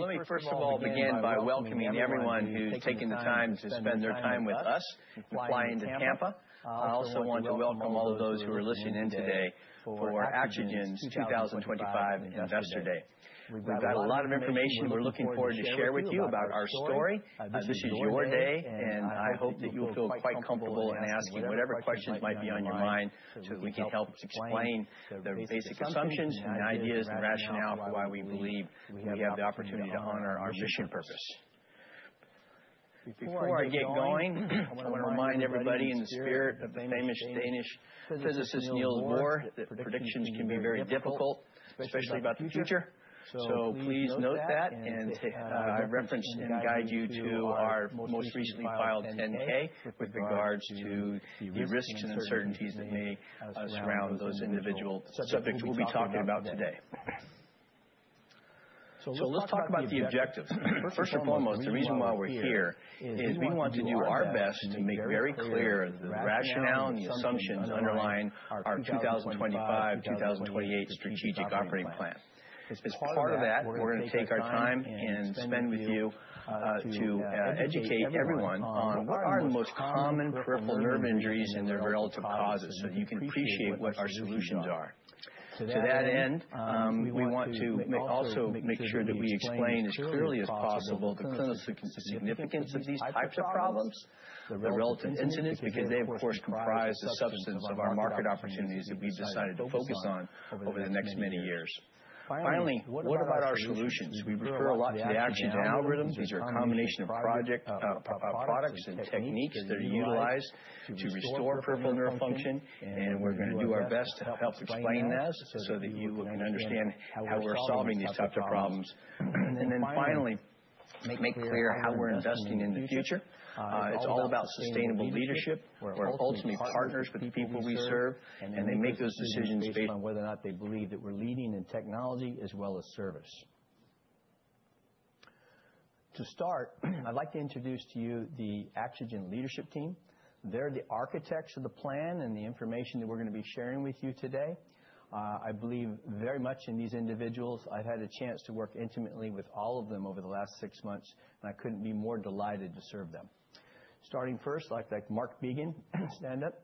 Let me first of all begin by welcoming everyone who's taken the time to spend their time with us, flying to Tampa. I also want to welcome all of those who are listening in today for AxoGen's 2025 Investor Day. We've got a lot of information we're looking forward to share with you about our story. This is your day, and I hope that you'll feel quite comfortable in asking whatever questions might be on your mind so that we can help explain the basic assumptions and ideas and rationale for why we believe we have the opportunity to honor our mission purpose. Before we get going, I want to remind everybody in the spirit of the famous Danish physicist Niels Bohr that predictions can be very difficult, especially about the future. Please note that, and I reference and guide you to our most recently filed 10-K with regards to the risks and uncertainties that may surround those individual subjects we'll be talking about today. Let's talk about the objectives. First and foremost, the reason why we're here is we want to do our best to make very clear the rationale and the assumptions underlying our 2025 to 2028 strategic operating plan. As part of that, we're going to take our time and spend with you to educate everyone on what are the most common peripheral nerve injuries and their relative causes so that you can appreciate what our solutions are. To that end, we want to also make sure that we explain as clearly as possible the clinical significance of these types of problems, the relative incidence, because they, of course, comprise the substance of our market opportunities that we've decided to focus on over the next many years. Finally, what about our solutions? We refer a lot to the AxoGen algorithms. These are a combination of products and techniques that are utilized to restore peripheral nerve function, and we're going to do our best to help explain this so that you can understand how we're solving these types of problems. Finally, make clear how we're investing in the future. It's all about sustainable leadership. We're ultimately partners with the people we serve, and they make those decisions based on whether or not they believe that we're leading in technology as well as service. To start, I'd like to introduce to you the AxoGen leadership team. They're the architects of the plan and the information that we're going to be sharing with you today. I believe very much in these individuals. I've had a chance to work intimately with all of them over the last six months, and I couldn't be more delighted to serve them. Starting first, I'd like Marc Began. Stand up.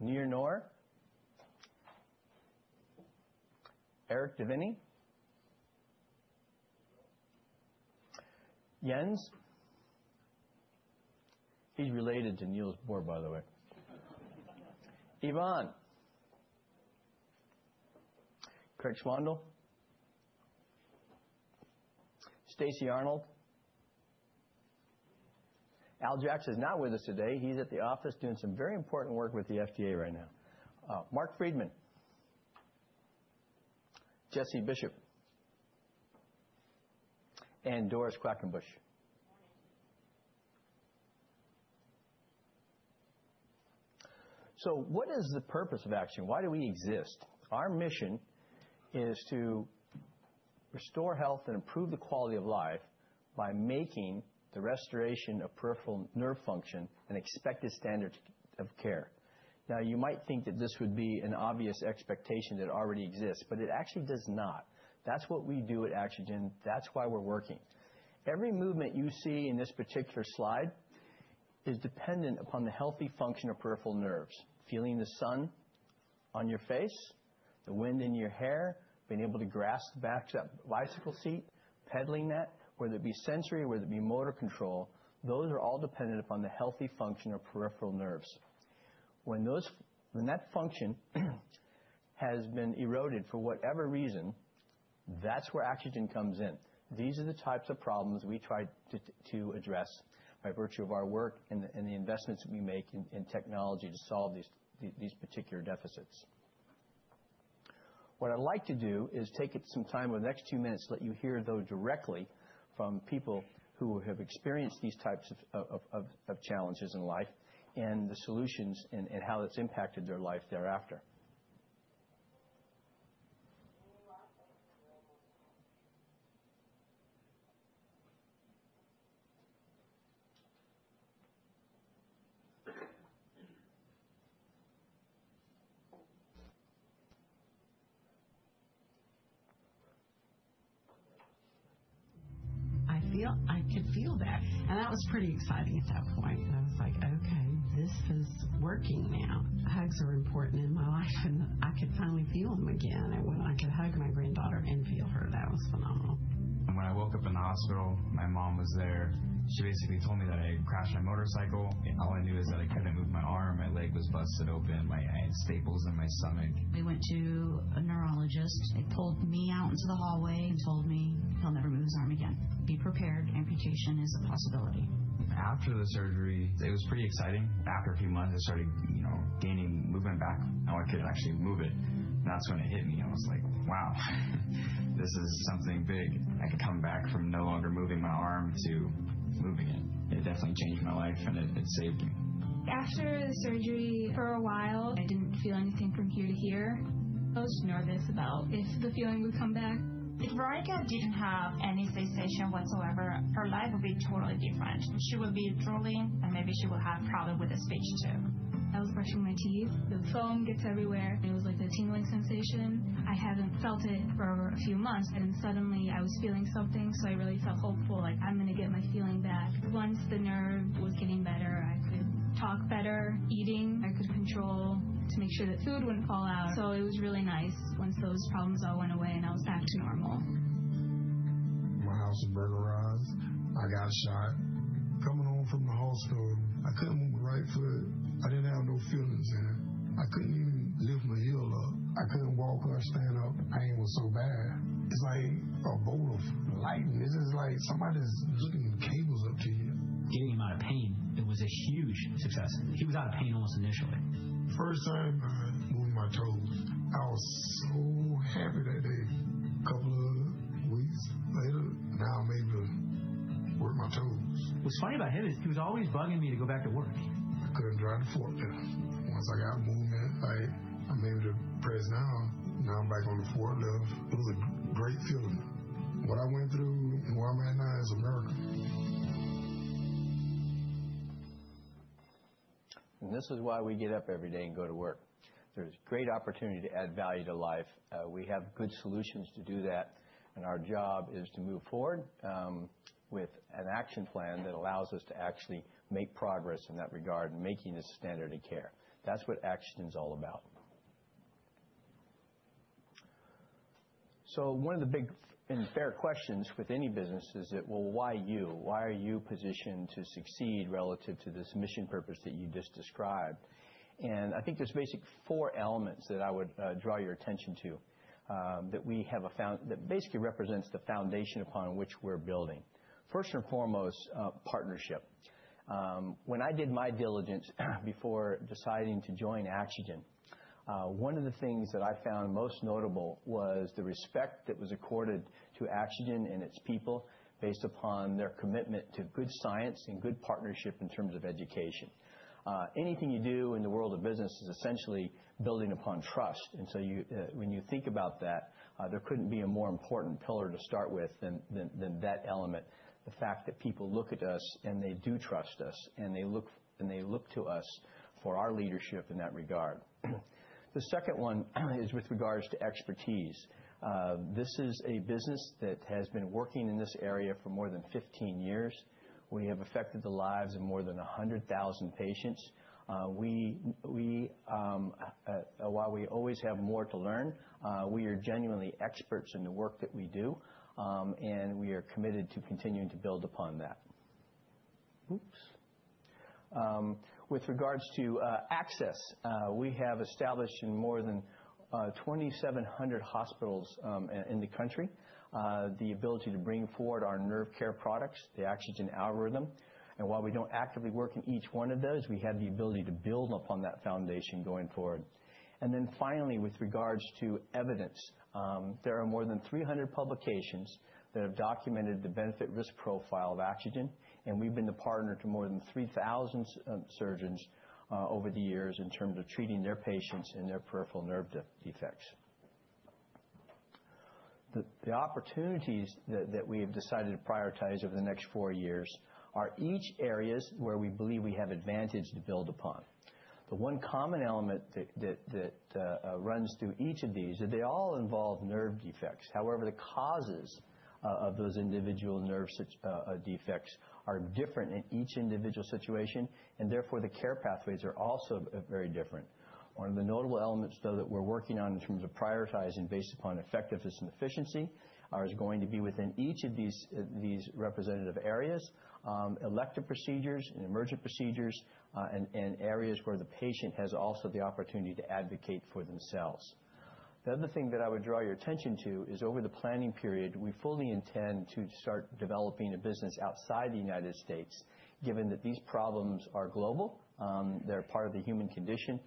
Nir Naor, Erick DeVinney, Jens. He's related to Niels Bohr, by the way. Yvonne. Craig Swandal, Stacy Arnold, Al Jackson is not with us today. He's at the office doing some very important work with the FDA right now. Mark Friedman, Jesse Bishop and Doris Quackenbuss. What is the purpose of action? Why do we exist? Our mission is to restore health and improve the quality of life by making the restoration of peripheral nerve function an expected standard of care. Now, you might think that this would be an obvious expectation that already exists, but it actually does not. That's what we do at AxoGen. That's why we're working. Every movement you see in this particular slide is dependent upon the healthy function of peripheral nerves. Feeling the sun on your face, the wind in your hair, being able to grasp the bicycle seat, pedaling that, whether it be sensory or whether it be motor control, those are all dependent upon the healthy function of peripheral nerves. When that function has been eroded for whatever reason, that's where AxoGen comes in. These are the types of problems we try to address by virtue of our work and the investments we make in technology to solve these particular deficits. What I'd like to do is take some time over the next few minutes to let you hear though directly from people who have experienced these types of challenges in life and the solutions and how that's impacted their life thereafter. I could feel that. That was pretty exciting at that point. I was like, "Okay, this is working now." Hugs are important in my life, and I could finally feel them again. I could hug my granddaughter and feel her. That was phenomenal. When I woke up in the hospital, my mom was there. She basically told me that I had crashed my motorcycle. All I knew is that I couldn't move my arm. My leg was busted open. I had staples in my stomach. We went to a neurologist. They pulled me out into the hallway and told me he'll never move his arm again. Be prepared. Amputation is a possibility. After the surgery, it was pretty exciting. After a few months, I started gaining movement back. I could not actually move it. That is when it hit me. I was like, "Wow, this is something big. I could come back from no longer moving my arm to moving it." It definitely changed my life, and it saved me. After the surgery, for a while, I did not feel anything from here to here. I was nervous about if the feeling would come back. If Veronica didn't have any sensation whatsoever, her life would be totally different. She would be drooling, and maybe she would have problems with the speech too. I was brushing my teeth. The foam gets everywhere. It was like a tingling sensation. I hadn't felt it for a few months, and suddenly I was feeling something. I really felt hopeful, like I'm going to get my feeling back. Once the nerve was getting better, I could talk better. Eating, I could control to make sure that food wouldn't fall out. It was really nice once those problems all went away and I was back to normal. My house was burned around. I got a shot. Coming home from the hospital, I could not move my right foot. I did not have no feelings there. I could not even lift my heel up. I could not walk or stand up. The pain was so bad. It is like a bolt of lightning. It is just like somebody is hooking cables up to you. Getting him out of pain, it was a huge success. He was out of pain almost initially. The first time I moved my toes, I was so happy that day. A couple of weeks later, now I'm able to work my toes. What's funny about him is he was always bugging me to go back to work. I couldn't drive the forklift. Once I got movement, I'm able to press down. Now I'm back on the forklift. It was a great feeling. What I went through, where I'm at now is America. This is why we get up every day and go to work. There's great opportunity to add value to life. We have good solutions to do that. Our job is to move forward with an action plan that allows us to actually make progress in that regard, making this a standard of care. That is what action is all about. One of the big and fair questions with any business is that, well, why you? Why are you positioned to succeed relative to this mission purpose that you just described? I think there are basically four elements that I would draw your attention to that we have found that basically represents the foundation upon which we're building. First and foremost, partnership. When I did my diligence before deciding to join AxoGen, one of the things that I found most notable was the respect that was accorded to AxoGen and its people based upon their commitment to good science and good partnership in terms of education. Anything you do in the world of business is essentially building upon trust. When you think about that, there could not be a more important pillar to start with than that element, the fact that people look at us and they do trust us and they look to us for our leadership in that regard. The second one is with regards to expertise. This is a business that has been working in this area for more than 15 years. We have affected the lives of more than 100,000 patients. While we always have more to learn, we are genuinely experts in the work that we do, and we are committed to continuing to build upon that. With regards to access, we have established in more than 2,700 hospitals in the country the ability to bring forward our nerve care products, the AxoGen algorithm. While we do not actively work in each one of those, we have the ability to build upon that foundation going forward. Finally, with regards to evidence, there are more than 300 publications that have documented the benefit-risk profile of AxoGen, and we have been the partner to more than 3,000 surgeons over the years in terms of treating their patients and their peripheral nerve defects. The opportunities that we have decided to prioritize over the next four years are each areas where we believe we have advantage to build upon. The one common element that runs through each of these is that they all involve nerve defects. However, the causes of those individual nerve defects are different in each individual situation, and therefore the care pathways are also very different. One of the notable elements, though, that we're working on in terms of prioritizing based upon effectiveness and efficiency is going to be within each of these representative areas, elective procedures, and emergent procedures, and areas where the patient has also the opportunity to advocate for themselves. The other thing that I would draw your attention to is over the planning period, we fully intend to start developing a business outside the U.S., given that these problems are global. They're part of the human condition,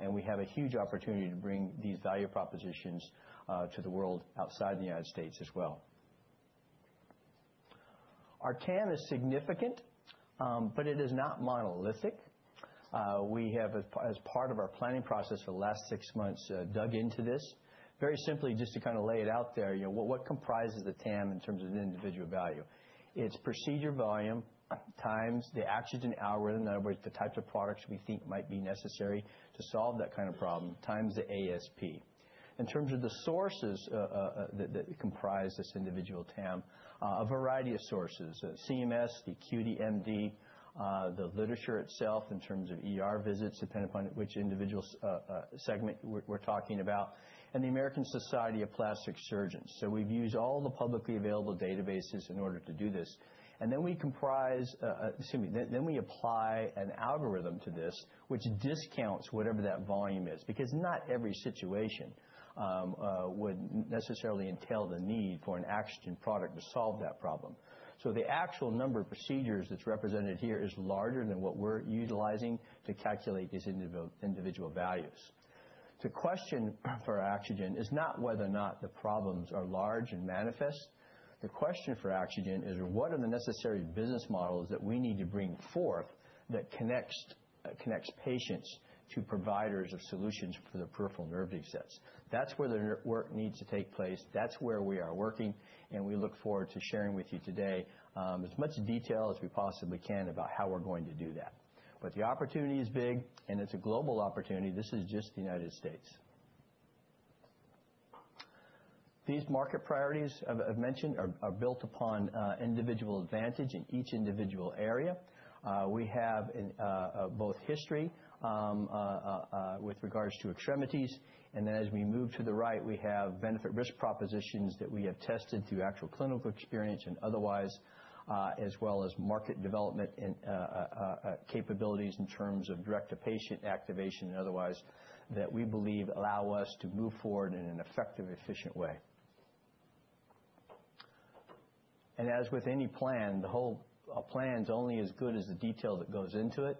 and we have a huge opportunity to bring these value propositions to the world outside the U.S. as well. Our TAM is significant, but it is not monolithic. We have, as part of our planning process for the last six months, dug into this. Very simply, just to kind of lay it out there, what comprises the TAM in terms of individual value? It's procedure volume times the AxoGen algorithm, in other words, the types of products we think might be necessary to solve that kind of problem, times the ASP. In terms of the sources that comprise this individual TAM, a variety of sources, CMS, QDMD, the literature itself in terms of visits, depending upon which individual segment we're talking about, and the American Society of Plastic Surgeons. We have used all the publicly available databases in order to do this. Then we apply an algorithm to this, which discounts whatever that volume is, because not every situation would necessarily entail the need for an AxoGen product to solve that problem. So the actual number of procedures that's represented here is larger than what we're utilizing to calculate these individual values. The question for AxoGen is not whether or not the problems are large and manifest. The question for AxoGen is, what are the necessary business models that we need to bring forth that connects patients to providers of solutions for the peripheral nerve defects? That's where the work needs to take place. That's where we are working, and we look forward to sharing with you today as much detail as we possibly can about how we're going to do that. The opportunity is big, and it's a global opportunity. This is just the United States. These market priorities I've mentioned are built upon individual advantage in each individual area. We have both history with regards to extremities, and then as we move to the right, we have benefit-risk propositions that we have tested through actual clinical experience and otherwise, as well as market development capabilities in terms of direct-to-patient activation and otherwise that we believe allow us to move forward in an effective, efficient way. As with any plan, the whole plan's only as good as the detail that goes into it.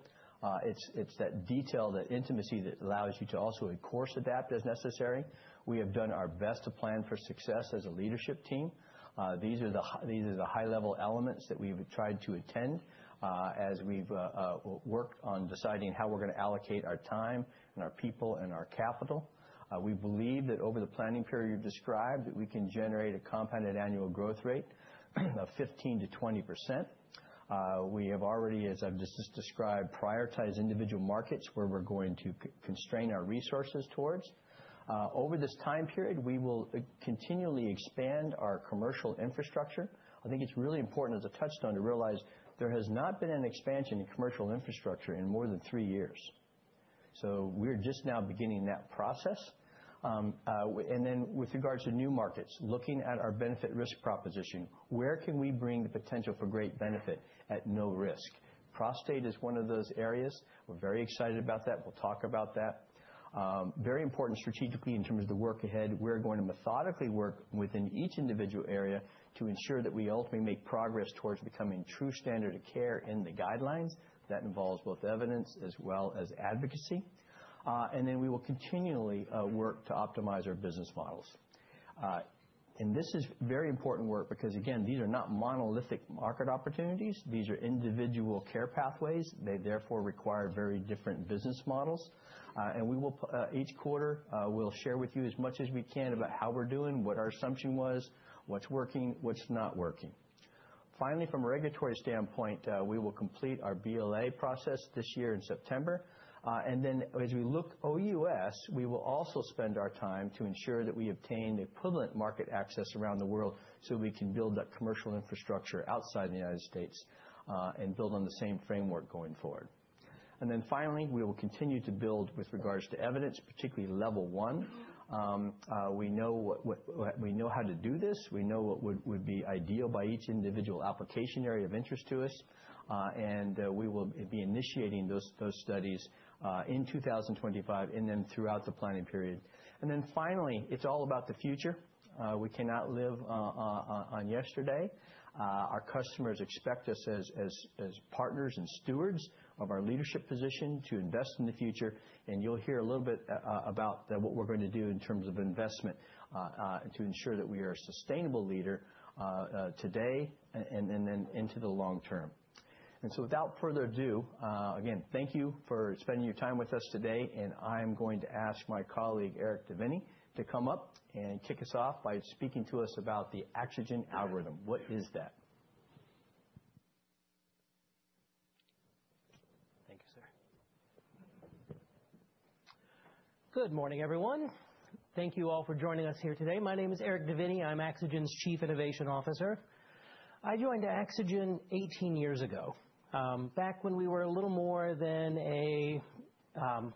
It's that detail, that intimacy that allows you to also course adapt as necessary. We have done our best to plan for success as a leadership team. These are the high-level elements that we've tried to attend as we've worked on deciding how we're going to allocate our time and our people and our capital. We believe that over the planning period you've described, that we can generate a compounded annual growth rate of 15% to 20%. We have already, as I've just described, prioritized individual markets where we're going to constrain our resources towards. Over this time period, we will continually expand our commercial infrastructure. I think it's really important as a touchstone to realize there has not been an expansion in commercial infrastructure in more than three years. We're just now beginning that process. With regards to new markets, looking at our benefit-risk proposition, where can we bring the potential for great benefit at no risk? Prostate is one of those areas. We're very excited about that. We'll talk about that. Very important strategically in terms of the work ahead. We're going to methodically work within each individual area to ensure that we ultimately make progress towards becoming true standard of care in the guidelines. That involves both evidence as well as advocacy. We will continually work to optimize our business models. This is very important work because, again, these are not monolithic market opportunities. These are individual care pathways. They therefore require very different business models. Each quarter, we'll share with you as much as we can about how we're doing, what our assumption was, what's working, what's not working. Finally, from a regulatory standpoint, we will complete our BLA process this year in September. As we look OUS, we will also spend our time to ensure that we obtain equivalent market access around the world so we can build up commercial infrastructure outside the United States and build on the same framework going forward. Finally, we will continue to build with regards to evidence, particularly level one. We know how to do this. We know what would be ideal by each individual application area of interest to us. We will be initiating those studies in 2025 and then throughout the planning period. Finally, it's all about the future. We cannot live on yesterday. Our customers expect us as partners and stewards of our leadership position to invest in the future. You will hear a little bit about what we are going to do in terms of investment to ensure that we are a sustainable leader today and then into the long term. Without further ado, again, thank you for spending your time with us today. I am going to ask my colleague, Eric DeVinney, to come up and kick us off by speaking to us about the AxoGen algorithm. What is that? Thank you, sir. Good morning, everyone. Thank you all for joining us here today. My name is Eric DeVinney. I'm AxoGen's Chief Innovation Officer. I joined AxoGen 18 years ago, back when we were a little more than a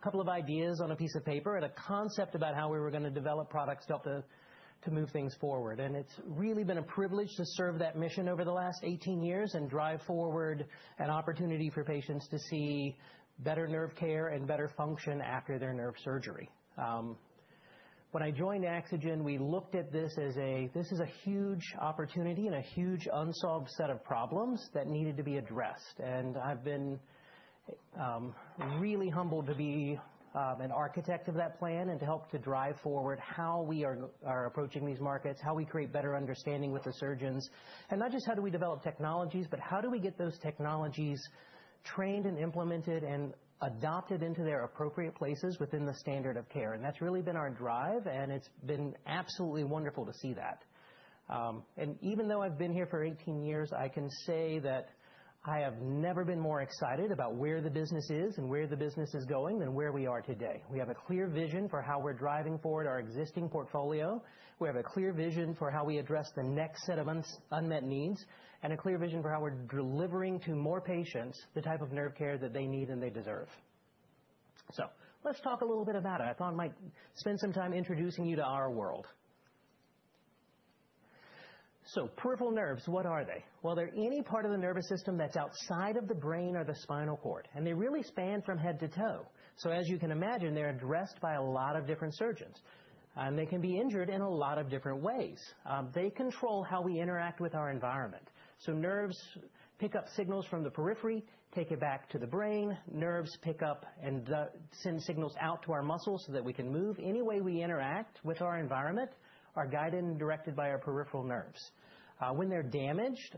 couple of ideas on a piece of paper and a concept about how we were going to develop products to help to move things forward. It has really been a privilege to serve that mission over the last 18 years and drive forward an opportunity for patients to see better nerve care and better function after their nerve surgery. When I joined AxoGen, we looked at this as a—this is a huge opportunity and a huge unsolved set of problems that needed to be addressed. I have been really humbled to be an architect of that plan and to help to drive forward how we are approaching these markets, how we create better understanding with the surgeons, and not just how do we develop technologies, but how do we get those technologies trained and implemented and adopted into their appropriate places within the standard of care. That has really been our drive, and it has been absolutely wonderful to see that. Even though I have been here for 18 years, I can say that I have never been more excited about where the business is and where the business is going than where we are today. We have a clear vision for how we are driving forward our existing portfolio. We have a clear vision for how we address the next set of unmet needs and a clear vision for how we're delivering to more patients the type of nerve care that they need and they deserve. Let's talk a little bit about it. I thought I might spend some time introducing you to our world. Peripheral nerves, what are they? They're any part of the nervous system that's outside of the brain or the spinal cord, and they really span from head to toe. As you can imagine, they're addressed by a lot of different surgeons, and they can be injured in a lot of different ways. They control how we interact with our environment. Nerves pick up signals from the periphery, take it back to the brain. Nerves pick up and send signals out to our muscles so that we can move. Any way we interact with our environment is guided and directed by our peripheral nerves. When they're damaged,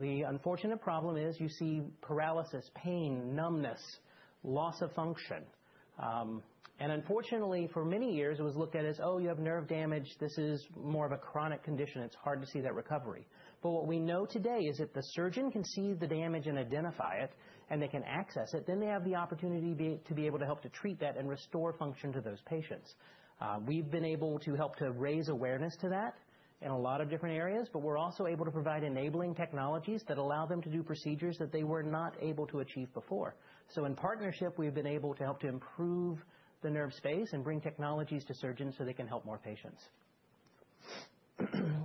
the unfortunate problem is you see paralysis, pain, numbness, loss of function. Unfortunately, for many years, it was looked at as, "Oh, you have nerve damage. This is more of a chronic condition. It's hard to see that recovery." What we know today is if the surgeon can see the damage and identify it, and they can access it, then they have the opportunity to be able to help to treat that and restore function to those patients. We've been able to help to raise awareness to that in a lot of different areas, but we're also able to provide enabling technologies that allow them to do procedures that they were not able to achieve before. In partnership, we've been able to help to improve the nerve space and bring technologies to surgeons so they can help more patients.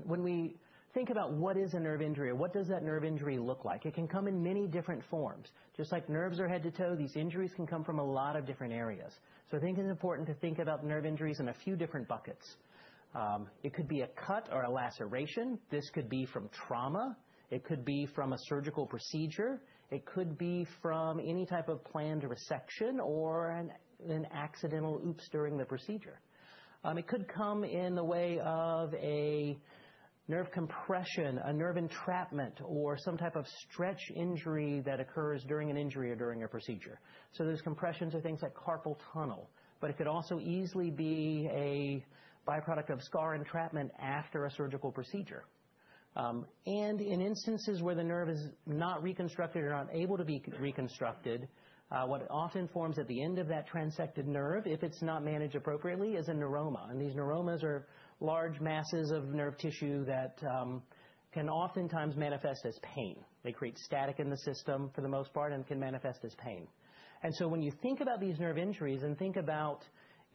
When we think about what is a nerve injury or what does that nerve injury look like, it can come in many different forms. Just like nerves are head to toe, these injuries can come from a lot of different areas. I think it's important to think about nerve injuries in a few different buckets. It could be a cut or a laceration. This could be from trauma. It could be from a surgical procedure. It could be from any type of planned resection or an accidental oops during the procedure. It could come in the way of a nerve compression, a nerve entrapment, or some type of stretch injury that occurs during an injury or during a procedure. Those compressions are things like carpal tunnel, but it could also easily be a byproduct of scar entrapment after a surgical procedure. In instances where the nerve is not reconstructed or not able to be reconstructed, what often forms at the end of that transected nerve, if it's not managed appropriately, is a neuroma. These neuromas are large masses of nerve tissue that can oftentimes manifest as pain. They create static in the system for the most part and can manifest as pain. When you think about these nerve injuries and think about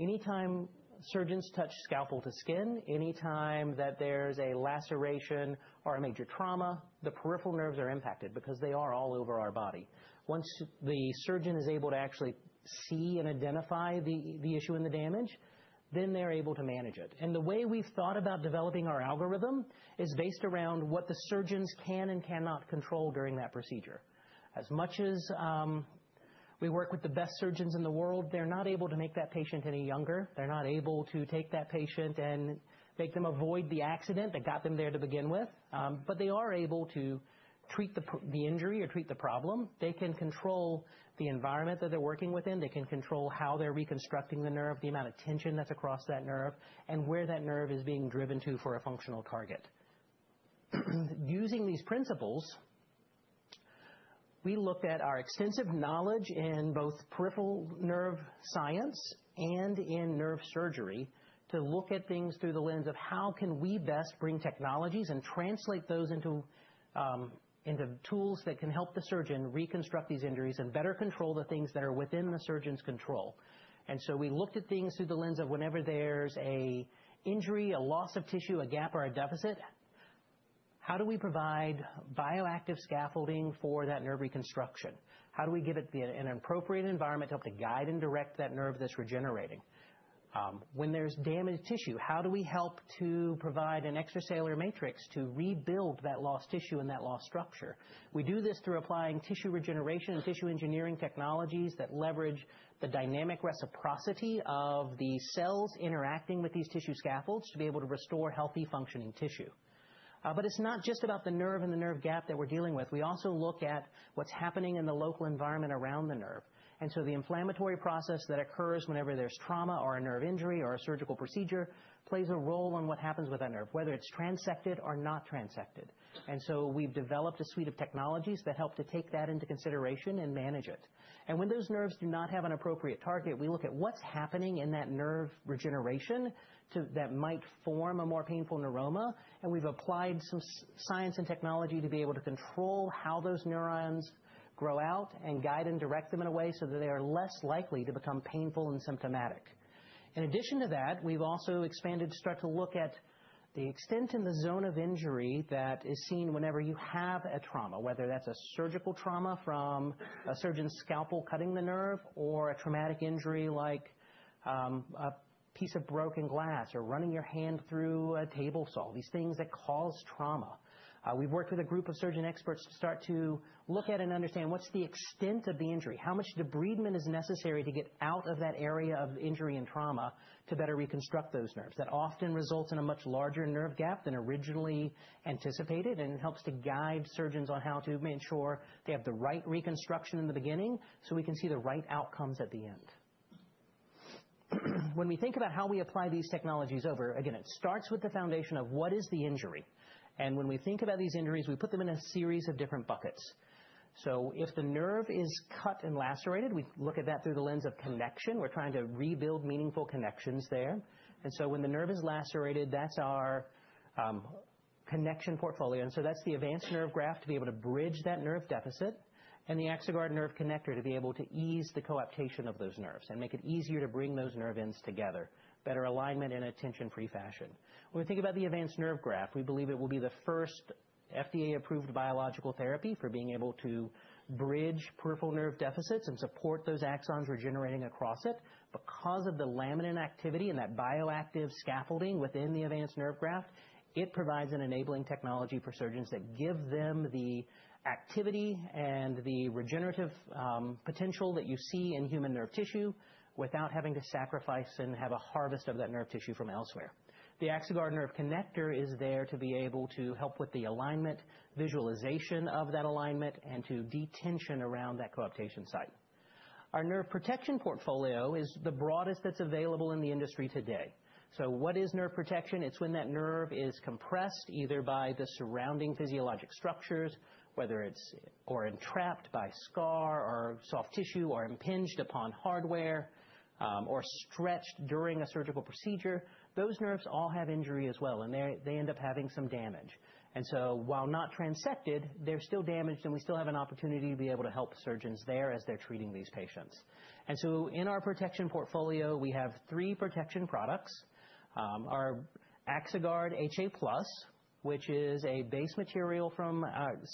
any time surgeons touch scalpel to skin, any time that there's a laceration or a major trauma, the peripheral nerves are impacted because they are all over our body. Once the surgeon is able to actually see and identify the issue and the damage, then they're able to manage it. The way we've thought about developing our algorithm is based around what the surgeons can and cannot control during that procedure. As much as we work with the best surgeons in the world, they're not able to make that patient any younger. They're not able to take that patient and make them avoid the accident that got them there to begin with. They are able to treat the injury or treat the problem. They can control the environment that they're working within. They can control how they're reconstructing the nerve, the amount of tension that's across that nerve, and where that nerve is being driven to for a functional target. Using these principles, we looked at our extensive knowledge in both peripheral nerve science and in nerve surgery to look at things through the lens of how can we best bring technologies and translate those into tools that can help the surgeon reconstruct these injuries and better control the things that are within the surgeon's control. We looked at things through the lens of whenever there's an injury, a loss of tissue, a gap, or a deficit, how do we provide bioactive scaffolding for that nerve reconstruction? How do we give it an appropriate environment to help to guide and direct that nerve that's regenerating? When there's damaged tissue, how do we help to provide an extracellular matrix to rebuild that lost tissue and that lost structure? We do this through applying tissue regeneration and tissue engineering technologies that leverage the dynamic reciprocity of the cells interacting with these tissue scaffolds to be able to restore healthy functioning tissue. It is not just about the nerve and the nerve gap that we're dealing with. We also look at what's happening in the local environment around the nerve. The inflammatory process that occurs whenever there's trauma or a nerve injury or a surgical procedure plays a role in what happens with that nerve, whether it's transected or not transected. We have developed a suite of technologies that help to take that into consideration and manage it. When those nerves do not have an appropriate target, we look at what's happening in that nerve regeneration that might form a more painful neuroma. We have applied some science and technology to be able to control how those neurons grow out and guide and direct them in a way so that they are less likely to become painful and symptomatic. In addition to that, we have also expanded to start to look at the extent in the zone of injury that is seen whenever you have a trauma, whether that is a surgical trauma from a surgeon's scalpel cutting the nerve or a traumatic injury like a piece of broken glass or running your hand through a table saw, these things that cause trauma. We've worked with a group of surgeon experts to start to look at and understand what's the extent of the injury, how much debridement is necessary to get out of that area of injury and trauma to better reconstruct those nerves. That often results in a much larger nerve gap than originally anticipated and helps to guide surgeons on how to make sure they have the right reconstruction in the beginning so we can see the right outcomes at the end. When we think about how we apply these technologies over, again, it starts with the foundation of what is the injury. When we think about these injuries, we put them in a series of different buckets. If the nerve is cut and lacerated, we look at that through the lens of connection. We're trying to rebuild meaningful connections there. When the nerve is lacerated, that's our connection portfolio. That's the Avance Nerve Graft to be able to bridge that nerve deficit and the Axoguard Nerve Connector to be able to ease the coaptation of those nerves and make it easier to bring those nerve ends together, better alignment in a tension-free fashion. When we think about the Avance Nerve Graft, we believe it will be the first FDA-approved biological therapy for being able to bridge peripheral nerve deficits and support those axons regenerating across it. Because of the laminin activity and that bioactive scaffolding within the Avance Nerve Graft, it provides an enabling technology for surgeons that gives them the activity and the regenerative potential that you see in human nerve tissue without having to sacrifice and have a harvest of that nerve tissue from elsewhere. TheAxoguard Nerve Connector is there to be able to help with the alignment, visualization of that alignment, and to detension around that coaptation site. Our nerve protection portfolio is the broadest that's available in the industry today. What is nerve protection? It's when that nerve is compressed either by the surrounding physiologic structures, whether it's entrapped by scar or soft tissue or impinged upon hardware or stretched during a surgical procedure. Those nerves all have injury as well, and they end up having some damage. While not transected, they're still damaged, and we still have an opportunity to be able to help surgeons there as they're treating these patients. In our protection portfolio, we have three protection products. Our Axoguard HA+, which is a base material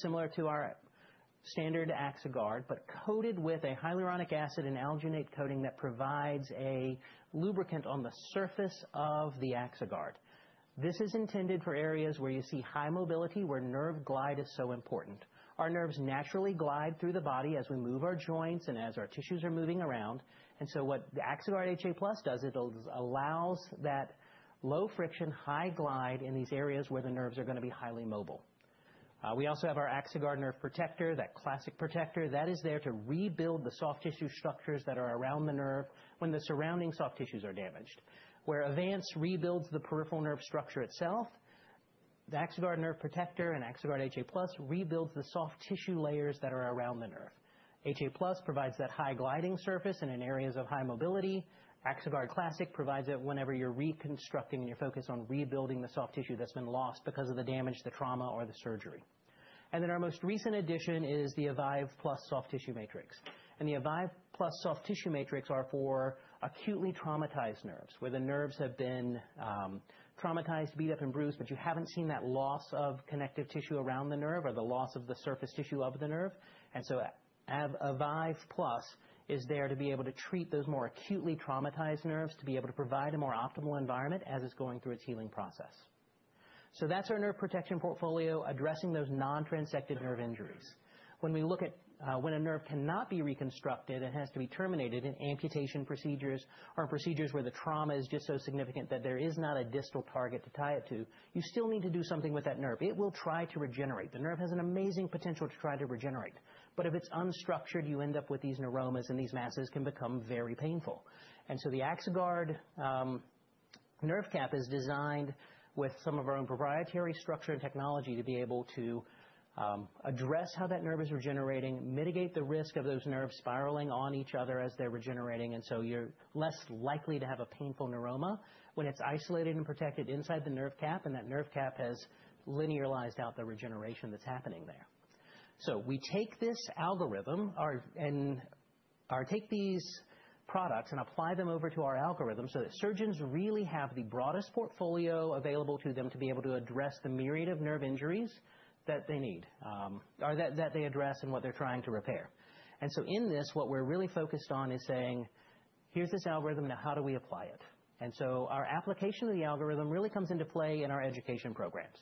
similar to our standard Axoguard, but coated with a hyaluronic acid and alginate coating that provides a lubricant on the surface of the Axoguard. This is intended for areas where you see high mobility, where nerve glide is so important. Our nerves naturally glide through the body as we move our joints and as our tissues are moving around. What the Axoguard HA+ does is it allows that low friction, high glide in these areas where the nerves are going to be highly mobile. We also have our Axoguard Nerve Protector, that classic protector that is there to rebuild the soft tissue structures that are around the nerve when the surrounding soft tissues are damaged. Where Advanced rebuilds the peripheral nerve structure itself, the Axoguard Nerve Protector and Axoguard HA+ rebuild the soft tissue layers that are around the nerve. HA+ provides that high gliding surface in areas of high mobility. Axoguard Classic provides it whenever you're reconstructing and you're focused on rebuilding the soft tissue that's been lost because of the damage, the trauma, or the surgery. Our most recent addition is the Avive+ Soft Tissue Matrix. The Avive+ Soft Tissue Matrix is for acutely traumatized nerves where the nerves have been traumatized, beat up, and bruised, but you haven't seen that loss of connective tissue around the nerve or the loss of the surface tissue of the nerve. Avive+ is there to be able to treat those more acutely traumatized nerves to be able to provide a more optimal environment as it's going through its healing process. That's our nerve protection portfolio addressing those non-transected nerve injuries. When we look at when a nerve cannot be reconstructed and has to be terminated in amputation procedures or procedures where the trauma is just so significant that there is not a distal target to tie it to, you still need to do something with that nerve. It will try to regenerate. The nerve has an amazing potential to try to regenerate. If it's unstructured, you end up with these neuromas, and these masses can become very painful. The Axoguard nerve cap is designed with some of our own proprietary structure and technology to be able to address how that nerve is regenerating, mitigate the risk of those nerves spiraling on each other as they're regenerating, and you're less likely to have a painful neuroma when it's isolated and protected inside the nerve cap, and that nerve cap has linearized out the regeneration that's happening there. We take this algorithm and take these products and apply them over to our algorithm so that surgeons really have the broadest portfolio available to them to be able to address the myriad of nerve injuries that they need or that they address and what they're trying to repair. In this, what we're really focused on is saying, "Here's this algorithm. Now, how do we apply it? Our application of the algorithm really comes into play in our education programs.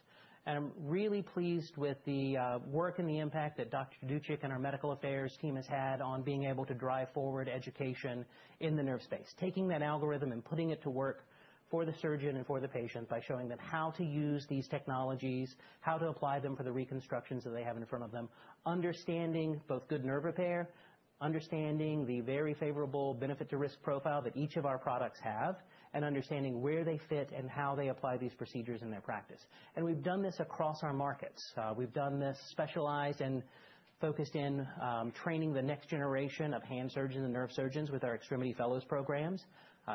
I'm really pleased with the work and the impact that Dr. Dutch and our medical affairs team has had on being able to drive forward education in the nerve space, taking that algorithm and putting it to work for the surgeon and for the patient by showing them how to use these technologies, how to apply them for the reconstructions that they have in front of them, understanding both good nerve repair, understanding the very favorable benefit-to-risk profile that each of our products have, and understanding where they fit and how they apply these procedures in their practice. We've done this across our markets. We've done this specialized and focused in training the next generation of hand surgeons and nerve surgeons with our Extremity Fellows programs,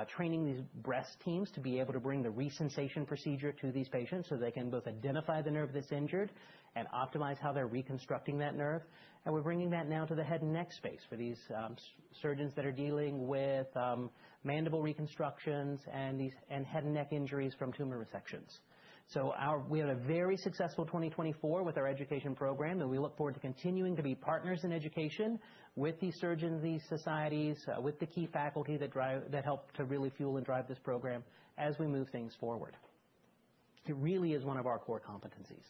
training these breast teams to be able to bring the re-sensation procedure to these patients so they can both identify the nerve that's injured and optimize how they're reconstructing that nerve. We're bringing that now to the head and neck space for these surgeons that are dealing with mandible reconstructions and head and neck injuries from tumor resections. We had a very successful 2024 with our education program, and we look forward to continuing to be partners in education with these surgeons, these societies, with the key faculty that help to really fuel and drive this program as we move things forward. It really is one of our core competencies.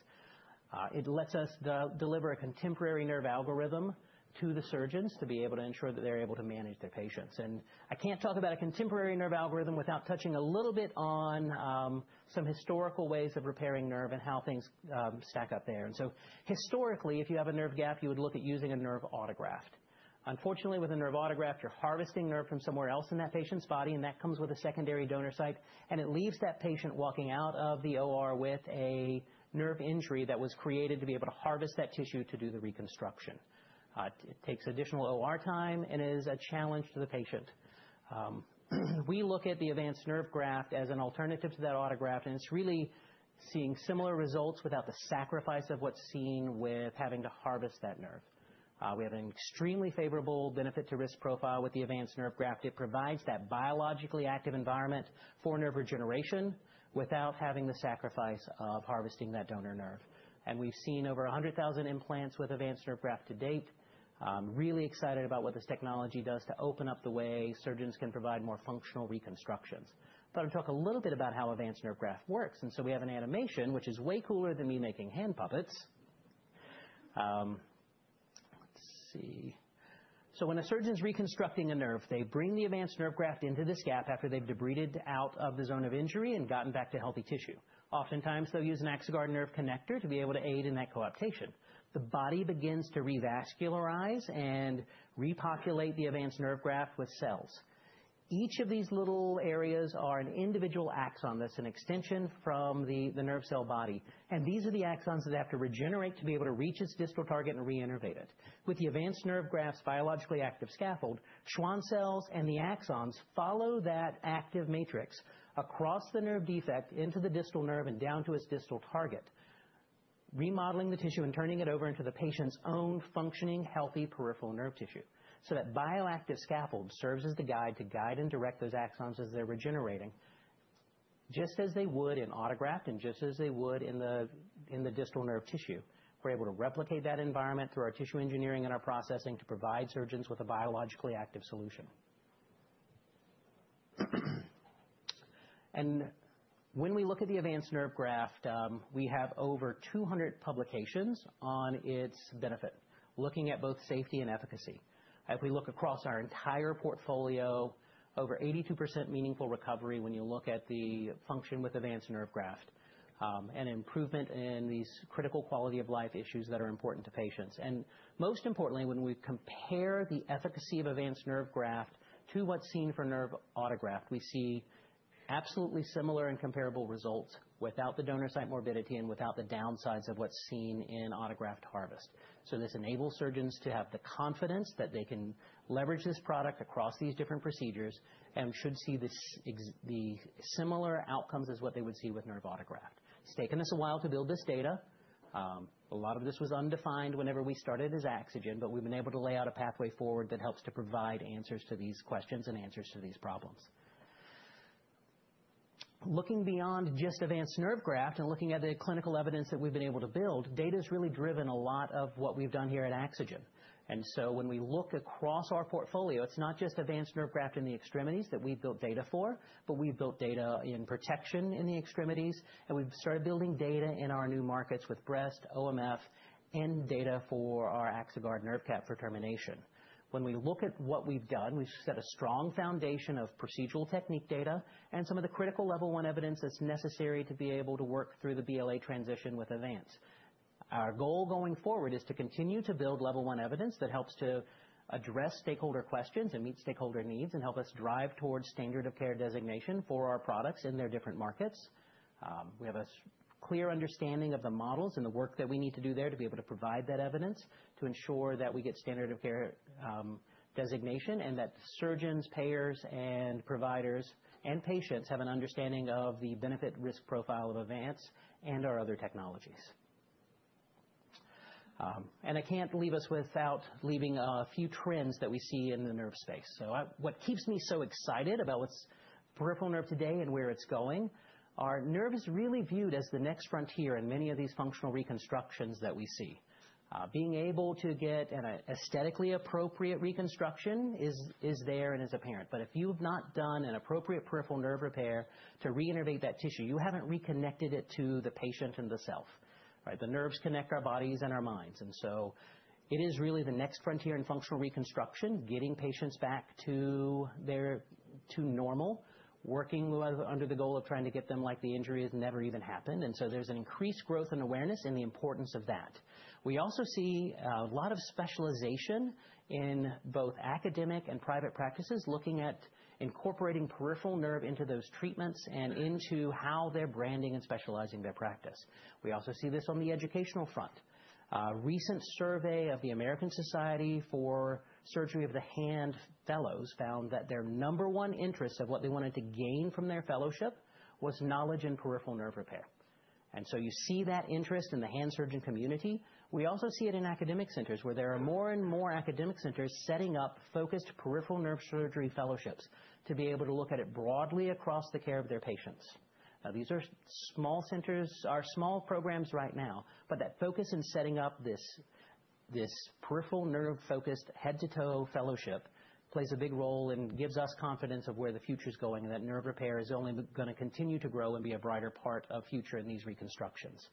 It lets us deliver a contemporary nerve algorithm to the surgeons to be able to ensure that they're able to manage their patients. I can't talk about a contemporary nerve algorithm without touching a little bit on some historical ways of repairing nerve and how things stack up there. Historically, if you have a nerve gap, you would look at using a nerve autograft. Unfortunately, with a nerve autograft, you're harvesting nerve from somewhere else in that patient's body, and that comes with a secondary donor site, and it leaves that patient walking out of the OR with a nerve injury that was created to be able to harvest that tissue to do the reconstruction. It takes additional OR time and is a challenge to the patient. We look at the Advanced Nerve Graft as an alternative to that autograft, and it's really seeing similar results without the sacrifice of what's seen with having to harvest that nerve. We have an extremely favorable benefit-to-risk profile with the Advanced Nerve Graft. It provides that biologically active environment for nerve regeneration without having the sacrifice of harvesting that donor nerve. We have seen over 100,000 implants with Advanced Nerve Graft to date. Really excited about what this technology does to open up the way surgeons can provide more functional reconstructions. I thought I'd talk a little bit about how Advanced Nerve Graft works. We have an animation, which is way cooler than me making hand puppets. Let's see. When a surgeon's reconstructing a nerve, they bring the Avance Nerve Graft into this gap after they've debrided out of the zone of injury and gotten back to healthy tissue. Oftentimes, they'll use an Axoguard Nerve Connector to be able to aid in that coaptation. The body begins to revascularize and repopulate the Avance Nerve Graft with cells. Each of these little areas are an individual axon that's an extension from the nerve cell body. These are the axons that have to regenerate to be able to reach its distal target and reinnervate it. With the Avance Nerve Graft's biologically active scaffold, Schwann cells and the axons follow that active matrix across the nerve defect into the distal nerve and down to its distal target, remodeling the tissue and turning it over into the patient's own functioning, healthy peripheral nerve tissue. That bioactive scaffold serves as the guide to guide and direct those axons as they're regenerating just as they would in autograft and just as they would in the distal nerve tissue. We're able to replicate that environment through our tissue engineering and our processing to provide surgeons with a biologically active solution. When we look at the Avance Nerve Graft, we have over 200 publications on its benefit, looking at both safety and efficacy. If we look across our entire portfolio, over 82% meaningful recovery when you look at the function with Avance Nerve Graft and improvement in these critical quality of life issues that are important to patients. Most importantly, when we compare the efficacy of Advanced Nerve Graft to what's seen for nerve autograft, we see absolutely similar and comparable results without the donor site morbidity and without the downsides of what's seen in autograft harvest. This enables surgeons to have the confidence that they can leverage this product across these different procedures and should see the similar outcomes as what they would see with nerve autograft. It's taken us a while to build this data. A lot of this was undefined whenever we started as AxoGen, but we've been able to lay out a pathway forward that helps to provide answers to these questions and answers to these problems. Looking beyond just Advanced Nerve Graft and looking at the clinical evidence that we've been able to build, data has really driven a lot of what we've done here at AxoGen. When we look across our portfolio, it's not just Avance Nerve Graft in the extremities that we've built data for, but we've built data in protection in the extremities, and we've started building data in our new markets with breast, OMF, and data for our Axoguard Nerve Cap for termination. When we look at what we've done, we've set a strong foundation of procedural technique data and some of the critical level one evidence that's necessary to be able to work through the BLA transition with Avance. Our goal going forward is to continue to build level one evidence that helps to address stakeholder questions and meet stakeholder needs and help us drive towards standard of care designation for our products in their different markets. We have a clear understanding of the models and the work that we need to do there to be able to provide that evidence to ensure that we get standard of care designation and that surgeons, payers, and providers, and patients have an understanding of the benefit-risk profile of Avance and our other technologies. I cannot leave us without leaving a few trends that we see in the nerve space. What keeps me so excited about what is peripheral nerve today and where it is going are nerves really viewed as the next frontier in many of these functional reconstructions that we see. Being able to get an aesthetically appropriate reconstruction is there and is apparent. If you have not done an appropriate peripheral nerve repair to reinnervate that tissue, you have not reconnected it to the patient and the self. The nerves connect our bodies and our minds. It is really the next frontier in functional reconstruction, getting patients back to normal, working under the goal of trying to get them like the injury has never even happened. There is an increased growth and awareness in the importance of that. We also see a lot of specialization in both academic and private practices looking at incorporating peripheral nerve into those treatments and into how they are branding and specializing their practice. We also see this on the educational front. A recent survey of the American Society for Surgery of the Hand Fellows found that their number one interest of what they wanted to gain from their fellowship was knowledge in peripheral nerve repair. You see that interest in the hand surgeon community. We also see it in academic centers where there are more and more academic centers setting up focused peripheral nerve surgery fellowships to be able to look at it broadly across the care of their patients. Now, these are small centers, are small programs right now, but that focus in setting up this peripheral nerve-focused head-to-toe fellowship plays a big role and gives us confidence of where the future is going and that nerve repair is only going to continue to grow and be a brighter part of the future in these reconstructions.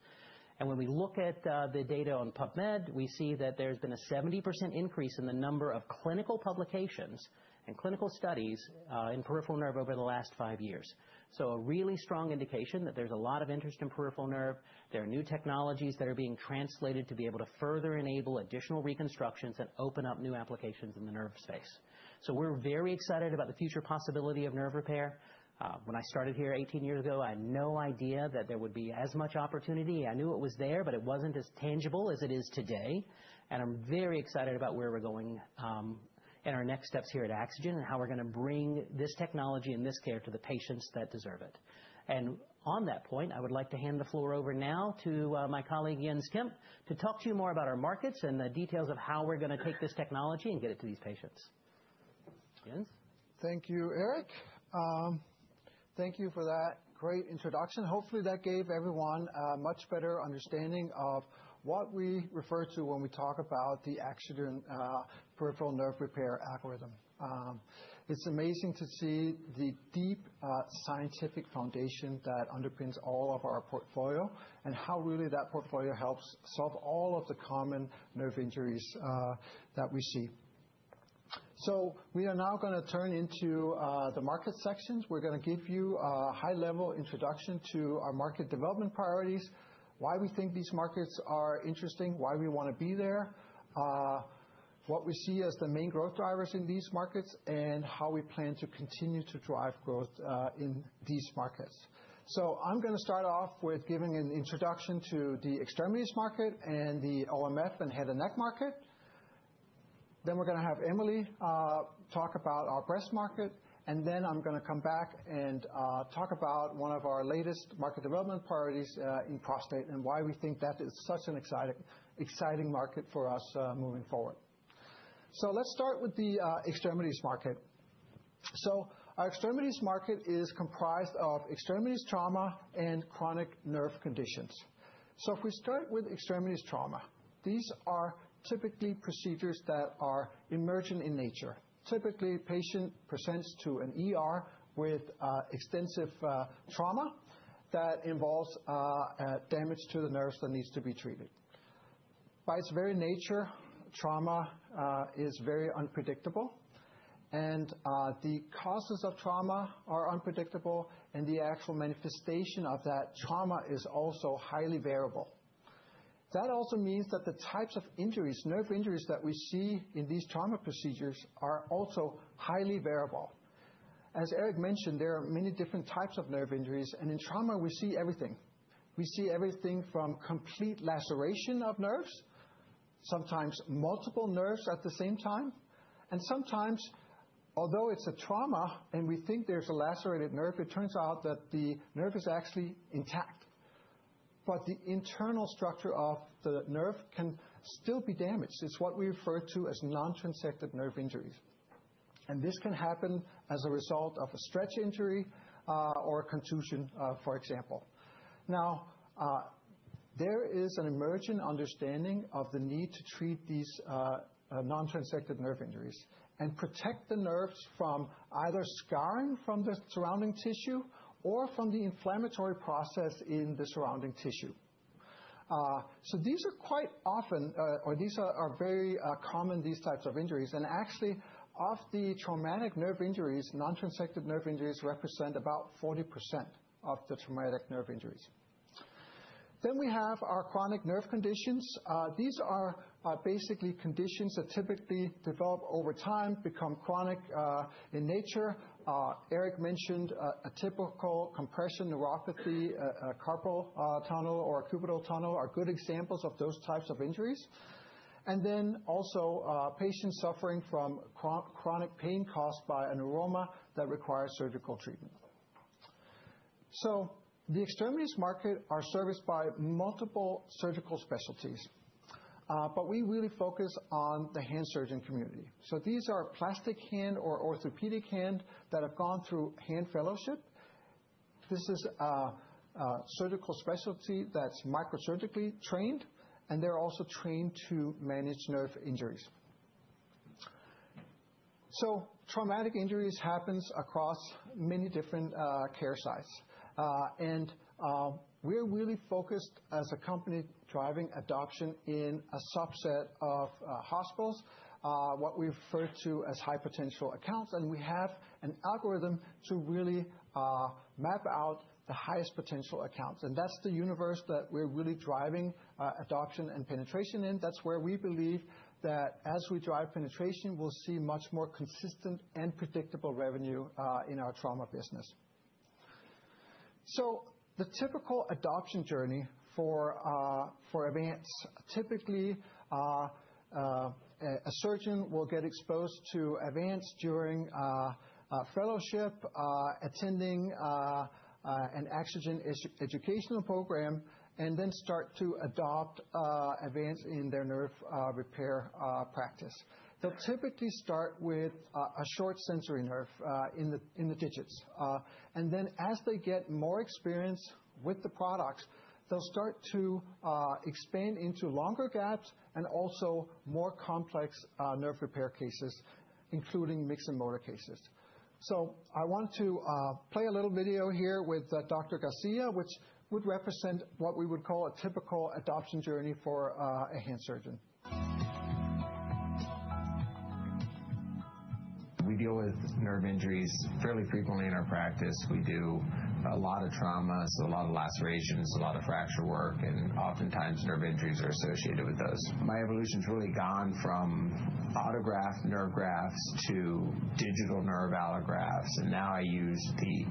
When we look at the data on PubMed, we see that there's been a 70% increase in the number of clinical publications and clinical studies in peripheral nerve over the last five years. A really strong indication that there's a lot of interest in peripheral nerve. There are new technologies that are being translated to be able to further enable additional reconstructions and open up new applications in the nerve space. We are very excited about the future possibility of nerve repair. When I started here 18 years ago, I had no idea that there would be as much opportunity. I knew it was there, but it was not as tangible as it is today. I am very excited about where we are going and our next steps here at AxoGen and how we are going to bring this technology and this care to the patients that deserve it. On that point, I would like to hand the floor over now to my colleague, Jens Kemp, to talk to you more about our markets and the details of how we are going to take this technology and get it to these patients. Jens? Thank you, Eric. Thank you for that great introduction. Hopefully, that gave everyone a much better understanding of what we refer to when we talk about the AxoGen peripheral nerve repair algorithm. It's amazing to see the deep scientific foundation that underpins all of our portfolio and how really that portfolio helps solve all of the common nerve injuries that we see. We are now going to turn into the market sections. We're going to give you a high-level introduction to our market development priorities, why we think these markets are interesting, why we want to be there, what we see as the main growth drivers in these markets, and how we plan to continue to drive growth in these markets. I'm going to start off with giving an introduction to the extremities market and the OMF and head and neck market. We're going to have Emily talk about our breast market, and then I'm going to come back and talk about one of our latest market development priorities in prostate and why we think that is such an exciting market for us moving forward. Let's start with the extremities market. Our extremities market is comprised of extremities trauma and chronic nerve conditions. If we start with extremities trauma, these are typically procedures that are emergent in nature. Typically, a patient presents to an with extensive trauma that involves damage to the nerves that needs to be treated. By its very nature, trauma is very unpredictable, and the causes of trauma are unpredictable, and the actual manifestation of that trauma is also highly variable. That also means that the types of injuries, nerve injuries that we see in these trauma procedures, are also highly variable. As Eric mentioned, there are many different types of nerve injuries, and in trauma, we see everything. We see everything from complete laceration of nerves, sometimes multiple nerves at the same time, and sometimes, although it's a trauma and we think there's a lacerated nerve, it turns out that the nerve is actually intact. The internal structure of the nerve can still be damaged. It's what we refer to as non-transected nerve injuries. This can happen as a result of a stretch injury or a contusion, for example. There is an emergent understanding of the need to treat these non-transected nerve injuries and protect the nerves from either scarring from the surrounding tissue or from the inflammatory process in the surrounding tissue. These are quite often, or these are very common, these types of injuries. Actually, of the traumatic nerve injuries, non-transected nerve injuries represent about 40% of the traumatic nerve injuries. We have our chronic nerve conditions. These are basically conditions that typically develop over time, become chronic in nature. Eric mentioned a typical compression neuropathy, carpal tunnel or cubital tunnel are good examples of those types of injuries. Also, patients suffering from chronic pain caused by a neuroma that requires surgical treatment. The extremities market are serviced by multiple surgical specialties, but we really focus on the hand surgeon community. These are plastic hand or orthopedic hand that have gone through hand fellowship. This is a surgical specialty that's microsurgically trained, and they're also trained to manage nerve injuries. Traumatic injuries happen across many different care sites. We are really focused as a company driving adoption in a subset of hospitals, what we refer to as high potential accounts. We have an algorithm to really map out the highest potential accounts. That is the universe that we are really driving adoption and penetration in. That is where we believe that as we drive penetration, we will see much more consistent and predictable revenue in our trauma business. The typical adoption journey for Advanced, typically a surgeon will get exposed to Advanced during fellowship, attending an AxoGen educational program, and then start to adopt Advanced in their nerve repair practice. They will typically start with a short sensory nerve in the digits. As they get more experience with the products, they will start to expand into longer gaps and also more complex nerve repair cases, including mixed and motor cases. I want to play a little video here with Dr. Garcia, which would represent what we would call a typical adoption journey for a hand surgeon. We deal with nerve injuries fairly frequently in our practice. We do a lot of trauma, so a lot of lacerations, a lot of fracture work, and oftentimes nerve injuries are associated with those. My evolution has really gone from autograft nerve grafts to digital nerve allografts, and now I use the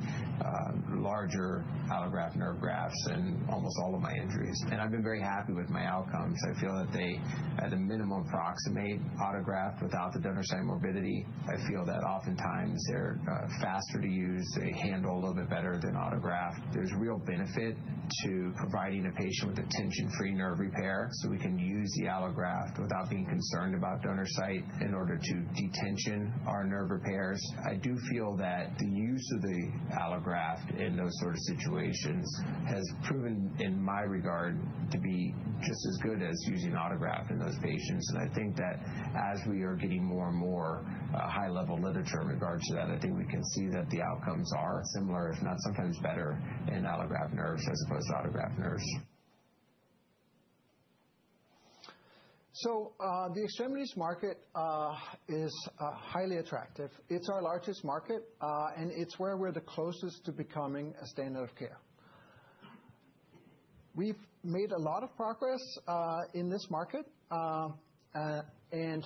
larger allograft nerve grafts in almost all of my injuries. I've been very happy with my outcomes. I feel that they, at a minimum, approximate autograft without the donor site morbidity. I feel that oftentimes they're faster to use. They handle a little bit better than autograft. There's real benefit to providing a patient with a tension-free nerve repair, so we can use the allograft without being concerned about donor site in order to detension our nerve repairs. I do feel that the use of the allograft in those sort of situations has proven, in my regard, to be just as good as using autograft in those patients. I think that as we are getting more and more high-level literature in regards to that, I think we can see that the outcomes are similar, if not sometimes better, in allograft nerves as opposed to autograft nerves. The extremities market is highly attractive. It's our largest market, and it's where we're the closest to becoming a standard of care. We've made a lot of progress in this market, and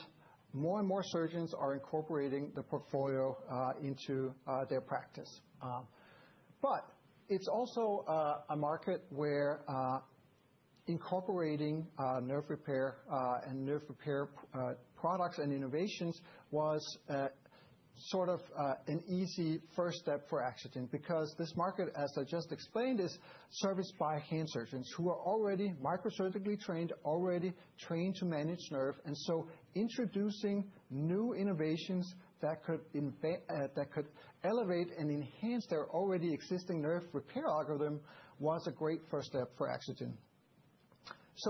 more and more surgeons are incorporating the portfolio into their practice. It's also a market where incorporating nerve repair and nerve repair products and innovations was sort of an easy first step for AxoGen because this market, as I just explained, is serviced by hand surgeons who are already microsurgically trained, already trained to manage nerve. Introducing new innovations that could elevate and enhance their already existing nerve repair algorithm was a great first step for AxoGen.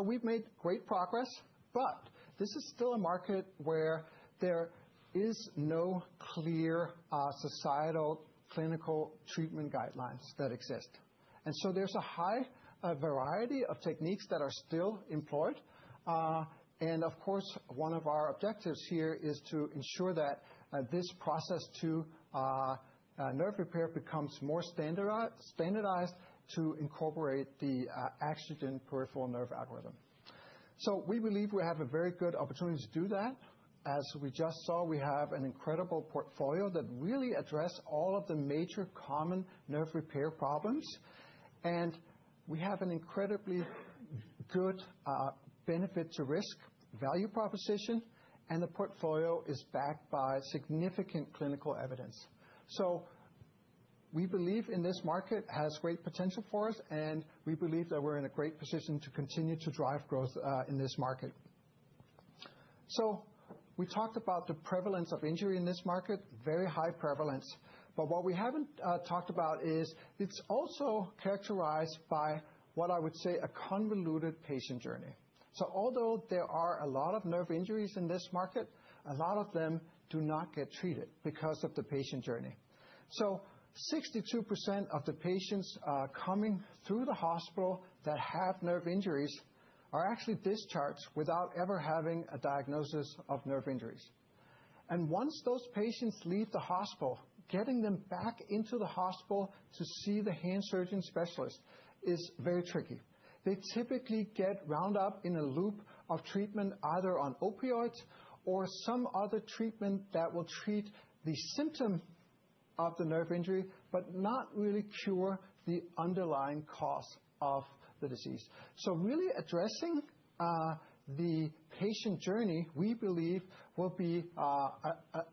We've made great progress, but this is still a market where there is no clear societal clinical treatment guidelines that exist. There's a high variety of techniques that are still employed. Of course, one of our objectives here is to ensure that this process to nerve repair becomes more standardized to incorporate the AxoGen peripheral nerve algorithm. We believe we have a very good opportunity to do that. As we just saw, we have an incredible portfolio that really addresses all of the major common nerve repair problems. We have an incredibly good benefit-to-risk value proposition, and the portfolio is backed by significant clinical evidence. We believe this market has great potential for us, and we believe that we're in a great position to continue to drive growth in this market. We talked about the prevalence of injury in this market, very high prevalence. What we haven't talked about is it's also characterized by what I would say a convoluted patient journey. Although there are a lot of nerve injuries in this market, a lot of them do not get treated because of the patient journey. 62% of the patients coming through the hospital that have nerve injuries are actually discharged without ever having a diagnosis of nerve injuries. Once those patients leave the hospital, getting them back into the hospital to see the hand surgeon specialist is very tricky. They typically get rounded up in a loop of treatment, either on opioids or some other treatment that will treat the symptom of the nerve injury, but not really cure the underlying cause of the disease. Really addressing the patient journey, we believe, will be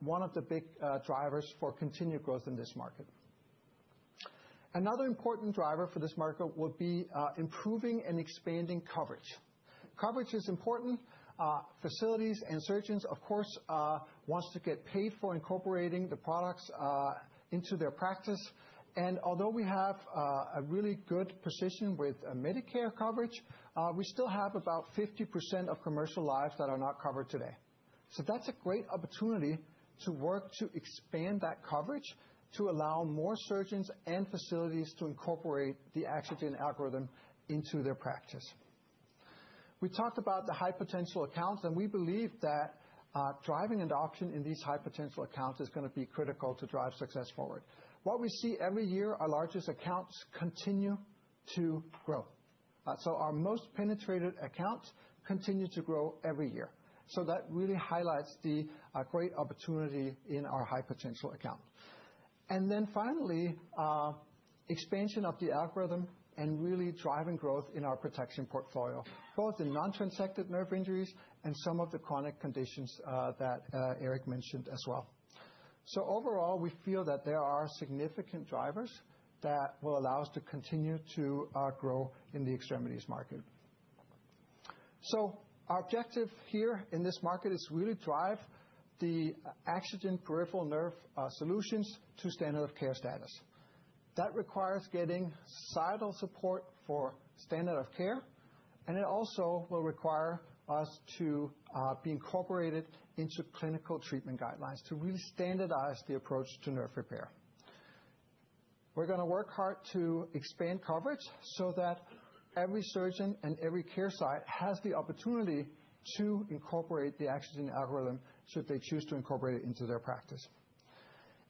one of the big drivers for continued growth in this market. Another important driver for this market would be improving and expanding coverage. Coverage is important. Facilities and surgeons, of course, want to get paid for incorporating the products into their practice. Although we have a really good position with Medicare coverage, we still have about 50% of commercial lives that are not covered today. That is a great opportunity to work to expand that coverage to allow more surgeons and facilities to incorporate the AxoGen algorithm into their practice. We talked about the high potential accounts, and we believe that driving adoption in these high potential accounts is going to be critical to drive success forward. What we see every year, our largest accounts continue to grow. Our most penetrated accounts continue to grow every year. That really highlights the great opportunity in our high potential account. Finally, expansion of the algorithm and really driving growth in our protection portfolio, both in non-transected nerve injuries and some of the chronic conditions that Eric mentioned as well. Overall, we feel that there are significant drivers that will allow us to continue to grow in the extremities market. Our objective here in this market is really to drive the AxoGen peripheral nerve solutions to standard of care status. That requires getting societal support for standard of care, and it also will require us to be incorporated into clinical treatment guidelines to really standardize the approach to nerve repair. We are going to work hard to expand coverage so that every surgeon and every care site has the opportunity to incorporate the AxoGen algorithm should they choose to incorporate it into their practice.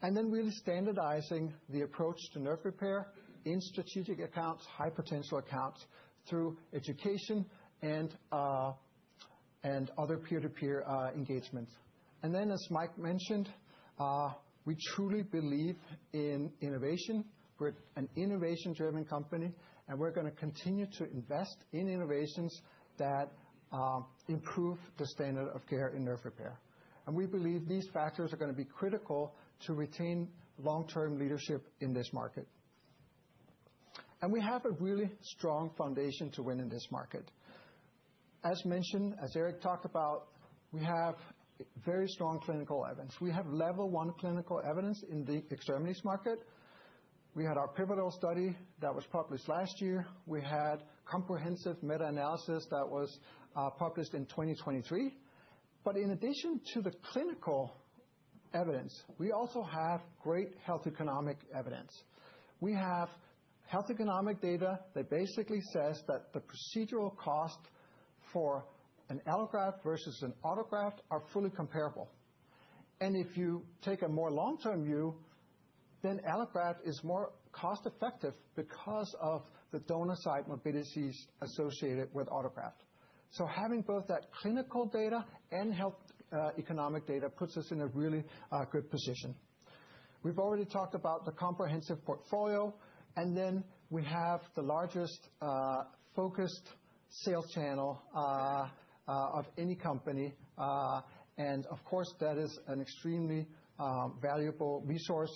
Really standardizing the approach to nerve repair in strategic accounts, high potential accounts, through education and other peer-to-peer engagements. As Mike mentioned, we truly believe in innovation. We're an innovation-driven company, and we're going to continue to invest in innovations that improve the standard of care in nerve repair. We believe these factors are going to be critical to retain long-term leadership in this market. We have a really strong foundation to win in this market. As mentioned, as Eric talked about, we have very strong clinical evidence. We have level one clinical evidence in the extremities market. We had our pivotal study that was published last year. We had comprehensive meta-analysis that was published in 2023. In addition to the clinical evidence, we also have great health economic evidence. We have health economic data that basically says that the procedural cost for an allograft versus an autograft are fully comparable. If you take a more long-term view, then allograft is more cost-effective because of the donor site morbidities associated with autograft. Having both that clinical data and health economic data puts us in a really good position. We've already talked about the comprehensive portfolio, and we have the largest focused sales channel of any company. That is an extremely valuable resource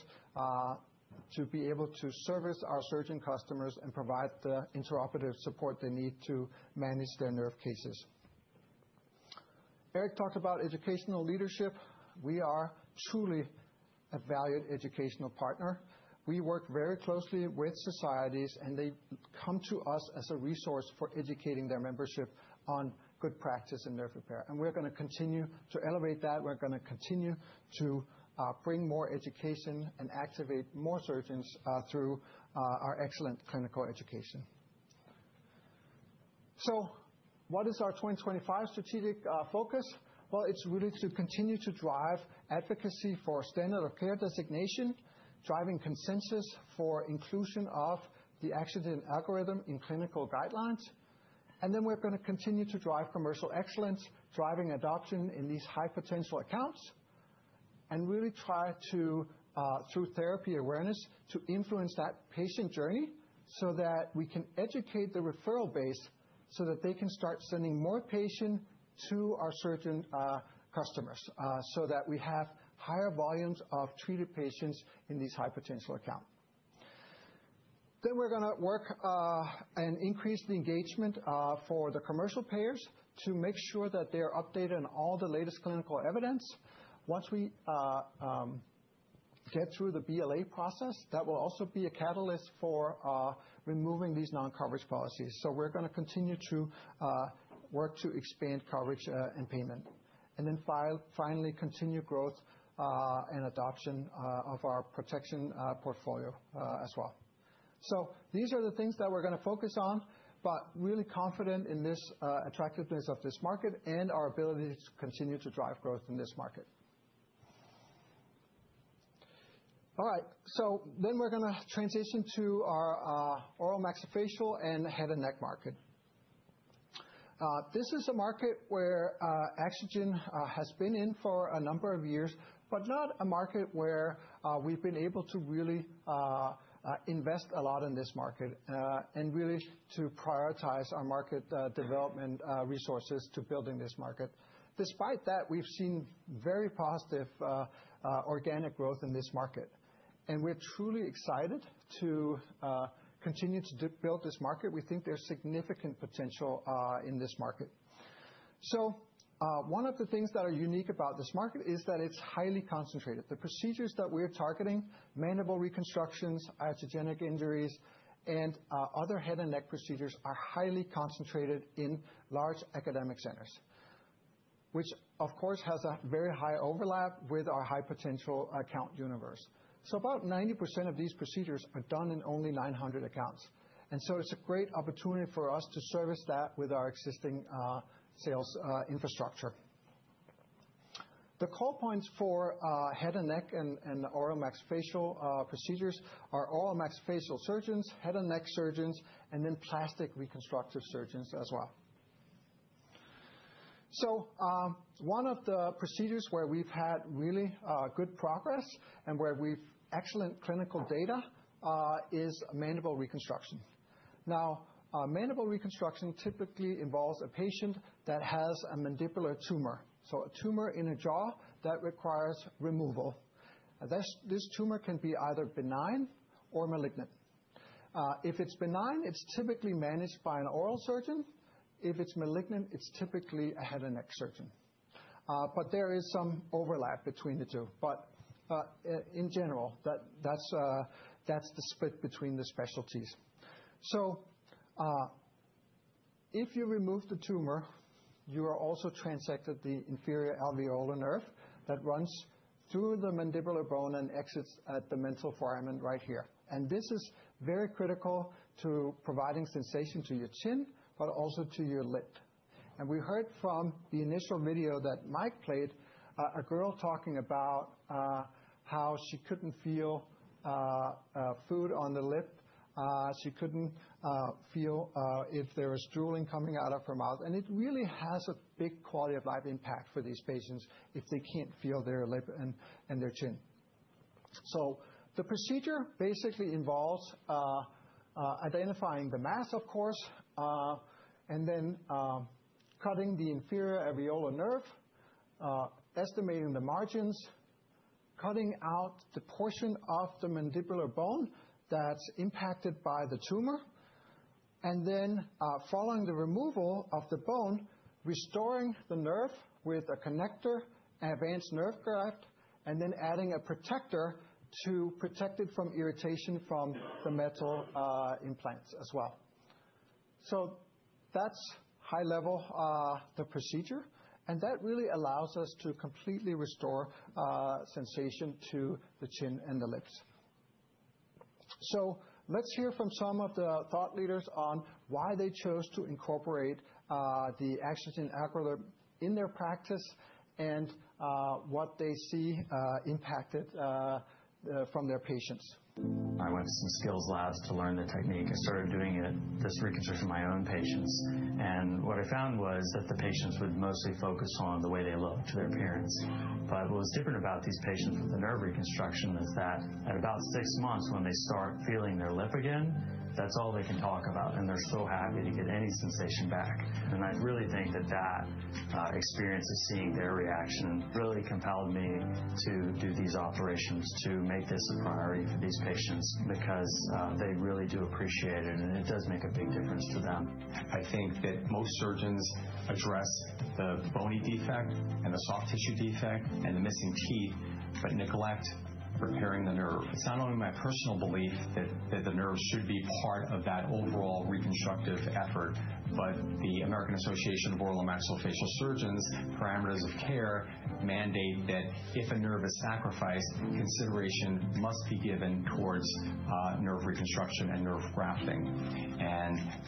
to be able to service our surgeon customers and provide the interoperative support they need to manage their nerve cases. Eric talked about educational leadership. We are truly a valued educational partner. We work very closely with societies, and they come to us as a resource for educating their membership on good practice in nerve repair. We are going to continue to elevate that. We are going to continue to bring more education and activate more surgeons through our excellent clinical education. What is our 2025 strategic focus? It is really to continue to drive advocacy for standard of care designation, driving consensus for inclusion of the AxoGen algorithm in clinical guidelines. We are going to continue to drive commercial excellence, driving adoption in these high potential accounts, and really try to, through therapy awareness, influence that patient journey so that we can educate the referral base so that they can start sending more patients to our surgeon customers so that we have higher volumes of treated patients in these high potential accounts. We are going to work and increase the engagement for the commercial payers to make sure that they are updated on all the latest clinical evidence. Once we get through the BLA process, that will also be a catalyst for removing these non-coverage policies. We're going to continue to work to expand coverage and payment, and finally continue growth and adoption of our protection portfolio as well. These are the things that we're going to focus on, really confident in this attractiveness of this market and our ability to continue to drive growth in this market. All right. We're going to transition to our oral maxillofacial and head and neck market. This is a market where AxoGen has been in for a number of years, but not a market where we've been able to really invest a lot in this market and really to prioritize our market development resources to building this market. Despite that, we've seen very positive organic growth in this market, and we're truly excited to continue to build this market. We think there's significant potential in this market. One of the things that are unique about this market is that it's highly concentrated. The procedures that we're targeting, mandible reconstructions, iatrogenic injuries, and other head and neck procedures, are highly concentrated in large academic centers, which, of course, has a very high overlap with our high potential account universe. About 90% of these procedures are done in only 900 accounts. It's a great opportunity for us to service that with our existing sales infrastructure. The call points for head and neck and oral maxillofacial procedures are oral maxillofacial surgeons, head and neck surgeons, and then plastic reconstructive surgeons as well. One of the procedures where we've had really good progress and where we've excellent clinical data is mandible reconstruction. Now, mandible reconstruction typically involves a patient that has a mandibular tumor, so a tumor in a jaw that requires removal. This tumor can be either benign or malignant. If it's benign, it's typically managed by an oral surgeon. If it's malignant, it's typically a head and neck surgeon. There is some overlap between the two. In general, that's the split between the specialties. If you remove the tumor, you are also transecting the inferior alveolar nerve that runs through the mandibular bone and exits at the mental foramen right here. This is very critical to providing sensation to your chin, but also to your lip. We heard from the initial video that Mike played, a girl talking about how she could not feel food on the lip. She could not feel if there was drooling coming out of her mouth. It really has a big quality of life impact for these patients if they cannot feel their lip and their chin. The procedure basically involves identifying the mass, of course, and then cutting the inferior alveolar nerve, estimating the margins, cutting out the portion of the mandibular bone that is impacted by the tumor, and then following the removal of the bone, restoring the nerve with a connector, Avance Nerve Graft, and then adding a protector to protect it from irritation from the metal implants as well. That is high level the procedure, and that really allows us to completely restore sensation to the chin and the lips. Let's hear from some of the thought leaders on why they chose to incorporate the AxoGen algorithm in their practice and what they see impacted from their patients. I went to some skills labs to learn the technique. I started doing this reconstruction on my own patients. What I found was that the patients would mostly focus on the way they looked, their appearance. What was different about these patients with the nerve reconstruction is that at about six months, when they start feeling their lip again, that's all they can talk about, and they're so happy to get any sensation back. I really think that that experience of seeing their reaction really compelled me to do these operations, to make this a priority for these patients because they really do appreciate it, and it does make a big difference to them. I think that most surgeons address the bony defect and the soft tissue defect and the missing teeth, but neglect repairing the nerve. It's not only my personal belief that the nerve should be part of that overall reconstructive effort, but the American Association of Oral and Maxillofacial Surgeons' parameters of care mandate that if a nerve is sacrificed, consideration must be given towards nerve reconstruction and nerve grafting.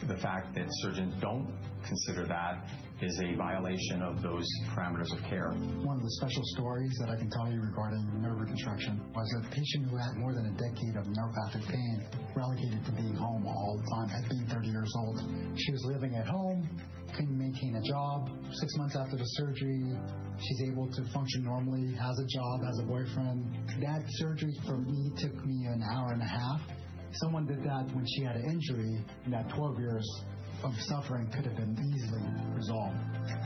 The fact that surgeons don't consider that is a violation of those parameters of care. One of the special stories that I can tell you regarding nerve reconstruction was a patient who had more than a decade of neuropathic pain, relegated to being home all the time, had been 30 years old. She was living at home, couldn't maintain a job. Six months after the surgery, she's able to function normally, has a job, has a boyfriend. That surgery for me took me an hour and a half. Someone did that when she had an injury, and that 12 years of suffering could have been easily resolved.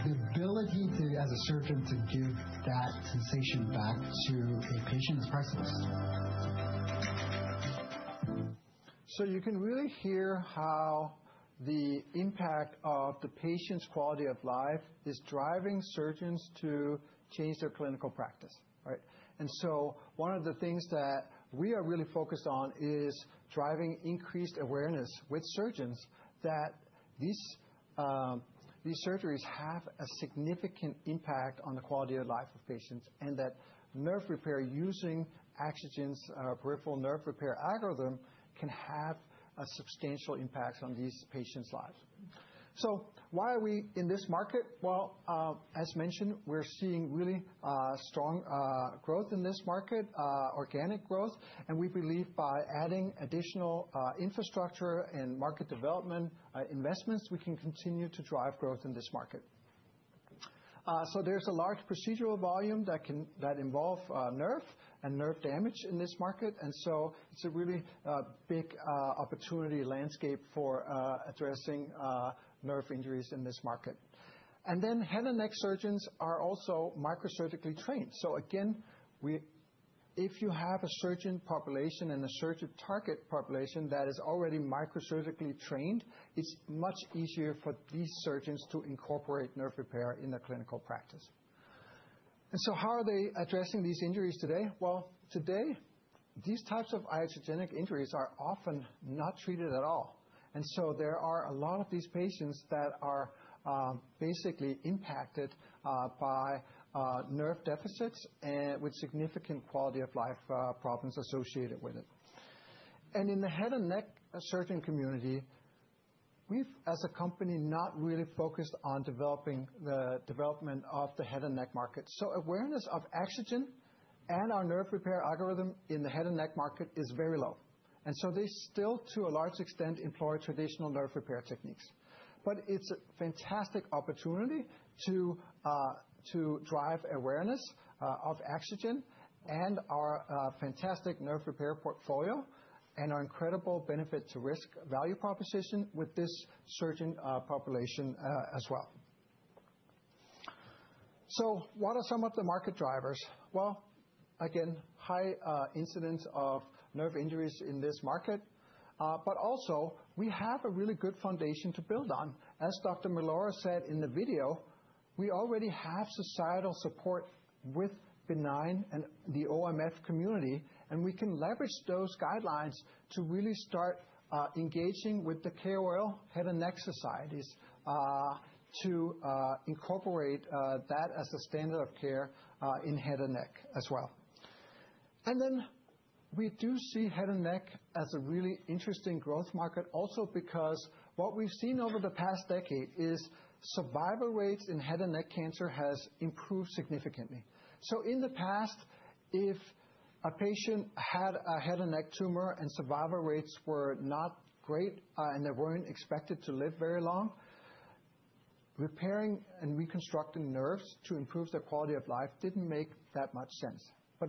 The ability to, as a surgeon, give that sensation back to a patient is priceless. You can really hear how the impact of the patient's quality of life is driving surgeons to change their clinical practice, right? One of the things that we are really focused on is driving increased awareness with surgeons that these surgeries have a significant impact on the quality of life of patients and that nerve repair using AxoGen's peripheral nerve repair algorithm can have a substantial impact on these patients' lives. Why are we in this market? As mentioned, we're seeing really strong growth in this market, organic growth, and we believe by adding additional infrastructure and market development investments, we can continue to drive growth in this market. There is a large procedural volume that involves nerve and nerve damage in this market, and it is a really big opportunity landscape for addressing nerve injuries in this market. Head and neck surgeons are also microsurgically trained. Again, if you have a surgeon population and a surgeon target population that is already microsurgically trained, it is much easier for these surgeons to incorporate nerve repair in their clinical practice. How are they addressing these injuries today? Today, these types of iatrogenic injuries are often not treated at all. There are a lot of these patients that are basically impacted by nerve deficits with significant quality of life problems associated with it. In the head and neck surgeon community, we've, as a company, not really focused on developing the development of the head and neck market. Awareness of AxoGen and our nerve repair algorithm in the head and neck market is very low. They still, to a large extent, employ traditional nerve repair techniques. It is a fantastic opportunity to drive awareness of AxoGen and our fantastic nerve repair portfolio and our incredible benefit-to-risk value proposition with this surgeon population as well. What are some of the market drivers? Again, high incidence of nerve injuries in this market. We have a really good foundation to build on. As Dr. Millora said in the video, we already have societal support with benign and the OMF community, and we can leverage those guidelines to really start engaging with the KOL head and neck societies to incorporate that as a standard of care in head and neck as well. We do see head and neck as a really interesting growth market also because what we've seen over the past decade is survival rates in head and neck cancer have improved significantly. In the past, if a patient had a head and neck tumor and survival rates were not great and they weren't expected to live very long, repairing and reconstructing nerves to improve their quality of life didn't make that much sense.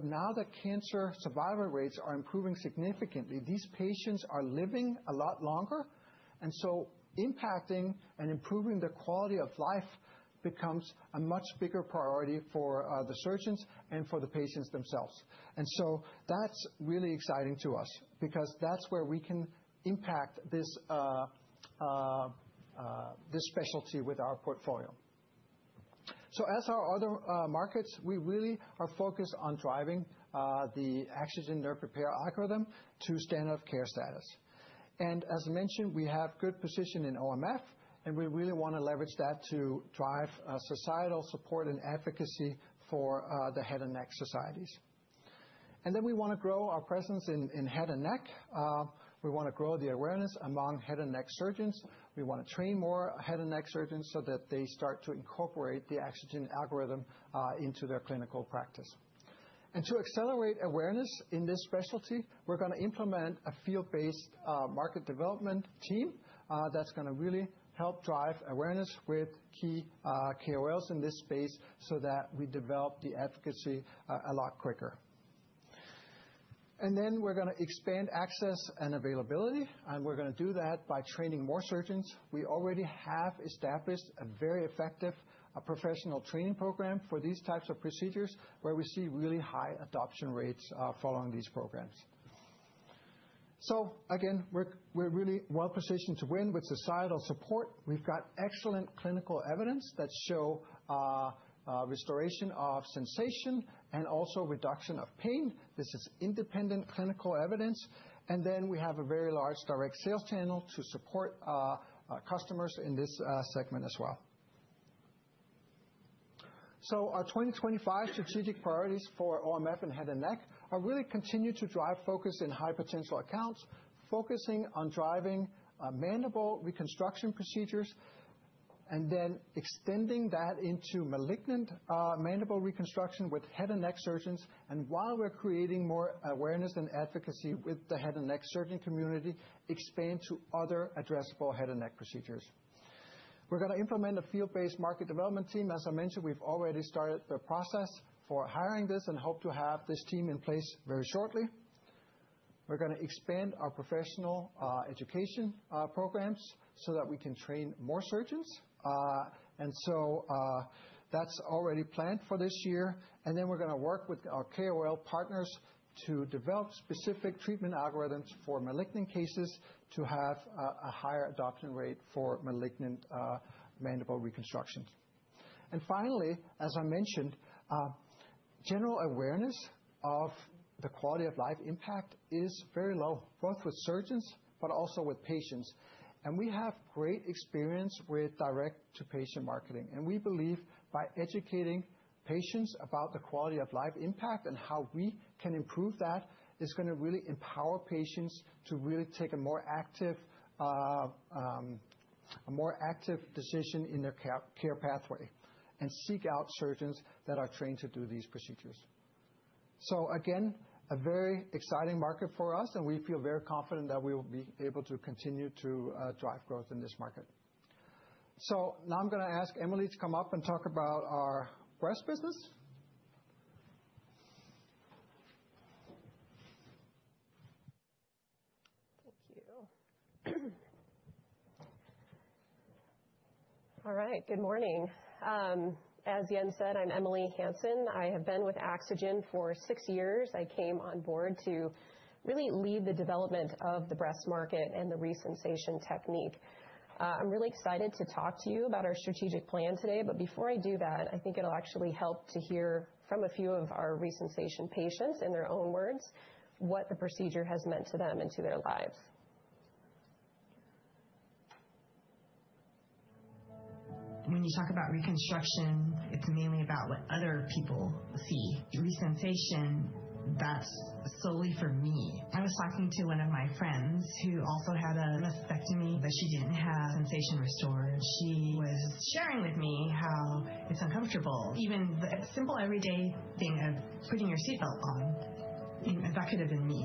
Now that cancer survival rates are improving significantly, these patients are living a lot longer. Impacting and improving the quality of life becomes a much bigger priority for the surgeons and for the patients themselves. That is really exciting to us because that is where we can impact this specialty with our portfolio. As our other markets, we really are focused on driving the AxoGen nerve repair algorithm to standard of care status. As mentioned, we have good position in OMF, and we really want to leverage that to drive societal support and advocacy for the head and neck societies. We want to grow our presence in head and neck. We want to grow the awareness among head and neck surgeons. We want to train more head and neck surgeons so that they start to incorporate the AxoGen algorithm into their clinical practice. To accelerate awareness in this specialty, we're going to implement a field-based market development team that's going to really help drive awareness with key KOLs in this space so that we develop the advocacy a lot quicker. We are going to expand access and availability, and we're going to do that by training more surgeons. We already have established a very effective professional training program for these types of procedures where we see really high adoption rates following these programs. Again, we're really well positioned to win with societal support. We've got excellent clinical evidence that shows restoration of sensation and also reduction of pain. This is independent clinical evidence. We have a very large direct sales channel to support customers in this segment as well. Our 2025 strategic priorities for OMF and head and neck are really continuing to drive focus in high potential accounts, focusing on driving mandible reconstruction procedures and then extending that into malignant mandible reconstruction with head and neck surgeons. While we're creating more awareness and advocacy with the head and neck surgeon community, expand to other addressable head and neck procedures. We're going to implement a field-based market development team. As I mentioned, we've already started the process for hiring this and hope to have this team in place very shortly. We're going to expand our professional education programs so that we can train more surgeons. That is already planned for this year. We're going to work with our KOL partners to develop specific treatment algorithms for malignant cases to have a higher adoption rate for malignant mandible reconstructions. Finally, as I mentioned, general awareness of the quality of life impact is very low, both with surgeons but also with patients. We have great experience with direct-to-patient marketing. We believe by educating patients about the quality of life impact and how we can improve that, it is going to really empower patients to really take a more active decision in their care pathway and seek out surgeons that are trained to do these procedures. A very exciting market for us, and we feel very confident that we will be able to continue to drive growth in this market. Now I am going to ask Emily to come up and talk about our breast business. Thank you. All right. Good morning. As Jens said, I am Emily Hansen. I have been with AxoGen for six years. I came on board to really lead the development of the breast market and the re-sensation technique. I'm really excited to talk to you about our strategic plan today. Before I do that, I think it'll actually help to hear from a few of our re-sensation patients in their own words what the procedure has meant to them and to their lives. When you talk about reconstruction, it's mainly about what other people see. Re-sensation, that's solely for me. I was talking to one of my friends who also had a mastectomy, but she didn't have sensation restored. She was sharing with me how it's uncomfortable. Even the simple everyday thing of putting your seatbelt on, that could have been me.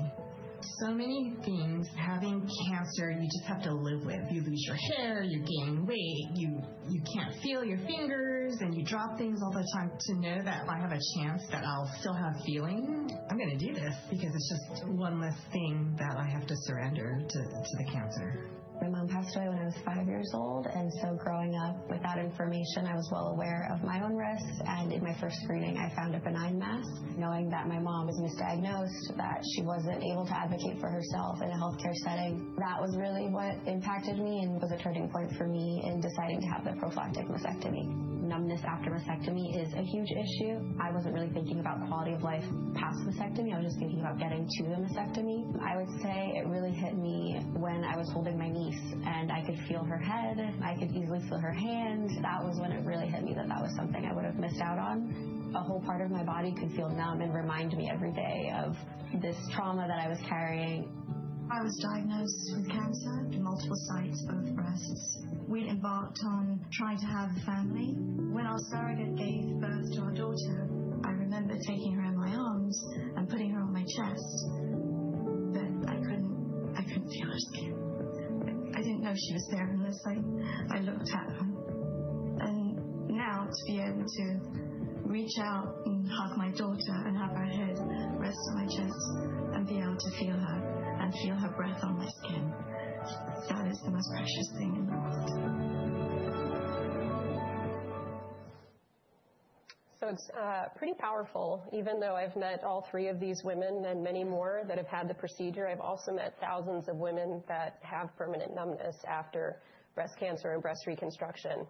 So many things, having cancer, you just have to live with you lose your hair, you gain weight, you can't feel your fingers, and you drop things all the time. To know that I have a chance that I'll still have feeling, I'm going to do this because it's just one less thing that I have to surrender to the cancer. My mom passed away when I was five years old. Growing up with that information, I was well aware of my own risks. In my first screening, I found a benign mass. Knowing that my mom was misdiagnosed, that she wasn't able to advocate for herself in a healthcare setting, that was really what impacted me and was a turning point for me in deciding to have the prophylactic mastectomy. Numbness after mastectomy is a huge issue. I wasn't really thinking about quality of life past mastectomy. I was just thinking about getting to the mastectomy. I would say it really hit me when I was holding my niece, and I could feel her head. I could easily feel her hand. That was when it really hit me that that was something I would have missed out on. A whole part of my body could feel numb and remind me every day of this trauma that I was carrying. I was diagnosed with cancer in multiple sites of breasts. We embarked on trying to have a family. When our surrogate gave birth to our daughter, I remember taking her in my arms and putting her on my chest. I could not feel her skin. I did not know she was there unless I looked at her. To be able to reach out and hug my daughter and have her head rest on my chest and be able to feel her and feel her breath on my skin, that is the most precious thing in the world. It is pretty powerful. Even though I've met all three of these women and many more that have had the procedure, I've also met thousands of women that have permanent numbness after breast cancer and breast reconstruction.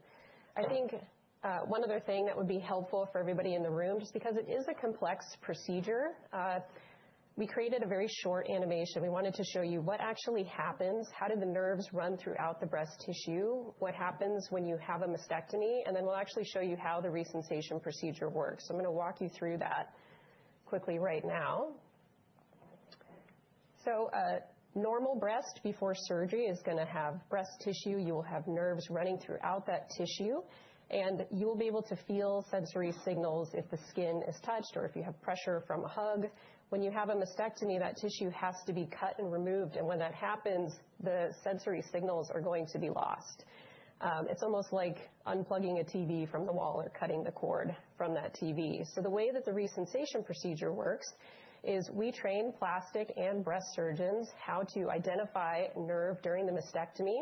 I think one other thing that would be helpful for everybody in the room, just because it is a complex procedure, we created a very short animation. We wanted to show you what actually happens, how do the nerves run throughout the breast tissue, what happens when you have a mastectomy, and then we'll actually show you how the re-sensation procedure works. I'm going to walk you through that quickly right now. A normal breast before surgery is going to have breast tissue. You will have nerves running throughout that tissue, and you will be able to feel sensory signals if the skin is touched or if you have pressure from a hug. When you have a mastectomy, that tissue has to be cut and removed. When that happens, the sensory signals are going to be lost. It's almost like unplugging a TV from the wall or cutting the cord from that TV. The way that the re-sensation procedure works is we train plastic and breast surgeons how to identify nerve during the mastectomy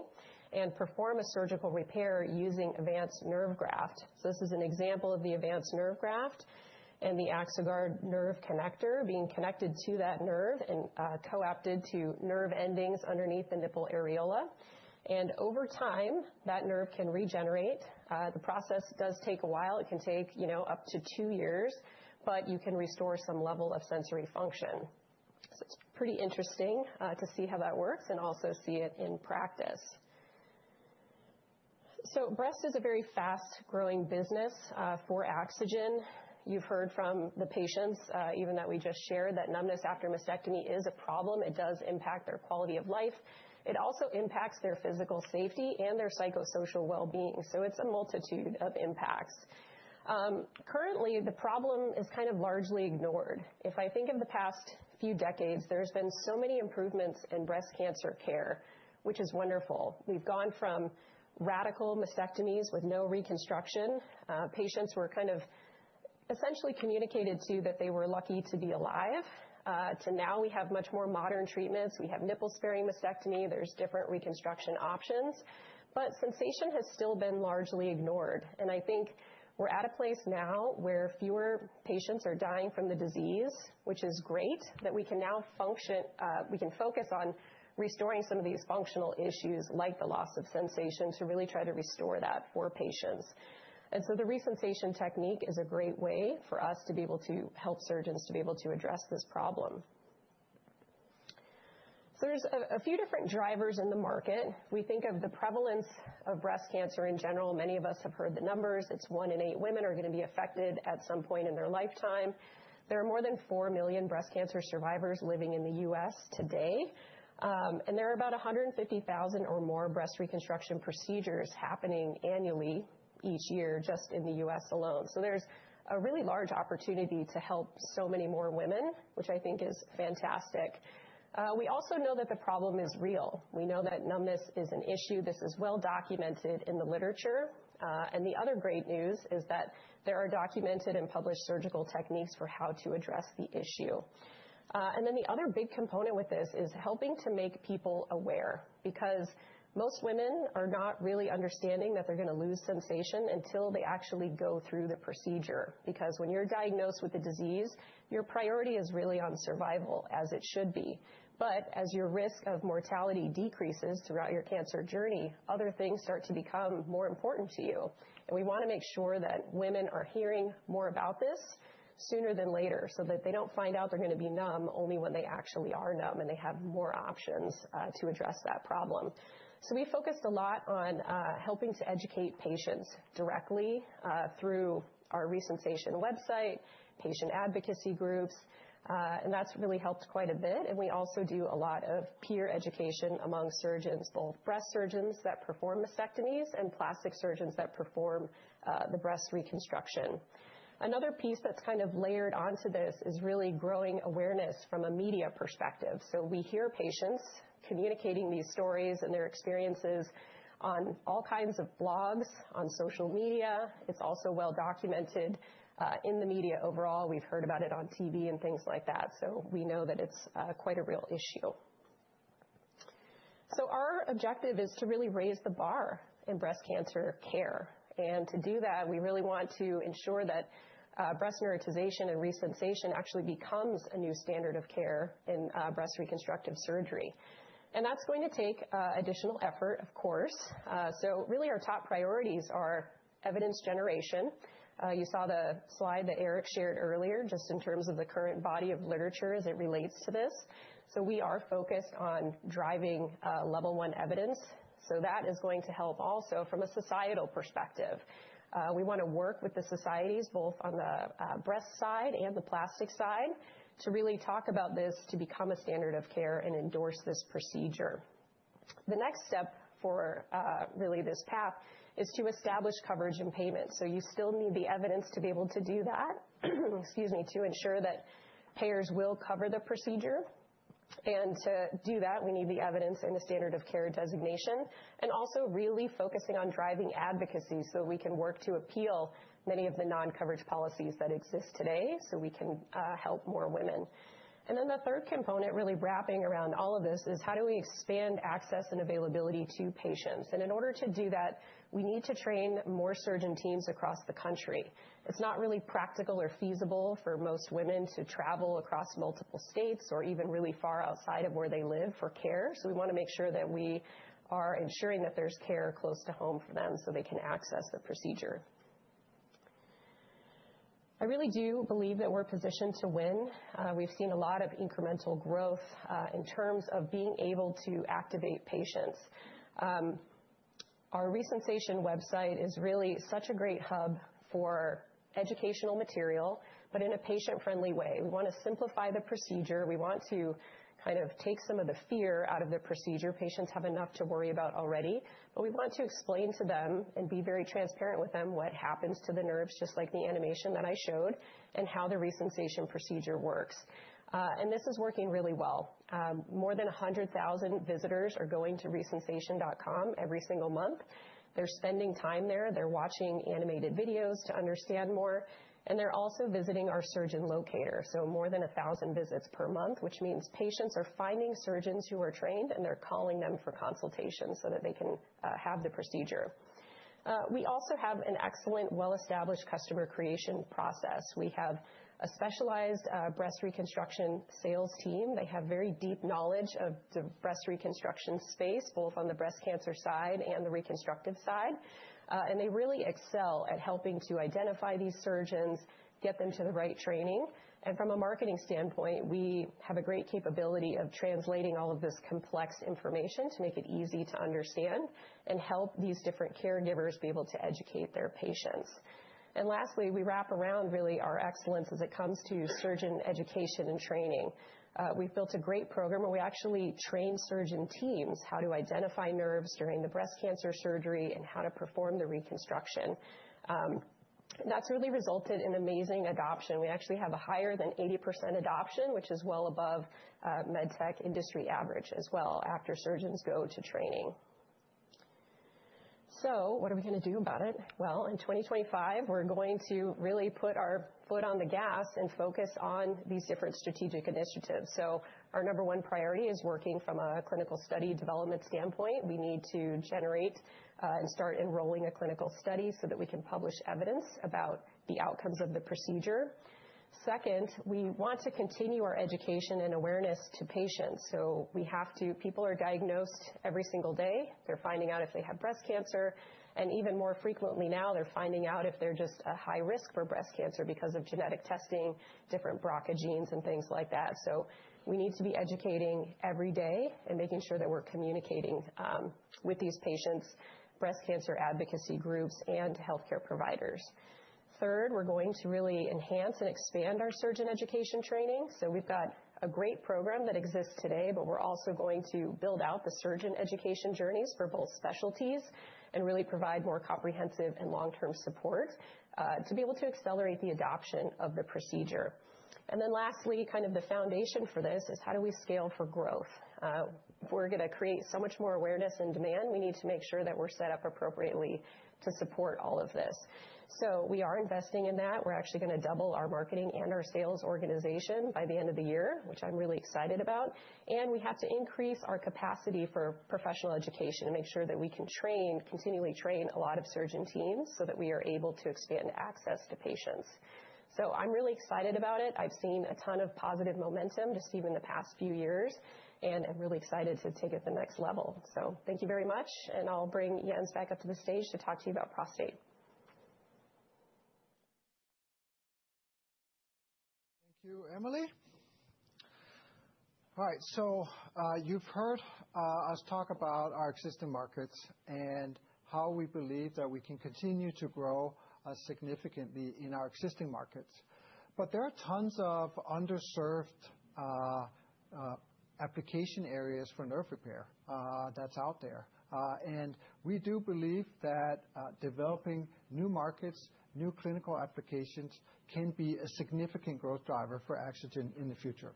and perform a surgical repair using advanced nerve graft. This is an example of the Advanced Nerve Graft and the Axoguard Nerve Connector being connected to that nerve and coapted to nerve endings underneath the nipple areola. Over time, that nerve can regenerate. The process does take a while. It can take up to two years, but you can restore some level of sensory function. It is pretty interesting to see how that works and also see it in practice. Breast is a very fast-growing business for AxoGen. You have heard from the patients, even that we just shared, that numbness after mastectomy is a problem. It does impact their quality of life. It also impacts their physical safety and their psychosocial well-being. It is a multitude of impacts. Currently, the problem is kind of largely ignored. If I think of the past few decades, there have been so many improvements in breast cancer care, which is wonderful. We've gone from radical mastectomies with no reconstruction. Patients were kind of essentially communicated to that they were lucky to be alive. To now, we have much more modern treatments. We have nipple-sparing mastectomy. There's different reconstruction options. Sensation has still been largely ignored. I think we're at a place now where fewer patients are dying from the disease, which is great, that we can now function, we can focus on restoring some of these functional issues like the loss of sensation to really try to restore that for patients. The re-sensation technique is a great way for us to be able to help surgeons to be able to address this problem. There's a few different drivers in the market. We think of the prevalence of breast cancer in general. Many of us have heard the numbers. It's one in eight women are going to be affected at some point in their lifetime. There are more than 4 million breast cancer survivors living in the U.S. today. There are about 150,000 or more breast reconstruction procedures happening annually each year just in the U.S. alone. There is a really large opportunity to help so many more women, which I think is fantastic. We also know that the problem is real. We know that numbness is an issue. This is well documented in the literature. The other great news is that there are documented and published surgical techniques for how to address the issue. The other big component with this is helping to make people aware because most women are not really understanding that they're going to lose sensation until they actually go through the procedure. Because when you're diagnosed with the disease, your priority is really on survival, as it should be. As your risk of mortality decreases throughout your cancer journey, other things start to become more important to you. We want to make sure that women are hearing more about this sooner than later so that they don't find out they're going to be numb only when they actually are numb and they have more options to address that problem. We focused a lot on helping to educate patients directly through our re-sensation website, patient advocacy groups. That's really helped quite a bit. We also do a lot of peer education among surgeons, both breast surgeons that perform mastectomies and plastic surgeons that perform the breast reconstruction. Another piece that's kind of layered onto this is really growing awareness from a media perspective. We hear patients communicating these stories and their experiences on all kinds of blogs, on social media. It is also well documented in the media overall. We have heard about it on TV and things like that. We know that it is quite a real issue. Our objective is to really raise the bar in breast cancer care. To do that, we really want to ensure that breast nerveization and re-sensation actually becomes a new standard of care in breast reconstructive surgery. That is going to take additional effort, of course. Our top priorities are evidence generation. You saw the slide that Eric shared earlier just in terms of the current body of literature as it relates to this. We are focused on driving level one evidence. That is going to help also from a societal perspective. We want to work with the societies, both on the breast side and the plastic side, to really talk about this to become a standard of care and endorse this procedure. The next step for really this path is to establish coverage and payment. You still need the evidence to be able to do that, excuse me, to ensure that payers will cover the procedure. To do that, we need the evidence and the standard of care designation and also really focusing on driving advocacy so we can work to appeal many of the non-coverage policies that exist today so we can help more women. The third component really wrapping around all of this is how do we expand access and availability to patients. In order to do that, we need to train more surgeon teams across the country. It's not really practical or feasible for most women to travel across multiple states or even really far outside of where they live for care. We want to make sure that we are ensuring that there's care close to home for them so they can access the procedure. I really do believe that we're positioned to win. We've seen a lot of incremental growth in terms of being able to activate patients. Our re-sensation website is really such a great hub for educational material, but in a patient-friendly way. We want to simplify the procedure. We want to kind of take some of the fear out of the procedure. Patients have enough to worry about already. We want to explain to them and be very transparent with them what happens to the nerves, just like the animation that I showed, and how the re-sensation procedure works. This is working really well. More than 100,000 visitors are going to re-sensation.com every single month. They're spending time there. They're watching animated videos to understand more. They're also visiting our surgeon locator. More than 1,000 visits per month, which means patients are finding surgeons who are trained, and they're calling them for consultation so that they can have the procedure. We also have an excellent, well-established customer creation process. We have a specialized breast reconstruction sales team. They have very deep knowledge of the breast reconstruction space, both on the breast cancer side and the reconstructive side. They really excel at helping to identify these surgeons, get them to the right training. From a marketing standpoint, we have a great capability of translating all of this complex information to make it easy to understand and help these different caregivers be able to educate their patients. Lastly, we wrap around really our excellence as it comes to surgeon education and training. We've built a great program where we actually train surgeon teams how to identify nerves during the breast cancer surgery and how to perform the reconstruction. That's really resulted in amazing adoption. We actually have a higher than 80% adoption, which is well above medtech industry average as well after surgeons go to training. What are we going to do about it? In 2025, we're going to really put our foot on the gas and focus on these different strategic initiatives. Our number one priority is working from a clinical study development standpoint. We need to generate and start enrolling a clinical study so that we can publish evidence about the outcomes of the procedure. Second, we want to continue our education and awareness to patients. We have to, people are diagnosed every single day. They're finding out if they have breast cancer. Even more frequently now, they're finding out if they're just at high risk for breast cancer because of genetic testing, different BRCA genes, and things like that. We need to be educating every day and making sure that we're communicating with these patients, breast cancer advocacy groups, and healthcare providers. Third, we're going to really enhance and expand our surgeon education training. We have got a great program that exists today, but we are also going to build out the surgeon education journeys for both specialties and really provide more comprehensive and long-term support to be able to accelerate the adoption of the procedure. Lastly, kind of the foundation for this is how do we scale for growth. If we are going to create so much more awareness and demand, we need to make sure that we are set up appropriately to support all of this. We are investing in that. We are actually going to double our marketing and our sales organization by the end of the year, which I am really excited about. We have to increase our capacity for professional education and make sure that we can train, continually train a lot of surgeon teams so that we are able to expand access to patients. I'm really excited about it. I've seen a ton of positive momentum just even the past few years, and I'm really excited to take it to the next level. Thank you very much. I'll bring Jens back up to the stage to talk to you about prostate. Thank you, Emily. All right. You've heard us talk about our existing markets and how we believe that we can continue to grow significantly in our existing markets. There are tons of underserved application areas for nerve repair that's out there. We do believe that developing new markets, new clinical applications can be a significant growth driver for AxoGen in the future.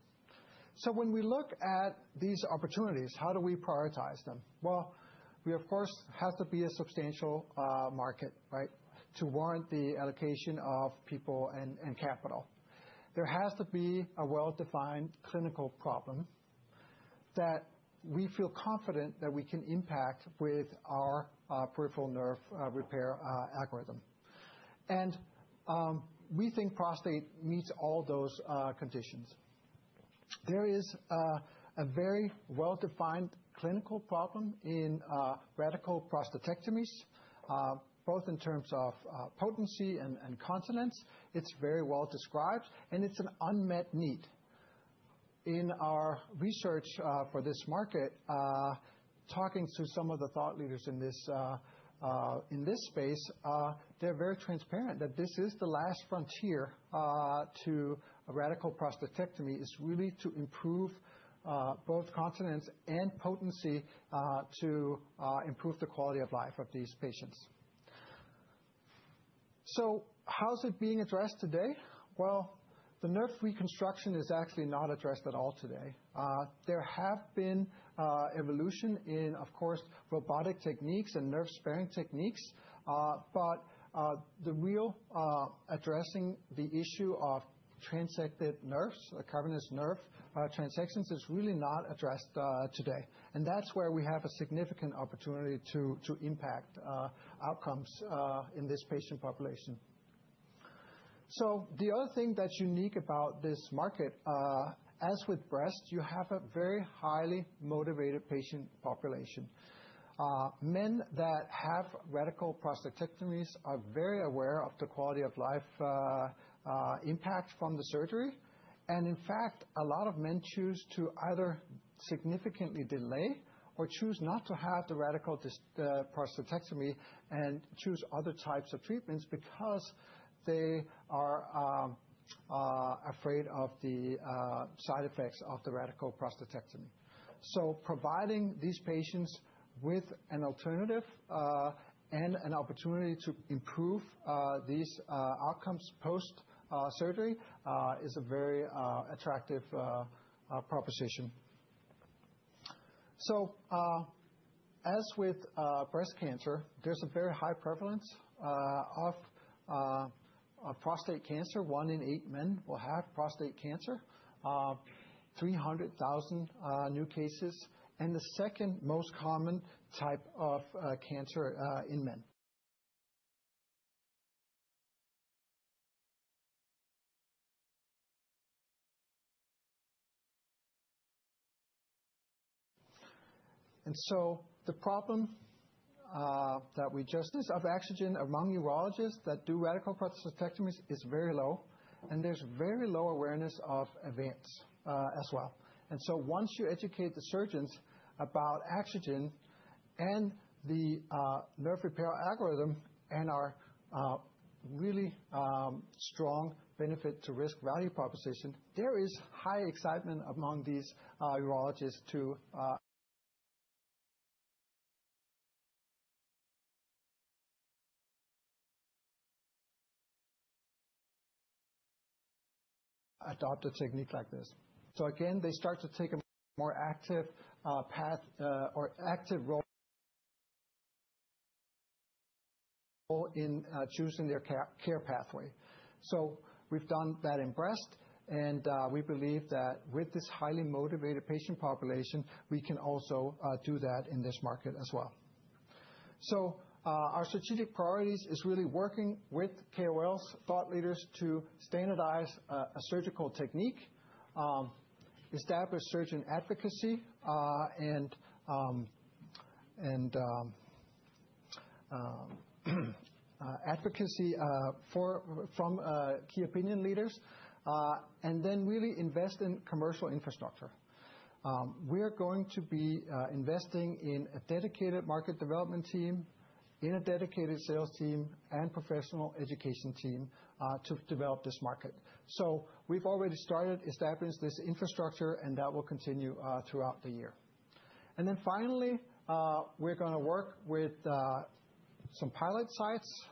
When we look at these opportunities, how do we prioritize them? We, of course, have to be a substantial market, right, to warrant the allocation of people and capital. There has to be a well-defined clinical problem that we feel confident that we can impact with our peripheral nerve repair algorithm. We think prostate meets all those conditions. There is a very well-defined clinical problem in radical prostatectomies, both in terms of potency and continence. It's very well described, and it's an unmet need. In our research for this market, talking to some of the thought leaders in this space, they're very transparent that this is the last frontier to a radical prostatectomy. It's really to improve both continence and potency to improve the quality of life of these patients. How's it being addressed today? The nerve reconstruction is actually not addressed at all today. There have been evolution in, of course, robotic techniques and nerve-sparing techniques. The real addressing the issue of transected nerves, the cavernous nerve transections, is really not addressed today. That is where we have a significant opportunity to impact outcomes in this patient population. The other thing that is unique about this market, as with breast, is you have a very highly motivated patient population. Men that have radical prostatectomies are very aware of the quality of life impact from the surgery. In fact, a lot of men choose to either significantly delay or choose not to have the radical prostatectomy and choose other types of treatments because they are afraid of the side effects of the radical prostatectomy. Providing these patients with an alternative and an opportunity to improve these outcomes post-surgery is a very attractive proposition. As with breast cancer, there is a very high prevalence of prostate cancer. One in eight men will have prostate cancer, 300,000 new cases, and the second most common type of cancer in men. The problem that we just. Of AxoGen among urologists that do radical prostatectomies is very low, and there's very low awareness of Avance as well. Once you educate the surgeons about AxoGen and the nerve repair algorithm and our really strong benefit-to-risk value proposition, there is high excitement among these urologists to adopt a technique like this. They start to take a more active path or active role in choosing their care pathway. We've done that in breast, and we believe that with this highly motivated patient population, we can also do that in this market as well. Our strategic priorities is really working with KOLs, thought leaders to standardize a surgical technique, establish surgeon advocacy from key opinion leaders, and then really invest in commercial infrastructure. We're going to be investing in a dedicated market development team, in a dedicated sales team, and professional education team to develop this market. We've already started establishing this infrastructure, and that will continue throughout the year. Finally, we're going to work with some pilot sites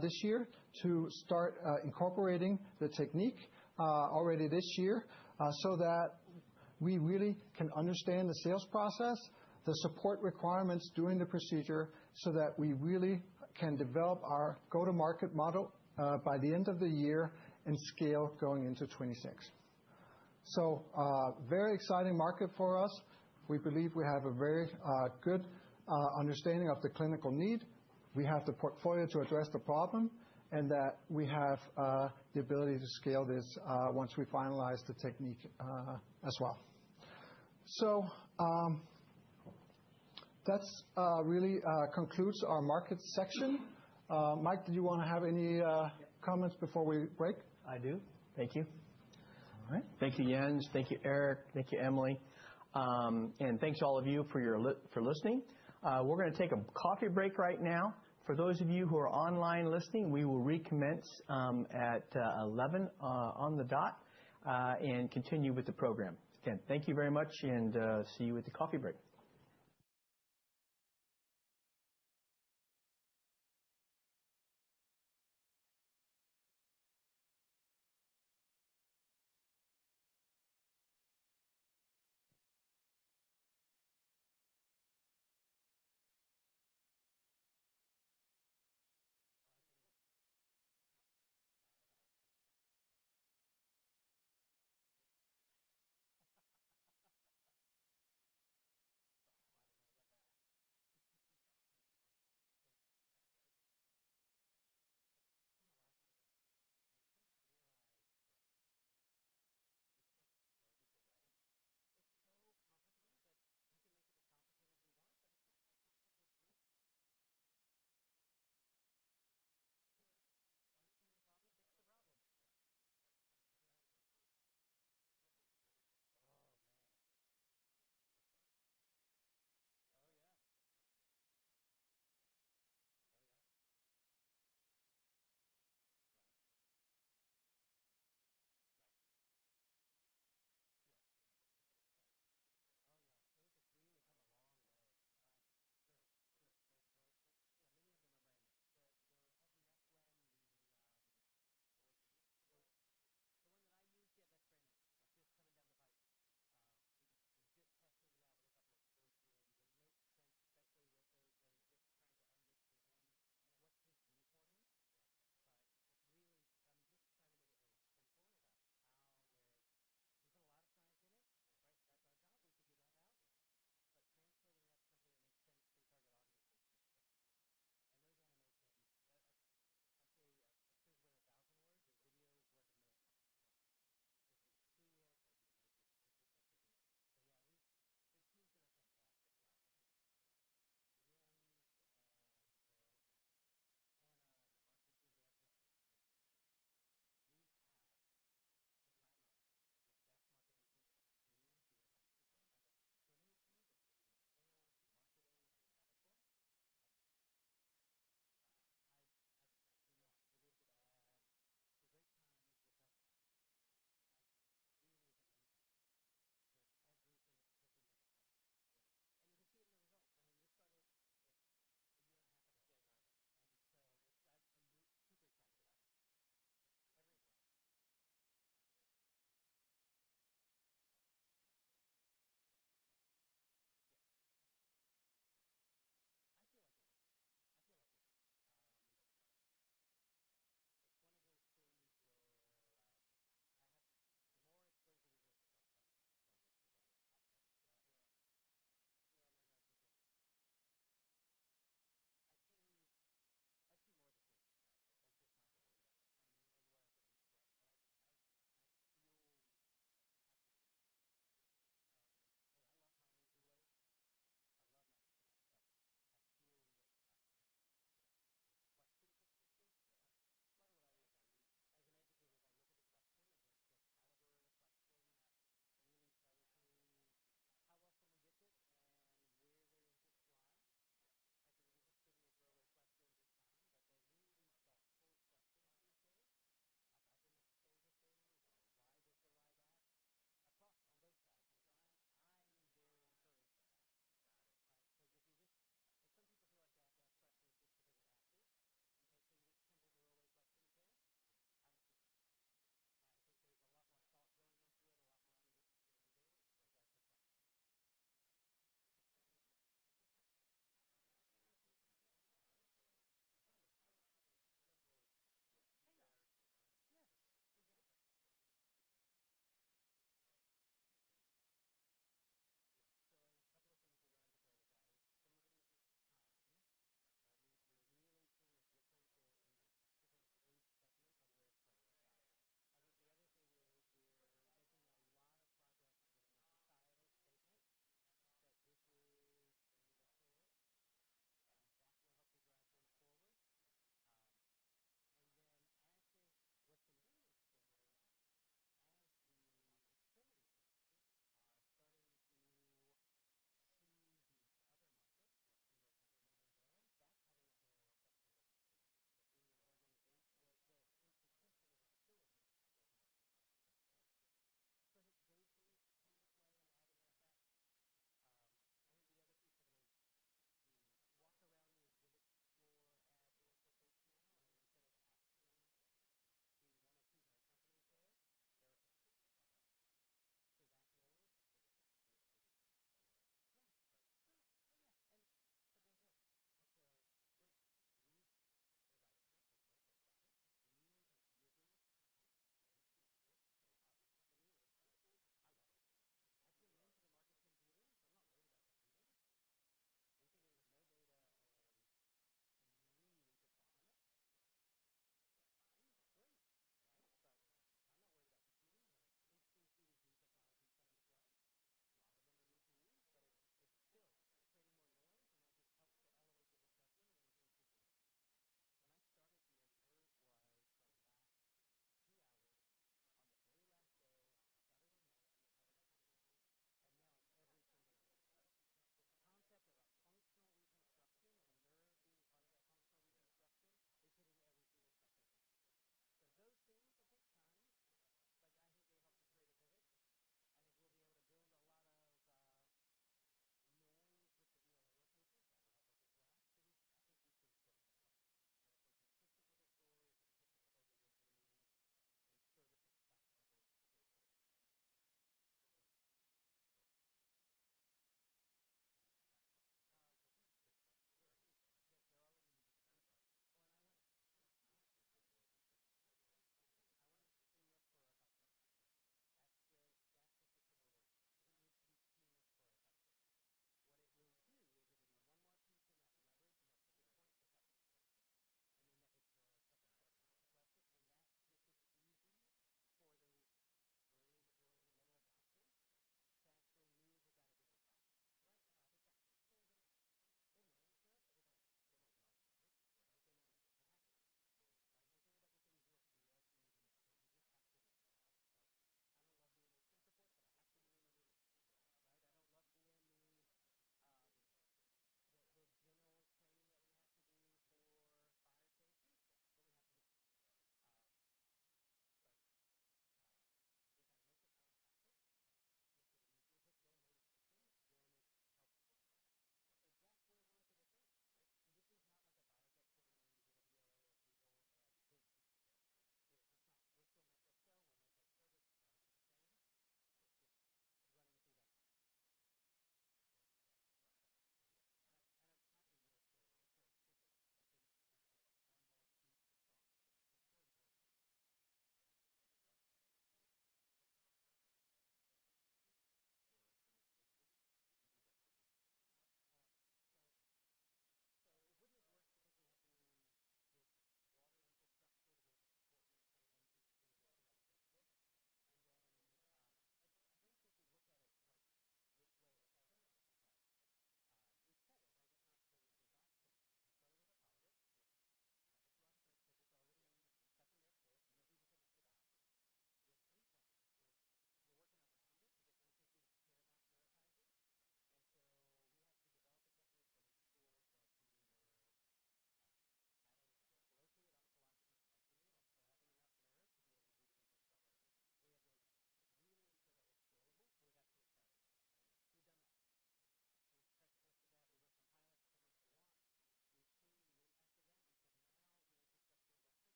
this year to start incorporating the technique already this year so that we really can understand the sales process, the support requirements during the procedure so that we really can develop our go-to-market model by the end of the year and scale going into 2026. Very exciting market for us. We believe we have a very good understanding of the clinical need. We have the portfolio to address the problem and that we have the ability to scale this once we finalize the technique as well. That really concludes our market section. Mike, did you want to have any comments before we break? I do. Thank you. All right. Thank you, Jens. Thank you, Eric. Thank you, Emily. And thanks to all of you for listening. We are going to take a coffee break right now. For those of you who are online listening, we will recommence at 11:00 A.M. on the dot and continue with the program. Again, thank you very much, and see you at the coffee break.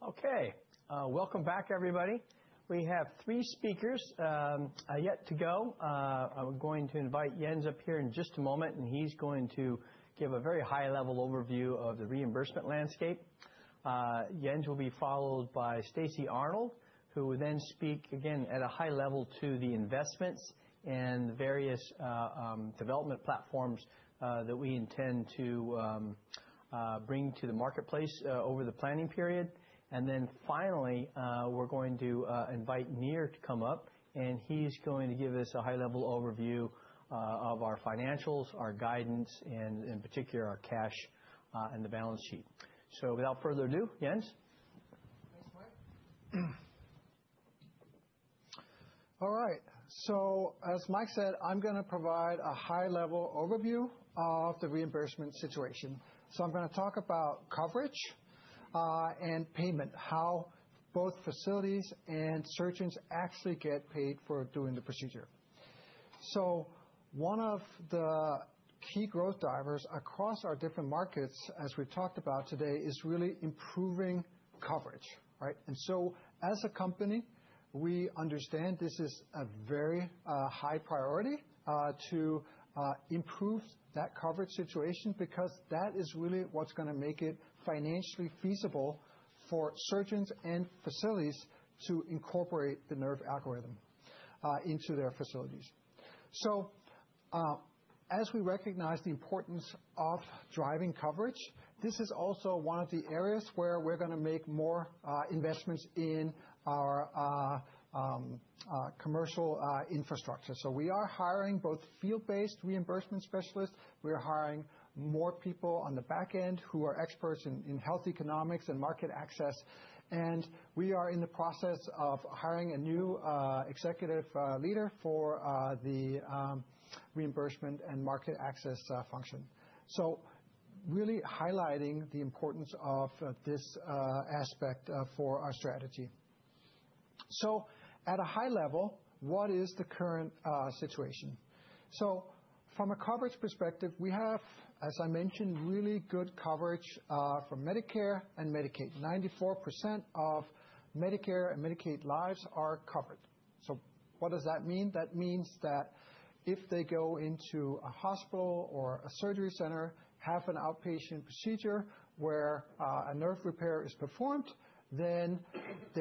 Okay, welcome back, everybody. We have three speakers yet to go. I'm going to invite Jens up here in just a moment, and he's going to give a very high-level overview of the reimbursement landscape. Jens will be followed by Stacey Arnold, who will then speak again at a high level to the investments and the various development platforms that we intend to bring to the marketplace over the planning period. Finally, we're going to invite Nir to come up, and he's going to give us a high-level overview of our financials, our guidance, and in particular our cash and the balance sheet. Without further ado, Jens. All right, as Mike said, I'm going to provide a high-level overview of the reimbursement situation. I'm going to talk about coverage and payment, how both facilities and surgeons actually get paid for doing the procedure. One of the key growth drivers across our different markets, as we've talked about today, is really improving coverage. As a company, we understand this is a very high priority to improve that coverage situation because that is really what's going to make it financially feasible for surgeons and facilities to incorporate the nerve algorithm into their facilities. We recognize the importance of driving coverage. This is also one of the areas where we're going to make more investments in our commercial infrastructure. We are hiring both field-based reimbursement specialists. We are hiring more people on the back end who are experts in health economics and market access. We are in the process of hiring a new executive leader for the reimbursement and market access function, really highlighting the importance of this aspect for our strategy. At a high level, what is the current situation? From a coverage perspective, we have, as I mentioned, really good coverage for Medicare and Medicaid. 94% of Medicare and Medicaid lives are covered. What does that mean? That means that if they go into a hospital or a surgery center, have an outpatient procedure where a nerve repair is performed, there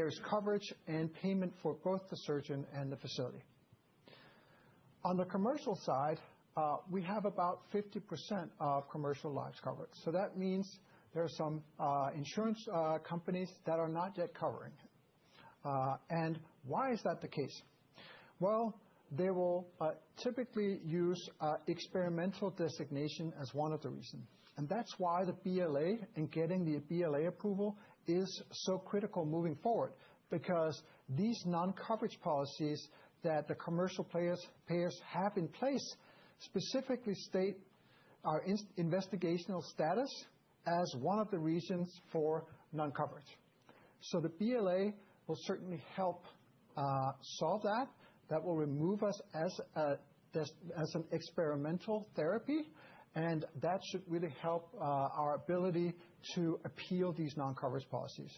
is coverage and payment for both the surgeon and the facility. On the commercial side, we have about 50% of commercial lives covered. That means there are some insurance companies that are not yet covering. Why is that the case? They will typically use experimental designation as one of the reasons. That is why the BLA and getting the BLA approval is so critical moving forward, because these non-coverage policies that the commercial players have in place specifically state our investigational status as one of the reasons for non-coverage. The BLA will certainly help solve that. That will remove us as an experimental therapy, and that should really help our ability to appeal these non-coverage policies.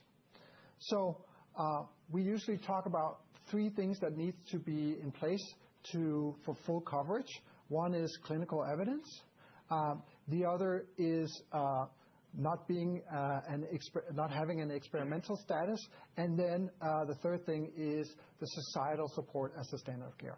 We usually talk about three things that need to be in place for full coverage. One is clinical evidence. The other is not having an experimental status. The third thing is the societal support as a standard of care.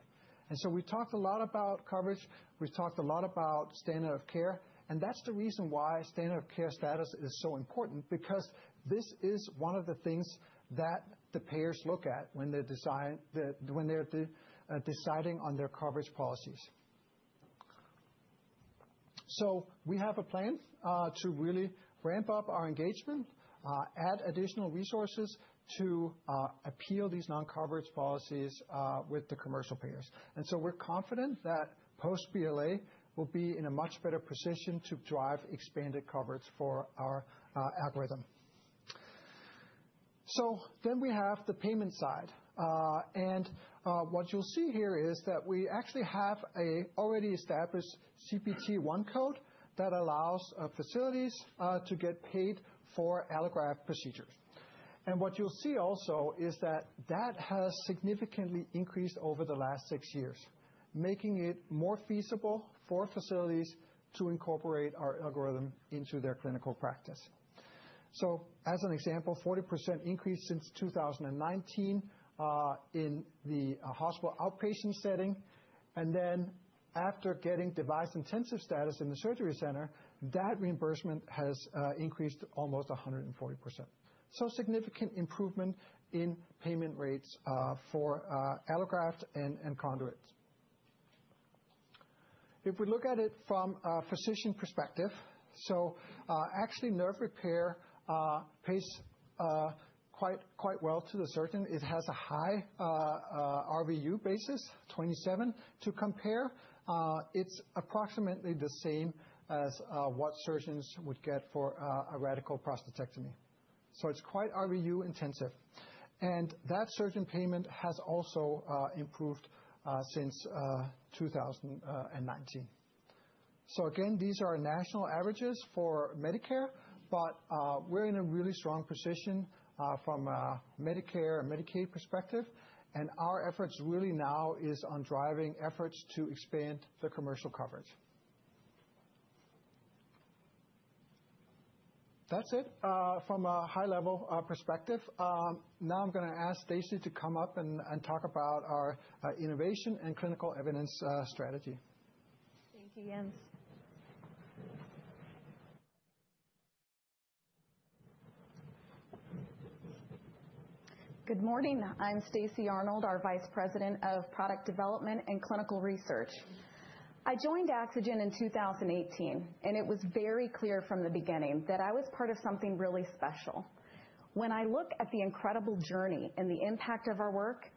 We talked a lot about coverage. We have talked a lot about standard of care. That's the reason why standard of care status is so important, because this is one of the things that the payers look at when they're deciding on their coverage policies. We have a plan to really ramp up our engagement, add additional resources to appeal these non-coverage policies with the commercial payers. We're confident that post-BLA we will be in a much better position to drive expanded coverage for our algorithm. We have the payment side. What you'll see here is that we actually have an already established CPT one code that allows facilities to get paid for allograft procedures. What you'll see also is that that has significantly increased over the last six years, making it more feasible for facilities to incorporate our algorithm into their clinical practice. As an example, 40% increase since 2019 in the hospital outpatient setting. After getting device intensive status in the surgery center, that reimbursement has increased almost 140%. Significant improvement in payment rates for allograft and conduits. If we look at it from a physician perspective, actually nerve repair pays quite well to the surgeon. It has a high RVU basis, 27. To compare, it's approximately the same as what surgeons would get for a radical prostatectomy. It's quite RVU intensive. That surgeon payment has also improved since 2019. These are national averages for Medicare, but we're in a really strong position from a Medicare and Medicaid perspective. Our efforts really now is on driving efforts to expand the commercial coverage. That's it from a high-level perspective. Now I'm going to ask Stacey to come up and talk about our innovation and clinical evidence strategy. Thank you, Jens. Good morning. I'm Stacey Arnold, our Vice President of Product Development and Clinical Research. I joined AxoGen in 2018, and it was very clear from the beginning that I was part of something really special. When I look at the incredible journey and the impact of our work,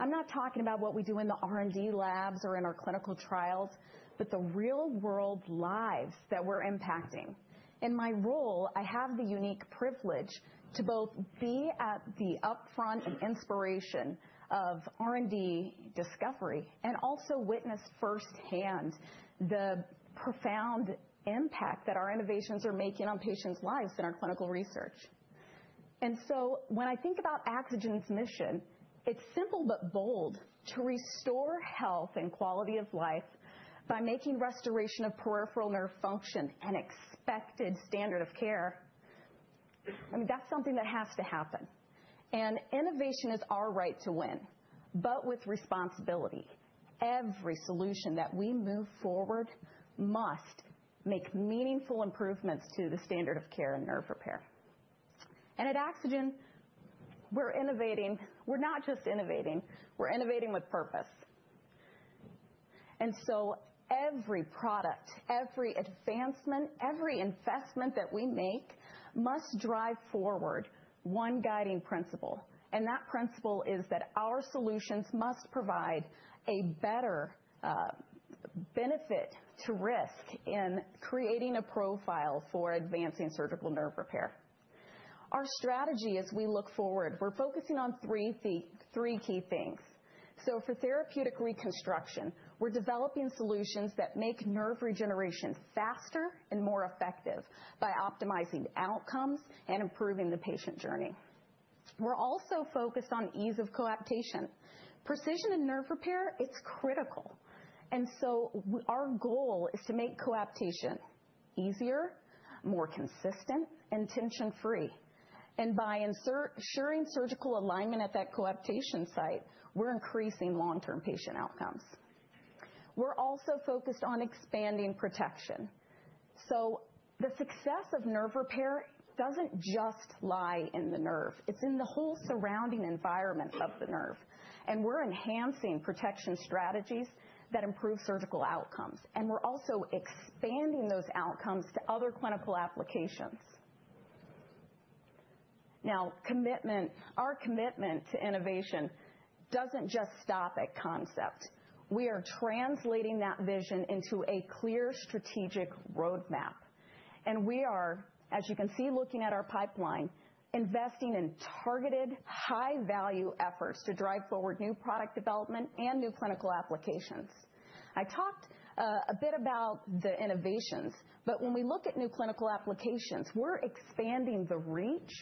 I'm not talking about what we do in the R&D labs or in our clinical trials, but the real-world lives that we're impacting. In my role, I have the unique privilege to both be at the upfront and inspiration of R&D discovery and also witness firsthand the profound impact that our innovations are making on patients' lives and our clinical research. I mean, that's something that has to happen. Innovation is our right to win, but with responsibility. Every solution that we move forward must make meaningful improvements to the standard of care and nerve repair. At AxoGen, we're innovating. We're not just innovating. We're innovating with purpose. Every product, every advancement, every investment that we make must drive forward one guiding principle. That principle is that our solutions must provide a better benefit to risk in creating a profile for advancing surgical nerve repair. Our strategy as we look forward, we're focusing on three key things. For therapeutic reconstruction, we're developing solutions that make nerve regeneration faster and more effective by optimizing outcomes and improving the patient journey. We're also focused on ease of coaptation. Precision in nerve repair, it's critical. Our goal is to make coaptation easier, more consistent, and tension-free. By ensuring surgical alignment at that coaptation site, we're increasing long-term patient outcomes. We're also focused on expanding protection. The success of nerve repair doesn't just lie in the nerve. It's in the whole surrounding environment of the nerve. We're enhancing protection strategies that improve surgical outcomes. We're also expanding those outcomes to other clinical applications. Our commitment to innovation doesn't just stop at concept. We are translating that vision into a clear strategic roadmap. We are, as you can see looking at our pipeline, investing in targeted, high-value efforts to drive forward new product development and new clinical applications. I talked a bit about the innovations, but when we look at new clinical applications, we're expanding the reach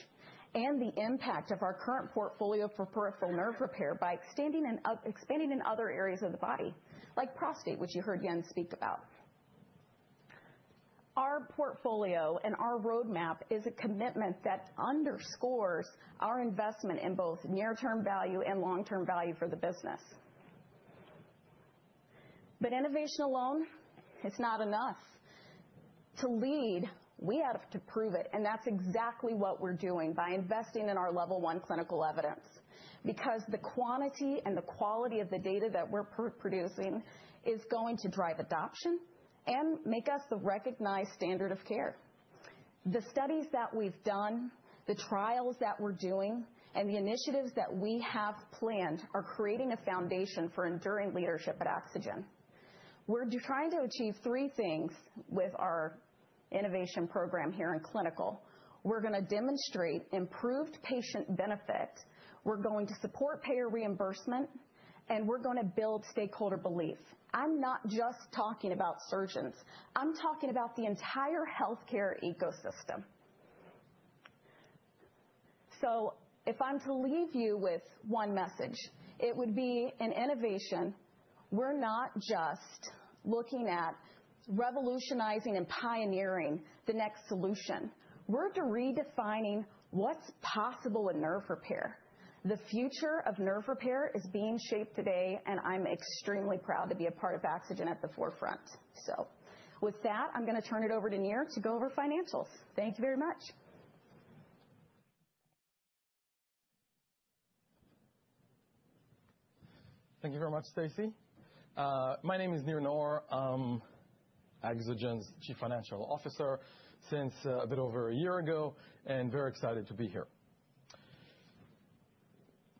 and the impact of our current portfolio for peripheral nerve repair by expanding in other areas of the body, like prostate, which you heard Jens speak about. Our portfolio and our roadmap is a commitment that underscores our investment in both near-term value and long-term value for the business. Innovation alone, it's not enough. To lead, we have to prove it. That's exactly what we're doing by investing in our level one clinical evidence, because the quantity and the quality of the data that we're producing is going to drive adoption and make us the recognized standard of care. The studies that we've done, the trials that we're doing, and the initiatives that we have planned are creating a foundation for enduring leadership at AxoGen. We're trying to achieve three things with our innovation program here in clinical. We're going to demonstrate improved patient benefit. We're going to support payer reimbursement, and we're going to build stakeholder belief. I'm not just talking about surgeons. I'm talking about the entire healthcare ecosystem. If I'm to leave you with one message, it would be in innovation, we're not just looking at revolutionizing and pioneering the next solution. We're redefining what's possible in nerve repair. The future of nerve repair is being shaped today, and I'm extremely proud to be a part of AxoGen at the forefront. With that, I'm going to turn it over to Nir to go over financials. Thank you very much. Thank you very much, Stacey. My name is Nir Naor. I'm AxoGen's Chief Financial Officer since a bit over a year ago and very excited to be here.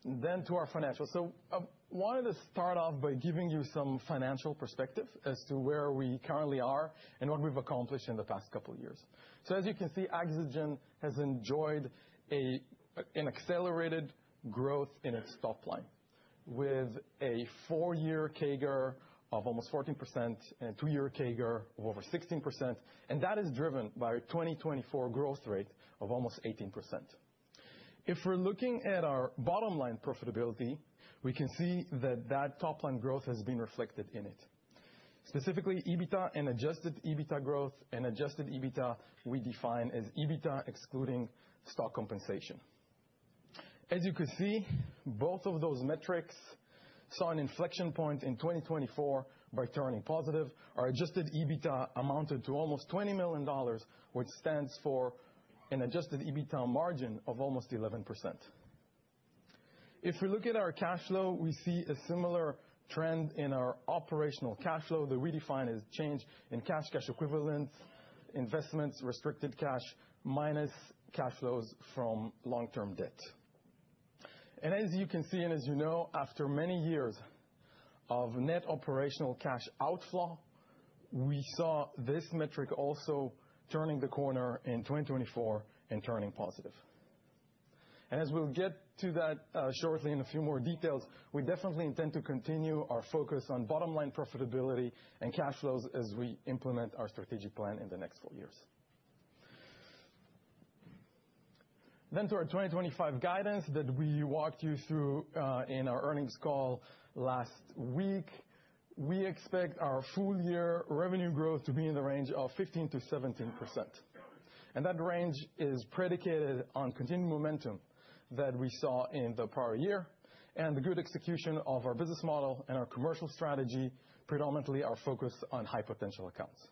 To our financials. I wanted to start off by giving you some financial perspective as to where we currently are and what we've accomplished in the past couple of years. As you can see, AxoGen has enjoyed an accelerated growth in its top line with a four-year CAGR of almost 14% and a two-year CAGR of over 16%. That is driven by a 2024 growth rate of almost 18%. If we're looking at our bottom line profitability, we can see that that top line growth has been reflected in it, specifically EBITDA and adjusted EBITDA growth and adjusted EBITDA we define as EBITDA excluding stock compensation. As you can see, both of those metrics saw an inflection point in 2024 by turning positive. Our adjusted EBITDA amounted to almost $20 million, which stands for an adjusted EBITDA margin of almost 11%. If we look at our cash flow, we see a similar trend in our operational cash flow that we define as change in cash, cash equivalents, investments, restricted cash, minus cash flows from long-term debt. As you can see and as you know, after many years of net operational cash outflow, we saw this metric also turning the corner in 2024 and turning positive. As we'll get to that shortly in a few more details, we definitely intend to continue our focus on bottom line profitability and cash flows as we implement our strategic plan in the next four years. To our 2025 guidance that we walked you through in our earnings call last week, we expect our full year revenue growth to be in the range of 15% to 17%. That range is predicated on continued momentum that we saw in the prior year and the good execution of our business model and our commercial strategy, predominantly our focus on high potential accounts.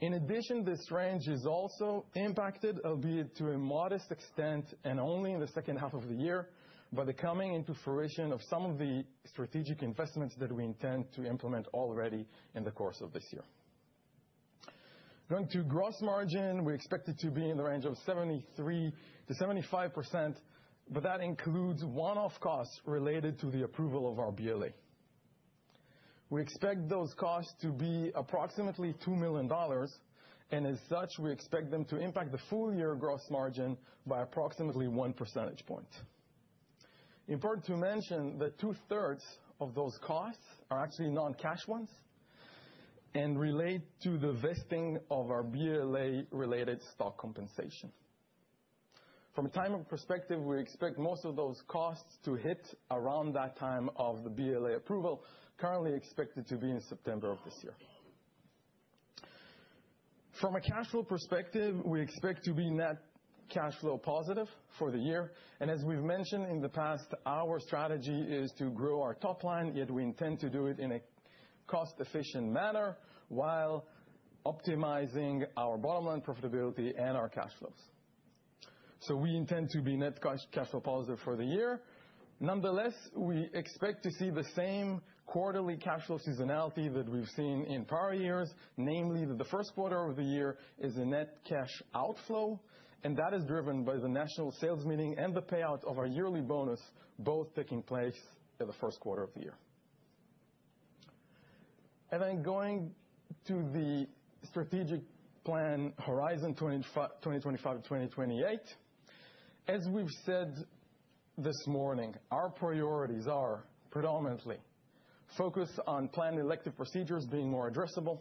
In addition, this range is also impacted, albeit to a modest extent and only in the second half of the year, by the coming into fruition of some of the strategic investments that we intend to implement already in the course of this year. Going to gross margin, we expect it to be in the range of 73% to 75%, but that includes one-off costs related to the approval of our BLA. We expect those costs to be approximately $2 million. As such, we expect them to impact the full year gross margin by approximately one percentage point. Important to mention that two-thirds of those costs are actually non-cash ones and relate to the vesting of our BLA-related stock compensation. From a time perspective, we expect most of those costs to hit around that time of the BLA approval, currently expected to be in September of this year. From a cash flow perspective, we expect to be net cash flow positive for the year. As we've mentioned in the past, our strategy is to grow our top line, yet we intend to do it in a cost-efficient manner while optimizing our bottom line profitability and our cash flows. We intend to be net cash flow positive for the year. Nonetheless, we expect to see the same quarterly cash flow seasonality that we've seen in prior years, namely that the first quarter of the year is a net cash outflow. That is driven by the national sales meeting and the payout of our yearly bonus, both taking place in the first quarter of the year. Going to the strategic plan horizon 2025 to 2028, as we've said this morning, our priorities are predominantly focused on planned elective procedures being more addressable,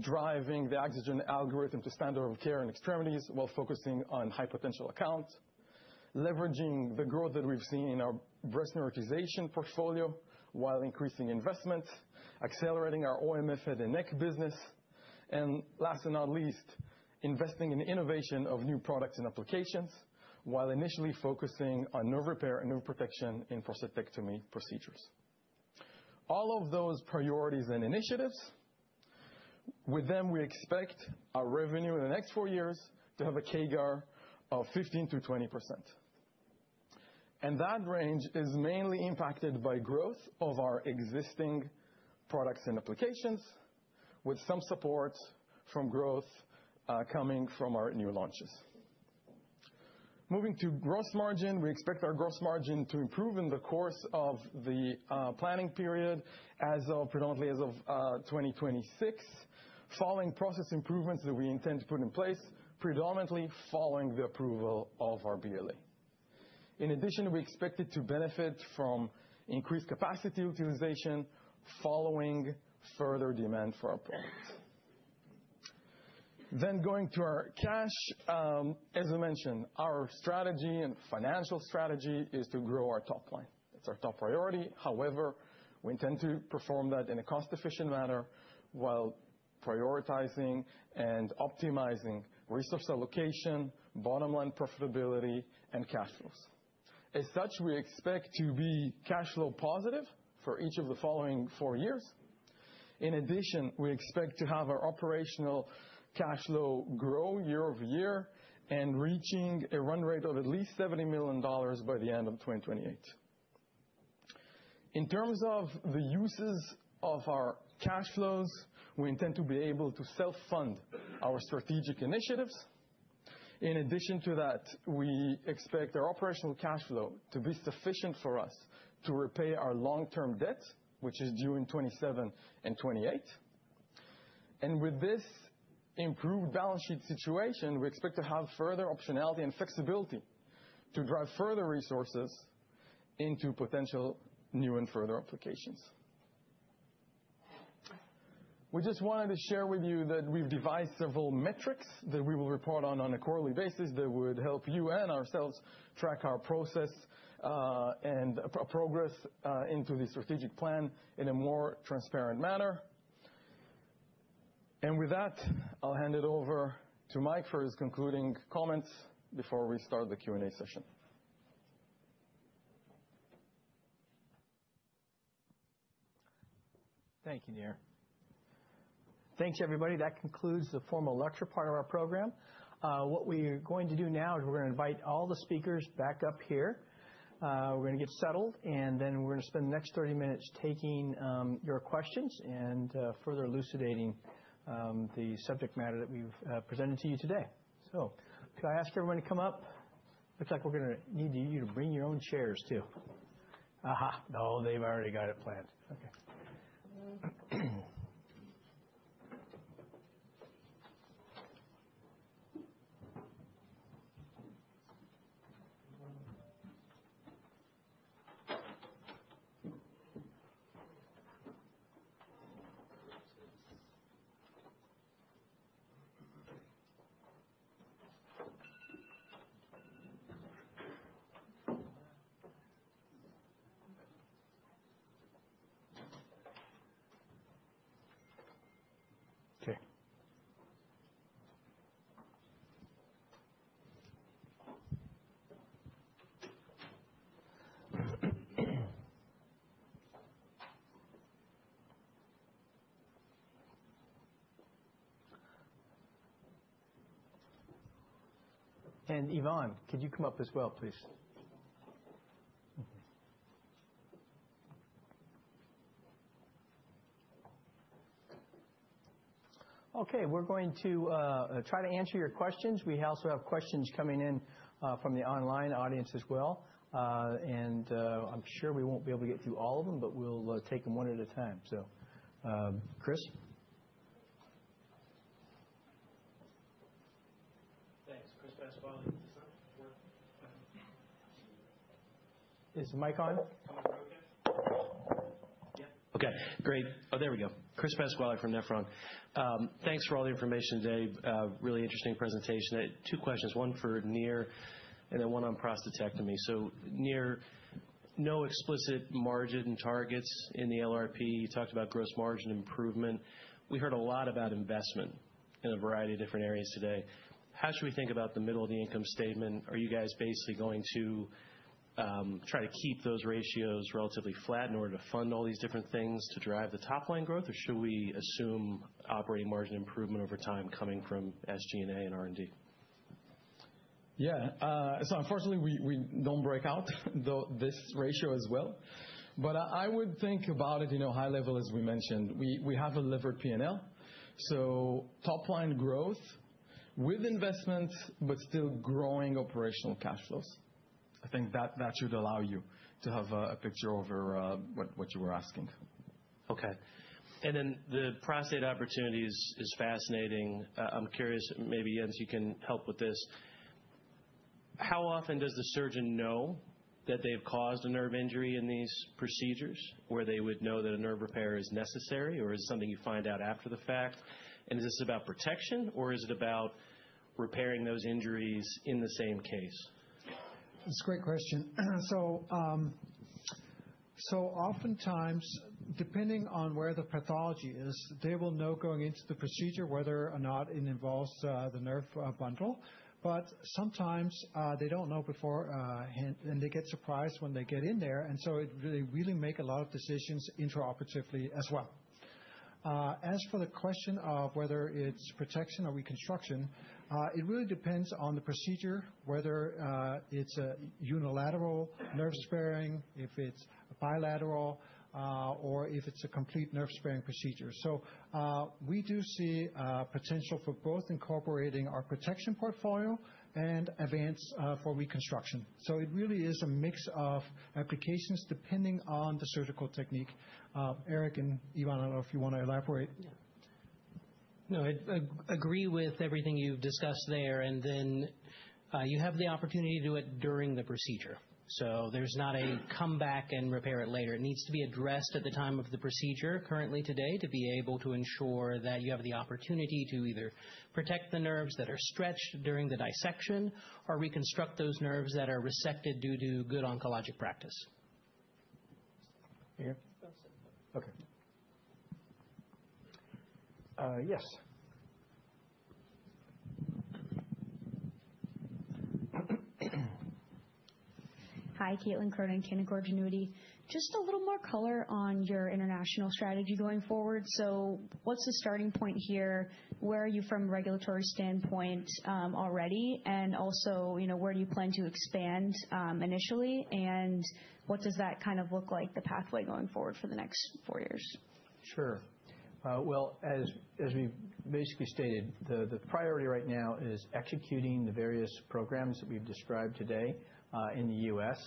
driving the AxoGen algorithm to standard of care in extremities while focusing on high potential accounts, leveraging the growth that we've seen in our breast nerve excision portfolio while increasing investment, accelerating our OMF head and neck business, and last but not least, investing in innovation of new products and applications while initially focusing on nerve repair and nerve protection in prostatectomy procedures. All of those priorities and initiatives, with them, we expect our revenue in the next four years to have a CAGR of 15% to 20%. That range is mainly impacted by growth of our existing products and applications, with some support from growth coming from our new launches. Moving to gross margin, we expect our gross margin to improve in the course of the planning period predominantly as of 2026, following process improvements that we intend to put in place, predominantly following the approval of our BLA. In addition, we expect it to benefit from increased capacity utilization following further demand for our product. Going to our cash, as I mentioned, our strategy and financial strategy is to grow our top line. It's our top priority. However, we intend to perform that in a cost-efficient manner while prioritizing and optimizing resource allocation, bottom line profitability, and cash flows. As such, we expect to be cash flow positive for each of the following four years. In addition, we expect to have our operational cash flow grow year over year and reaching a run rate of at least $70 million by the end of 2028. In terms of the uses of our cash flows, we intend to be able to self-fund our strategic initiatives. In addition to that, we expect our operational cash flow to be sufficient for us to repay our long-term debt, which is due in 2027 and 2028. With this improved balance sheet situation, we expect to have further optionality and flexibility to drive further resources into potential new and further applications. We just wanted to share with you that we've devised several metrics that we will report on a quarterly basis that would help you and ourselves track our process and progress into the strategic plan in a more transparent manner. With that, I'll hand it over to Mike for his concluding comments before we start the Q and A session. Thank you, Nir. Thanks, everybody. That concludes the formal lecture part of our program. What we are going to do now is we're going to invite all the speakers back up here. We're going to get settled, and then we're going to spend the next 30 minutes taking your questions and further elucidating the subject matter that we've presented to you today. Could I ask everyone to come up? Looks like we're going to need you to bring your own chairs too. Aha. No, they've already got it planned. Okay. Okay. Yvonne, could you come up as well, please? We're going to try to answer your questions. We also have questions coming in from the online audience as well. I'm sure we won't be able to get through all of them, but we'll take them one at a time. Chris? Thanks. Chris Pasquale from Nephron. Is Mic on? Yep. Okay. Great. Oh, there we go. Chris Pasquale from Nephron. Thanks for all the information today. Really interesting presentation. Two questions, one for Nir, and then one on prostatectomy. So Nir, no explicit margin targets in the LRP. You talked about gross margin improvement. We heard a lot about investment in a variety of different areas today. How should we think about the middle of the income statement? Are you guys basically going to try to keep those ratios relatively flat in order to fund all these different things to drive the top line growth, or should we assume operating margin improvement over time coming from SG&A and R&D? Yeah. Unfortunately, we don't break out this ratio as well. I would think about it in a high level, as we mentioned. We have a levered P&L. Top line growth with investments, but still growing operational cash flows. I think that should allow you to have a picture over what you were asking. Okay. The prostate opportunity is fascinating. I'm curious, maybe Jens, you can help with this. How often does the surgeon know that they've caused a nerve injury in these procedures where they would know that a nerve repair is necessary, or is it something you find out after the fact? Is this about protection, or is it about repairing those injuries in the same case? That's a great question. Oftentimes, depending on where the pathology is, they will know going into the procedure whether or not it involves the nerve bundle. Sometimes they do not know before, and they get surprised when they get in there. They really make a lot of decisions intraoperatively as well. As for the question of whether it is protection or reconstruction, it really depends on the procedure, whether it is a unilateral nerve sparing, if it is bilateral, or if it is a complete nerve sparing procedure. We do see potential for both incorporating our protection portfolio and Avance for reconstruction. It really is a mix of applications depending on the surgical technique. Eric and Yvonne, I do not know if you want to elaborate. No, I agree with everything you've discussed there. You have the opportunity to do it during the procedure. There's not a come back and repair it later. It needs to be addressed at the time of the procedure currently today to be able to ensure that you have the opportunity to either protect the nerves that are stretched during the dissection or reconstruct those nerves that are resected due to good oncologic practice. Okay. Yes. Hi, Caitlin Cronin and Canaccord Genuity. Just a little more color on your international strategy going forward. What's the starting point here? Where are you from a regulatory standpoint already? Also, where do you plan to expand initially? What does that kind of look like, the pathway going forward for the next four years? Sure. As we basically stated, the priority right now is executing the various programs that we've described today in the U.S.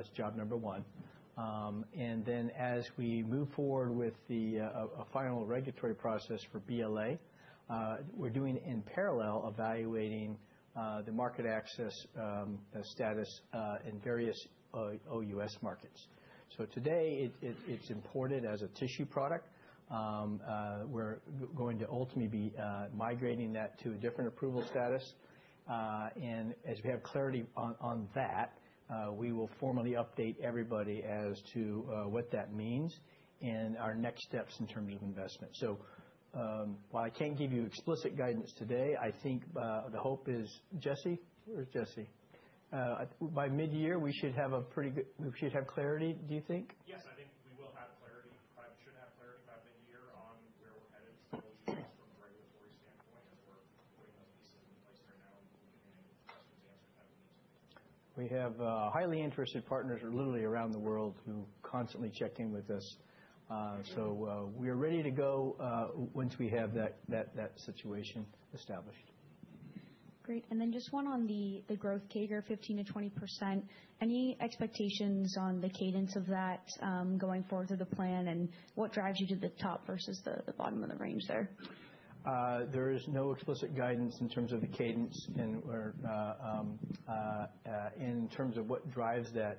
as job number one. As we move forward with the final regulatory process for BLA, we're doing in parallel evaluating the market access status in various OUS markets. Today, it's imported as a tissue product. We're going to ultimately be migrating that to a different approval status. As we have clarity on that, we will formally update everybody as to what that means and our next steps in terms of investment. While I can't give you explicit guidance today, I think the hope is, Jessie, by midyear, we should have a pretty good—we should have clarity, do you think? Yes. I think we will have clarity. We should have clarity by midyear on where we're headed from a regulatory standpoint as we're putting those pieces in place right now and getting questions answered that we need. We have highly interested partners literally around the world who constantly check in with us. We are ready to go once we have that situation established. Great. And then just one on the growth, CAGR 15% to 20%. Any expectations on the cadence of that going forward through the plan, and what drives you to the top versus the bottom of the range there? There is no explicit guidance in terms of the cadence and in terms of what drives that.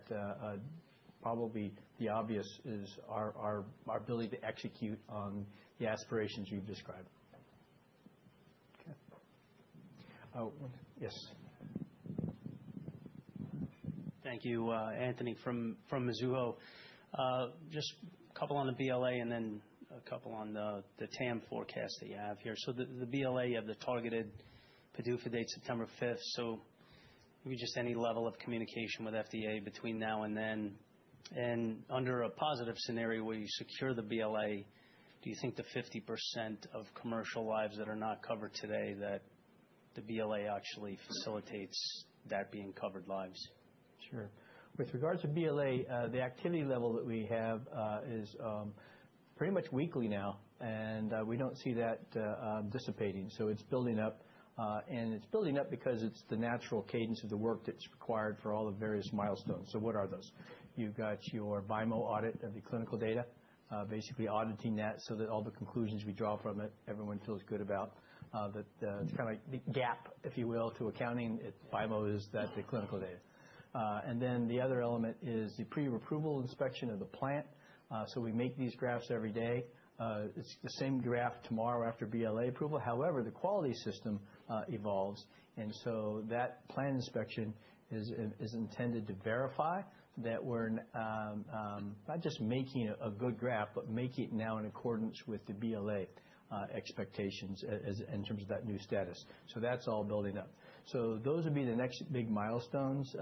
Probably the obvious is our ability to execute on the aspirations we've described. Okay. Yes. Thank you, Anthony from Mizuho. Just a couple on the BLA and then a couple on the TAM forecast that you have here. The BLA, you have the targeted due date September 5th. Maybe just any level of communication with FDA between now and then. Under a positive scenario where you secure the BLA, do you think the 50% of commercial lives that are not covered today, that the BLA actually facilitates that being covered lives? Sure. With regards to BLA, the activity level that we have is pretty much weekly now, and we don't see that dissipating. It's building up. It is building up because it is the natural cadence of the work that is required for all the various milestones. What are those? You have got your BIMO audit of the clinical data, basically auditing that so that all the conclusions we draw from it, everyone feels good about. It is kind of like the gap, if you will, to accounting. BIMO is that, the clinical data. The other element is the pre-approval inspection of the plant. We make these grafts every day. It is the same graft tomorrow after BLA approval. However, the quality system evolves. That plant inspection is intended to verify that we are not just making a good graft, but making it now in accordance with the BLA expectations in terms of that new status. That is all building up. Those would be the next big milestones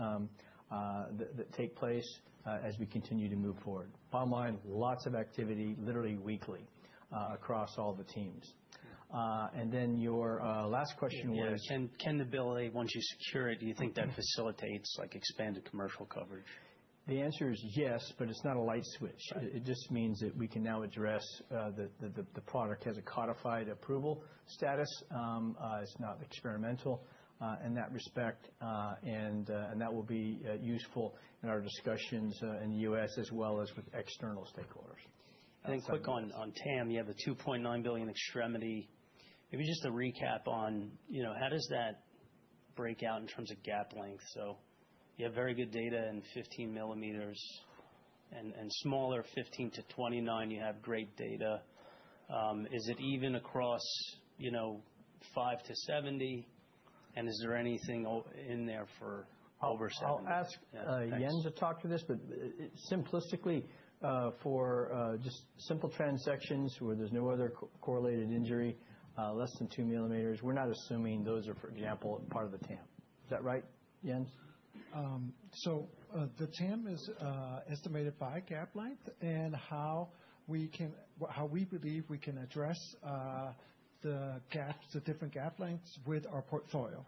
that take place as we continue to move forward. Bottom line, lots of activity, literally weekly, across all the teams. Your last question was? Yeah, can the BLA, once you secure it, do you think that facilitates expanded commercial coverage? The answer is yes, but it's not a light switch. It just means that we can now address the product has a codified approval status. It's not experimental in that respect. That will be useful in our discussions in the U.S. as well as with external stakeholders. Quick on TAM. You have the $2.9 billion extremity. Maybe just a recap on how does that break out in terms of gap length? You have very good data in 15 millimeters and smaller, 15 to 29, you have great data. Is it even across 5 to 70? Is there anything in there for over 70? I'll ask Jens to talk to this, but simplistically, for just simple transections where there's no other correlated injury, less than 2 millimeters, we're not assuming those are, for example, part of the TAM. Is that right, Jens? The TAM is estimated by gap length and how we believe we can address the different gap lengths with our portfolio.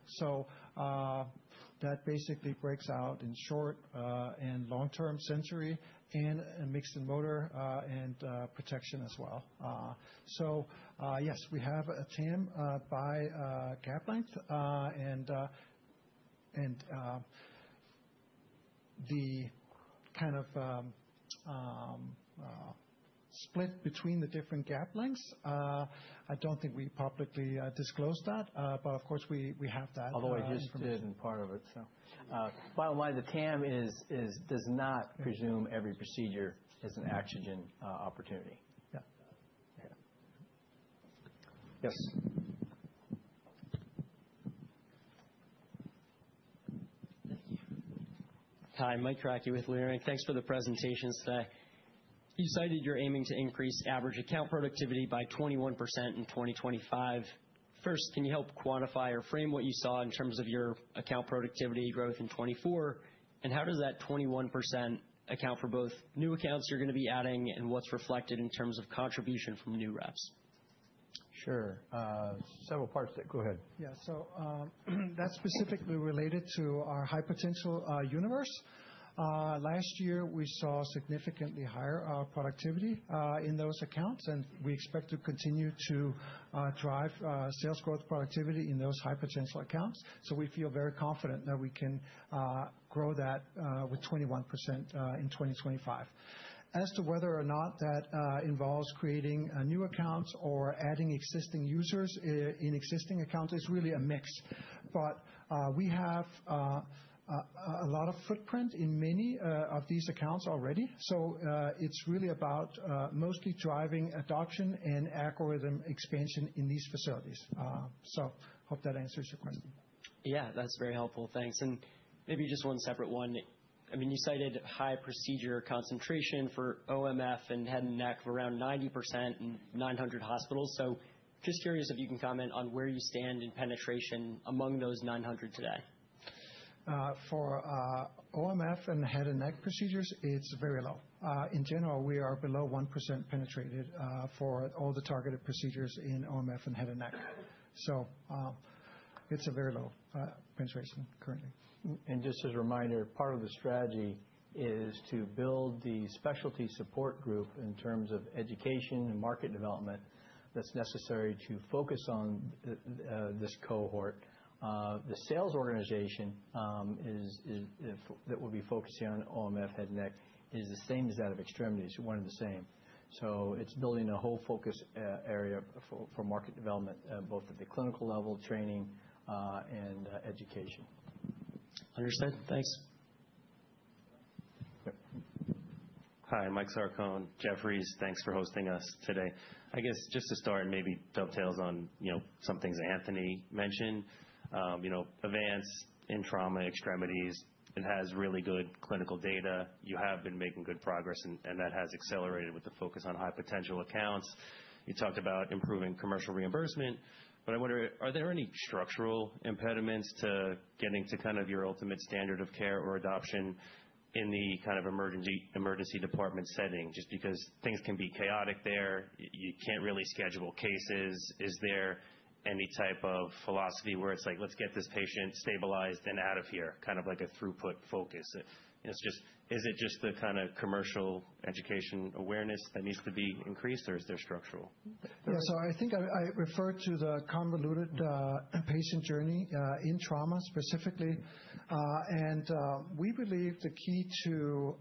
That basically breaks out in short and long-term sensory and mixed motor and protection as well. Yes, we have a TAM by gap length. The kind of split between the different gap lengths, I do not think we publicly disclose that. Of course, we have that. Although I just did in part of it. Bottom line, the TAM does not presume every procedure is an AxoGen opportunity. Yeah. Yes. Thank you. Hi. Mike Rackley with Lyric. Thanks for the presentations today. You cited you're aiming to increase average account productivity by 21% in 2025. First, can you help quantify or frame what you saw in terms of your account productivity growth in 2024? How does that 21% account for both new accounts you're going to be adding and what's reflected in terms of contribution from new reps? Sure. Several parts. Go ahead. Yeah. So that's specifically related to our high potential universe. Last year, we saw significantly higher productivity in those accounts, and we expect to continue to drive sales growth productivity in those high potential accounts. We feel very confident that we can grow that with 21% in 2025. As to whether or not that involves creating new accounts or adding existing users in existing accounts, it's really a mix. We have a lot of footprint in many of these accounts already. It's really about mostly driving adoption and algorithm expansion in these facilities. I hope that answers your question. Yeah. That's very helpful. Thanks. Maybe just one separate one. I mean, you cited high procedure concentration for OMF and head and neck of around 90% in 900 hospitals. Just curious if you can comment on where you stand in penetration among those 900 today. For OMF and head and neck procedures, it's very low. In general, we are below 1% penetrated for all the targeted procedures in OMF and head and neck. So it's a very low penetration currently. Just as a reminder, part of the strategy is to build the specialty support group in terms of education and market development that's necessary to focus on this cohort. The sales organization that will be focusing on OMF, head and neck, is the same as that of extremities, one and the same. It is building a whole focus area for market development, both at the clinical level, training, and education. Understood. Thanks. Hi. Michael Sarcone, Jefferies. Thanks for hosting us today. I guess just to start, maybe dovetails on some things Anthony mentioned. Avance in trauma, extremities, it has really good clinical data. You have been making good progress, and that has accelerated with the focus on high potential accounts. You talked about improving commercial reimbursement. I wonder, are there any structural impediments to getting to kind of your ultimate standard of care or adoption in the kind of emergency department setting? Just because things can be chaotic there, you can't really schedule cases. Is there any type of philosophy where it's like, "Let's get this patient stabilized and out of here," kind of like a throughput focus? Is it just the kind of commercial education awareness that needs to be increased, or is there structural? Yeah. I think I refer to the convoluted patient journey in trauma specifically. We believe the key to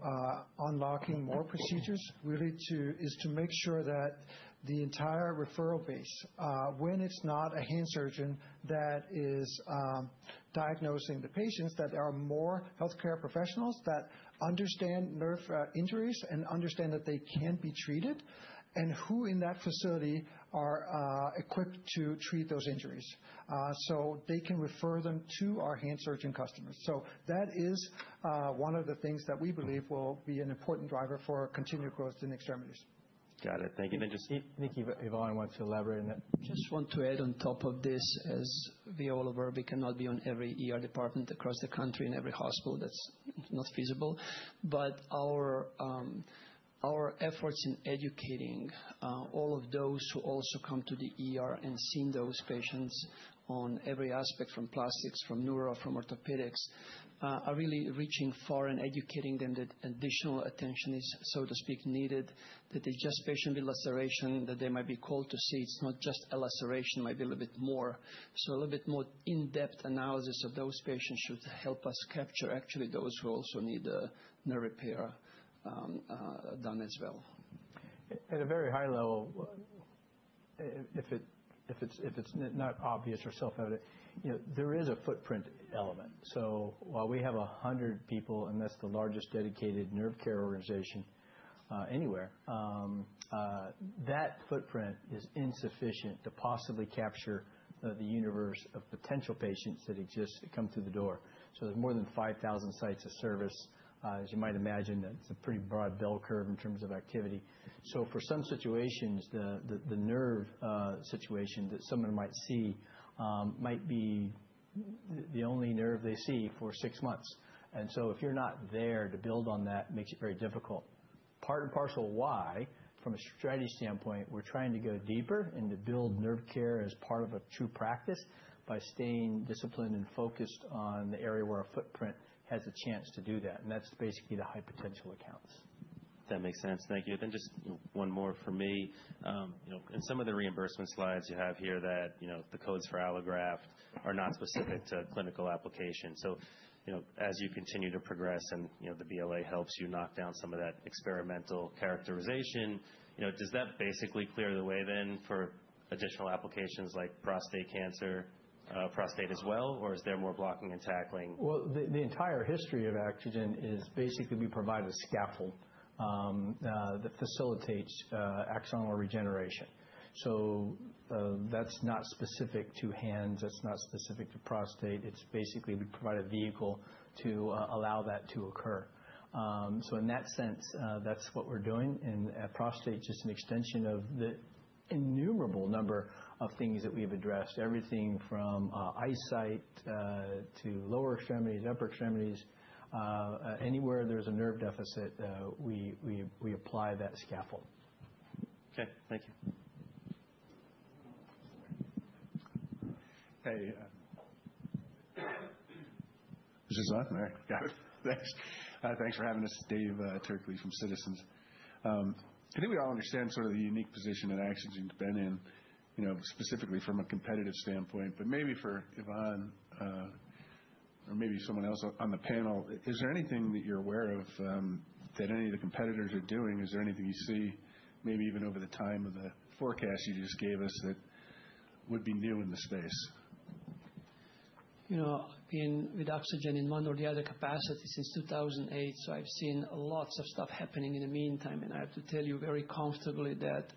unlocking more procedures is to make sure that the entire referral base, when it is not a hand surgeon that is diagnosing the patients, that there are more healthcare professionals that understand nerve injuries and understand that they can be treated and who in that facility are equipped to treat those injuries so they can refer them to our hand surgeon customers. That is one of the things that we believe will be an important driver for continued growth in extremities. Got it. Thank you. thank you very much to elaborate on that. Just want to add on top of this, as we all are aware we cannot be on every department across the country in every hospital. That's not feasible. Our efforts in educating all of those who also come to the and see those patients on every aspect from plastics, from neuro, from orthopedics, are really reaching far and educating them that additional attention is, so to speak, needed, that it's just patient with laceration, that they might be called to see. It's not just a laceration. It might be a little bit more. A little bit more in-depth analysis of those patients should help us capture actually those who also need a nerve repair done as well. At a very high level, if it's not obvious or self-evident, there is a footprint element. While we have 100 people, and that's the largest dedicated nerve care organization anywhere, that footprint is insufficient to possibly capture the universe of potential patients that exist that come through the door. There are more than 5,000 sites of service. As you might imagine, that's a pretty broad bell curve in terms of activity. For some situations, the nerve situation that someone might see might be the only nerve they see for six months. If you're not there to build on that, it makes it very difficult. Part and parcel why, from a strategy standpoint, we're trying to go deeper and to build nerve care as part of a true practice by staying disciplined and focused on the area where our footprint has a chance to do that. That's basically the high potential accounts. That makes sense. Thank you. Then just one more for me. In some of the reimbursement slides you have here, the codes for allograft are not specific to clinical application. So as you continue to progress and the BLA helps you knock down some of that experimental characterization, does that basically clear the way then for additional applications like prostate cancer, prostate as well, or is there more blocking and tackling? The entire history of AxoGen is basically we provide a scaffold that facilitates axonal regeneration. That is not specific to hands. That is not specific to prostate. It is basically we provide a vehicle to allow that to occur. In that sense, that is what we are doing. Prostate is just an extension of the innumerable number of things that we have addressed. Everything from eyesight to lower extremities, upper extremities. Anywhere there is a nerve deficit, we apply that scaffold. Okay. Thank you. Hey. This is mic. Got it. Thanks. Thanks for having us, Dave Turkaly from Citizens. I think we all understand sort of the unique position that AxoGen's been in, specifically from a competitive standpoint. Maybe for Yvonne or maybe someone else on the panel, is there anything that you're aware of that any of the competitors are doing? Is there anything you see, maybe even over the time of the forecast you just gave us, that would be new in the space? You know, I've been with AxoGen in one or the other capacity since 2008. So I've seen lots of stuff happening in the meantime. I have to tell you very comfortably that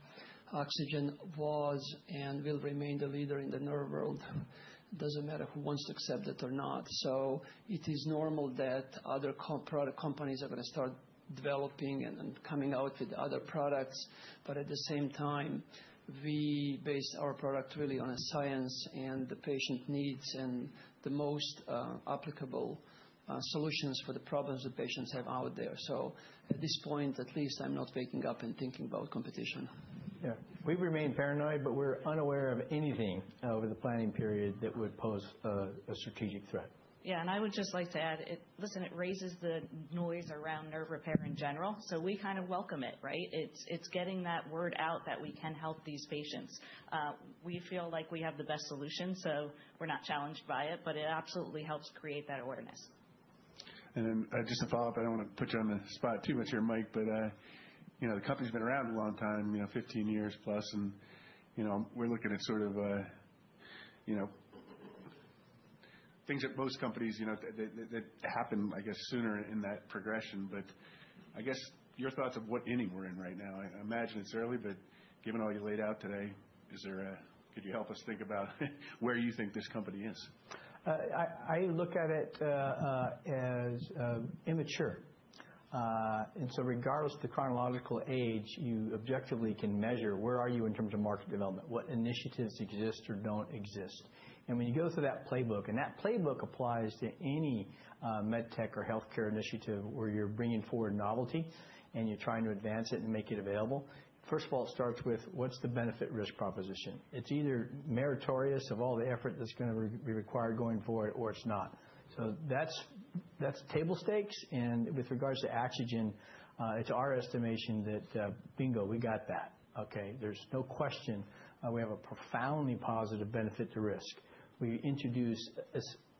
AxoGen was and will remain the leader in the nerve world. It doesn't matter who wants to accept it or not. It is normal that other product companies are going to start developing and coming out with other products. At the same time, we base our product really on science and the patient needs and the most applicable solutions for the problems the patients have out there. At this point, at least, I'm not waking up and thinking about competition. Yeah. We remain paranoid, but we're unaware of anything over the planning period that would pose a strategic threat. Yeah. I would just like to add, listen, it raises the noise around nerve repair in general. We kind of welcome it, right? It's getting that word out that we can help these patients. We feel like we have the best solution, so we're not challenged by it. It absolutely helps create that awareness. Just to follow up, I don't want to put you on the spot too much here, Mike, but the company's been around a long time, 15 years plus. We're looking at sort of things that most companies that happen, I guess, sooner in that progression. I guess your thoughts of what ending we're in right now? I imagine it's early, but given all you laid out today, could you help us think about where you think this company is? I look at it as immature. Regardless of the chronological age, you objectively can measure where are you in terms of market development, what initiatives exist or do not exist. When you go through that playbook, and that playbook applies to any med tech or healthcare initiative where you are bringing forward novelty and you are trying to advance it and make it available, first of all, it starts with what is the benefit-risk proposition. It is either meritorious of all the effort that is going to be required going forward or it is not. That is table stakes. With regards to AxoGen, it is our estimation that, bingo, we got that. Okay? There is no question. We have a profoundly positive benefit to risk. We introduce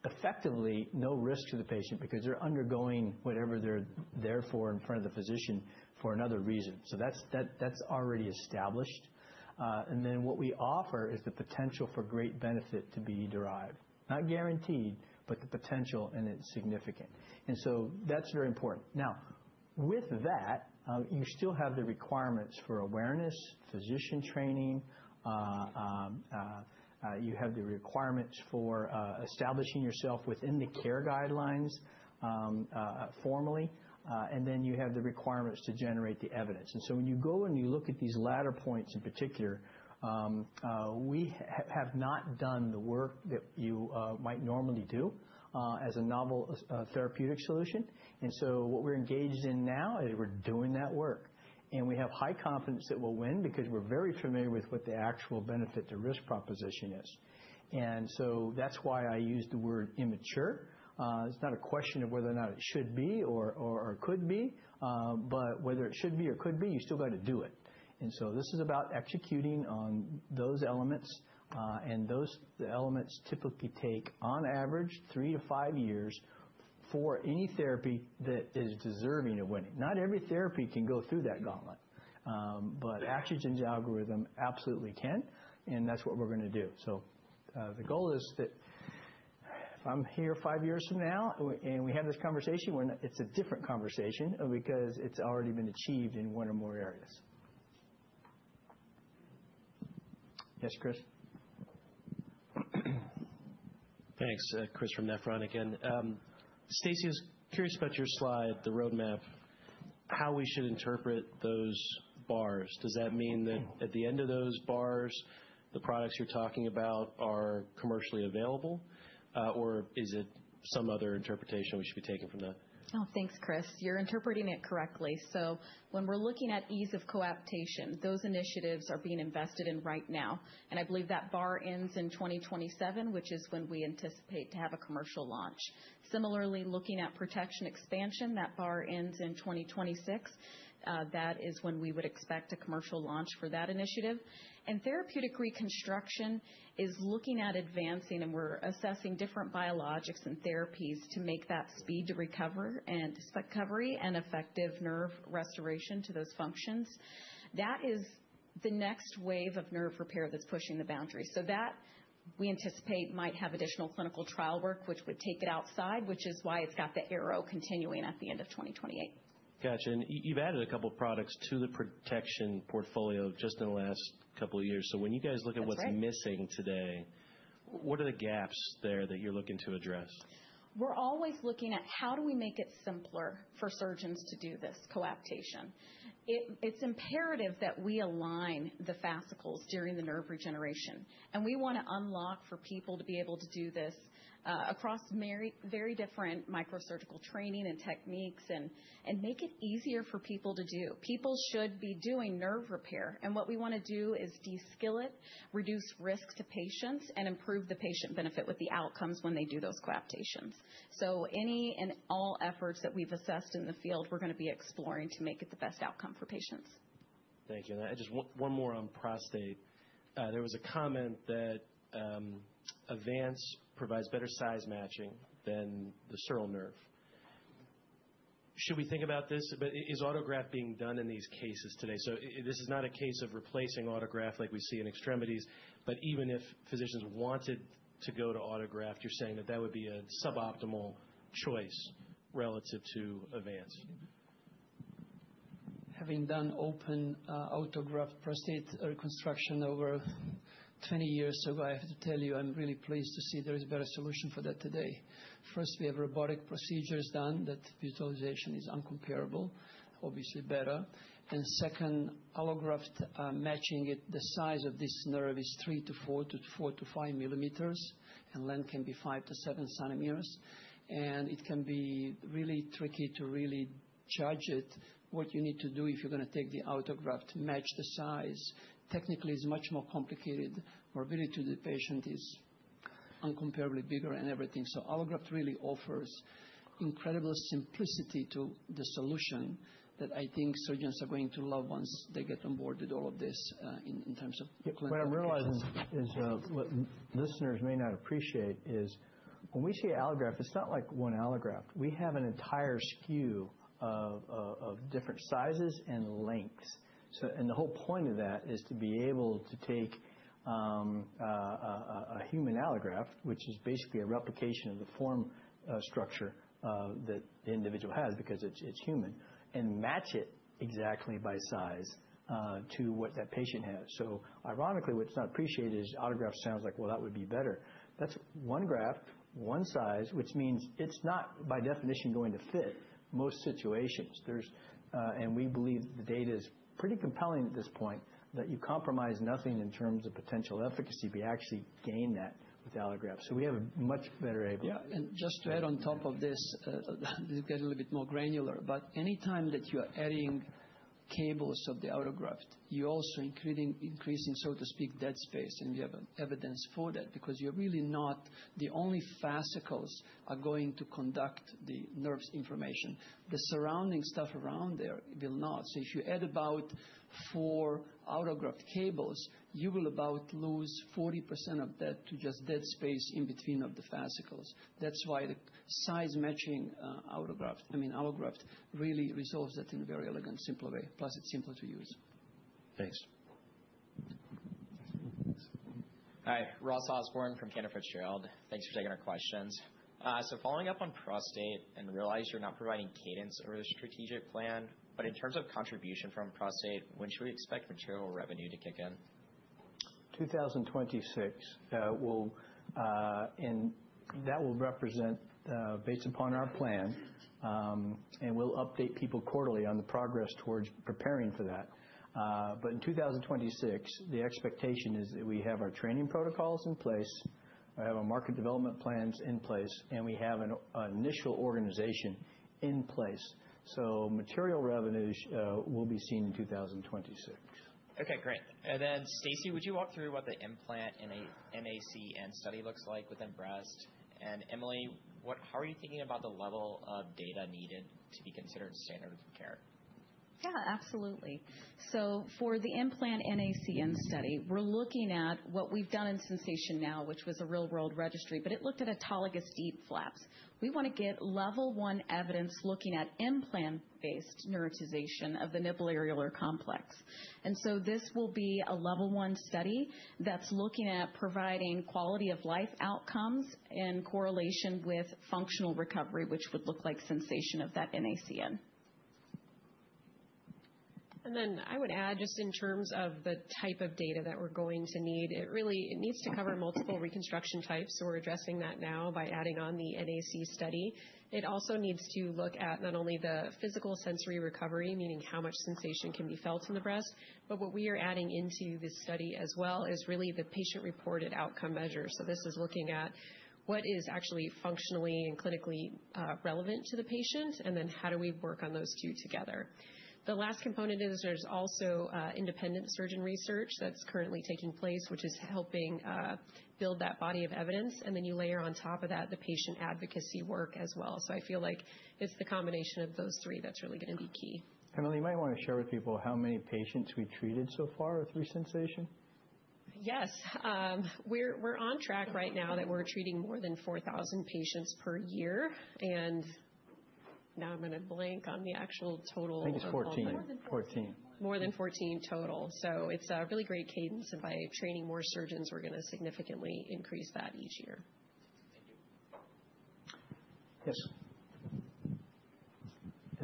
effectively no risk to the patient because they are undergoing whatever they are there for in front of the physician for another reason. That is already established. What we offer is the potential for great benefit to be derived. Not guaranteed, but the potential and it is significant. That is very important. Now, with that, you still have the requirements for awareness, physician training. You have the requirements for establishing yourself within the care guidelines formally. You have the requirements to generate the evidence. When you go and you look at these latter points in particular, we have not done the work that you might normally do as a novel therapeutic solution. What we are engaged in now is we are doing that work. We have high confidence that we will win because we are very familiar with what the actual benefit-to-risk proposition is. That is why I use the word immature. It's not a question of whether or not it should be or could be, but whether it should be or could be, you still got to do it. This is about executing on those elements. Those elements typically take, on average, three to five years for any therapy that is deserving of winning. Not every therapy can go through that gauntlet. But AxoGen's algorithm absolutely can. That's what we're going to do. The goal is that if I'm here five years from now and we have this conversation, it's a different conversation because it's already been achieved in one or more areas. Yes, Chris. Thanks, Chris from Nephron again. Stacy is curious about your slide, the roadmap, how we should interpret those bars. Does that mean that at the end of those bars, the products you're talking about are commercially available, or is it some other interpretation we should be taking from the? Oh, thanks, Chris. You're interpreting it correctly. When we're looking at ease of coaptation, those initiatives are being invested in right now. I believe that bar ends in 2027, which is when we anticipate to have a commercial launch. Similarly, looking at protection expansion, that bar ends in 2026. That is when we would expect a commercial launch for that initiative. Therapeutic reconstruction is looking at advancing, and we're assessing different biologics and therapies to make that speed to recovery and effective nerve restoration to those functions. That is the next wave of nerve repair that's pushing the boundaries. We anticipate that might have additional clinical trial work, which would take it outside, which is why it's got the arrow continuing at the end of 2028. Gotcha. You have added a couple of products to the protection portfolio just in the last couple of years. When you guys look at what is missing today, what are the gaps there that you are looking to address? We're always looking at how do we make it simpler for surgeons to do this coaptation. It's imperative that we align the fascicles during the nerve regeneration. We want to unlock for people to be able to do this across very different microsurgical training and techniques and make it easier for people to do. People should be doing nerve repair. What we want to do is de-skill it, reduce risk to patients, and improve the patient benefit with the outcomes when they do those coaptations. Any and all efforts that we've assessed in the field, we're going to be exploring to make it the best outcome for patients. Thank you. Just one more on prostate. There was a comment that Avance provides better size matching than the sural nerve. Should we think about this? Is autograft being done in these cases today? This is not a case of replacing autograft like we see in extremities. Even if physicians wanted to go to autograft, you're saying that that would be a suboptimal choice relative to Avance. Having done open autograft prostate reconstruction over 20 years ago, I have to tell you I'm really pleased to see there is a better solution for that today. First, we have robotic procedures done that utilization is uncomparable, obviously better. Second, allograft matching it, the size of this nerve is 3 to 4, to 4 to 5 millimeters, and length can be 5 to 7 centimeters. It can be really tricky to really judge it. What you need to do if you're going to take the autograft to match the size technically is much more complicated. Morbidity to the patient is uncomparably bigger and everything. Allograft really offers incredible simplicity to the solution that I think surgeons are going to love once they get on board with all of this in terms of clinical. What I'm realizing is what listeners may not appreciate is when we see allograft, it's not like one allograft. We have an entire SKU of different sizes and lengths. The whole point of that is to be able to take a human allograft, which is basically a replication of the form structure that the individual has because it's human, and match it exactly by size to what that patient has. Ironically, what's not appreciated is autograft sounds like, like that would be better. That's one graft, one size, which means it's not by definition going to fit most situations. We believe the data is pretty compelling at this point that you compromise nothing in terms of potential efficacy. We actually gain that with allograft. We have a much better able. Yeah. Just to add on top of this, let's get a little bit more granular. Anytime that you are adding cables of the autograft, you're also increasing, so to speak, dead space. We have evidence for that because really not the only fascicles are going to conduct the nerve's information. The surrounding stuff around there will not. If you add about four autograft cables, you will about lose 40% of that to just dead space in between of the fascicles. That's why the size matching autograft, I mean, allograft really resolves that in a very elegant, simple way. Plus, it's simple to use. Thanks. Hi. Ross Osborn from Cantor Fitzgerald. Thanks for taking our questions. Following up on prostate, and I realize you're not providing cadence over the strategic plan. In terms of contribution from prostate, when should we expect material revenue to kick in? 2026 will, and that will represent based upon our plan. We will update people quarterly on the progress towards preparing for that. In 2026, the expectation is that we have our training protocols in place. We have our market development plans in place. We have an initial organization in place. Material revenues will be seen in 2026. Okay. Great. Stacy, would you walk through what the implant and NaCNs study looks like within breast? Emily, how are you thinking about the level of data needed to be considered standard of care? Yeah, absolutely. For the implant NaCN study, we're looking at what we've done in Sensation Now, which was a real-world registry, but it looked at autologous deep flaps. We want to get level one evidence looking at implant-based nerveization of the nipple-areolar complex. This will be a level one study that's looking at providing quality of life outcomes in correlation with functional recovery, which would look like sensation of that NaCN. I would add just in terms of the type of data that we're going to need, it really needs to cover multiple reconstruction types. We're addressing that now by adding on the NAC study. It also needs to look at not only the physical sensory recovery, meaning how much sensation can be felt in the breast, but what we are adding into this study as well is really the patient-reported outcome measure. This is looking at what is actually functionally and clinically relevant to the patient, and then how do we work on those two together. The last component is there's also independent surgeon research that's currently taking place, which is helping build that body of evidence. Then you layer on top of that the patient advocacy work as well. I feel like it's the combination of those three that's really going to be key. Emily, you might want to share with people how many patients we treated so far with re-sensation. Yes. We're on track right now that we're treating more than 4,000 patients per year. Now I'm going to blank on the actual total. I think it's 14. More than 14. More than 14 total. It is a really great cadence. By training more surgeons, we're going to significantly increase that each year. Thank you. Yes.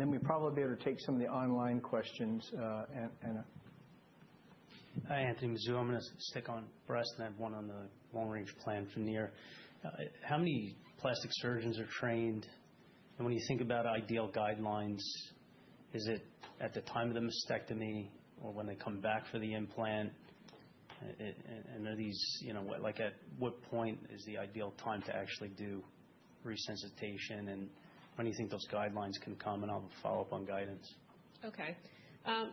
We probably better take some of the online questions. Hi, Anthony Mazzuca. I'm going to stick on breast and have one on the long-range plan for near. How many plastic surgeons are trained? When you think about ideal guidelines, is it at the time of the mastectomy or when they come back for the implant? Are these, like at what point is the ideal time to actually do re-sensitization? When do you think those guidelines can come? I'll follow up on guidance. Okay.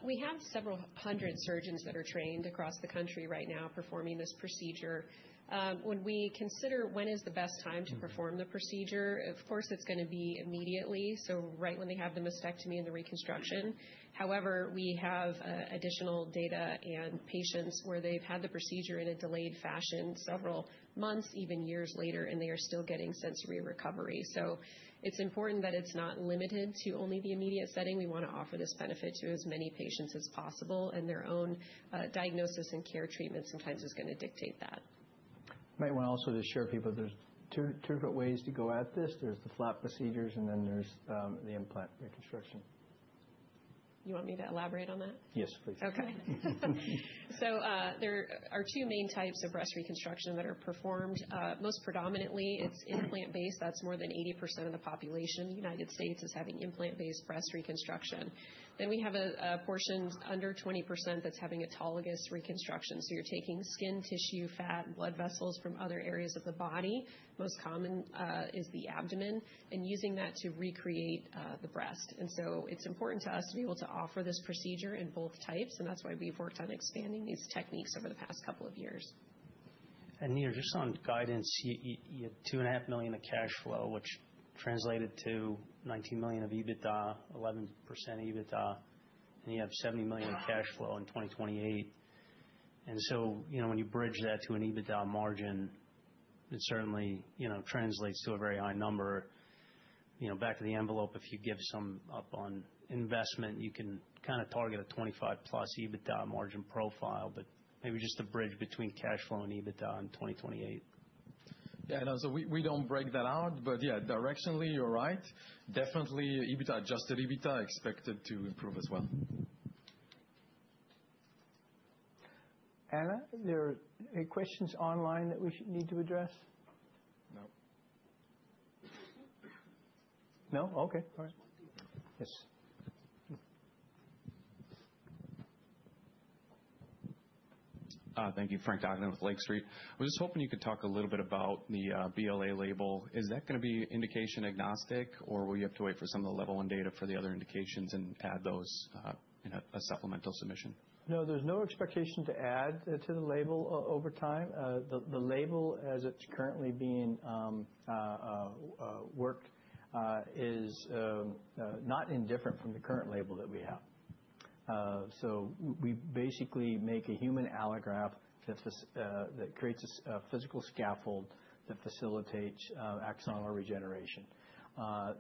We have several hundred surgeons that are trained across the country right now performing this procedure. When we consider when is the best time to perform the procedure, of course, it's going to be immediately, so right when they have the mastectomy and the reconstruction. However, we have additional data and patients where they've had the procedure in a delayed fashion several months, even years later, and they are still getting sensory recovery. It is important that it's not limited to only the immediate setting. We want to offer this benefit to as many patients as possible. Their own diagnosis and care treatment sometimes is going to dictate that. Might want also to share with people there's two different ways to go at this. There's the flap procedures, and then there's the implant reconstruction. You want me to elaborate on that? Yes, please. Okay. There are two main types of breast reconstruction that are performed. Most predominantly, it's implant-based. That's more than 80% of the population in the United States is having implant-based breast reconstruction. We have a portion under 20% that's having autologous reconstruction. You're taking skin, tissue, fat, blood vessels from other areas of the body. Most common is the abdomen and using that to recreate the breast. It's important to us to be able to offer this procedure in both types. That's why we've worked on expanding these techniques over the past couple of years. Just on guidance, you had $2.5 million of cash flow, which translated to $19 million of EBITDA, 11% EBITDA, and you have $70 million of cash flow in 2028. When you bridge that to an EBITDA margin, it certainly translates to a very high number. Back to the envelope, if you give some up on investment, you can kind of target a 25% plus EBITDA margin profile, but maybe just to bridge between cash flow and EBITDA in 2028. Yeah. We do not break that out. Yeah, directionally, you are right. Definitely adjusted EBITDA expected to improve as well. Anna? Are there any questions online that we need to address? No. No? Okay. All right. Yes. Thank you. Frank Takkinen with Lake Street. We're just hoping you could talk a little bit about the BLA label. Is that going to be indication agnostic, or will you have to wait for some of the level one data for the other indications and add those in a supplemental submission? No, there's no expectation to add to the label over time. The label, as it's currently being worked, is not indifferent from the current label that we have. We basically make a human allograft that creates a physical scaffold that facilitates axonal regeneration. I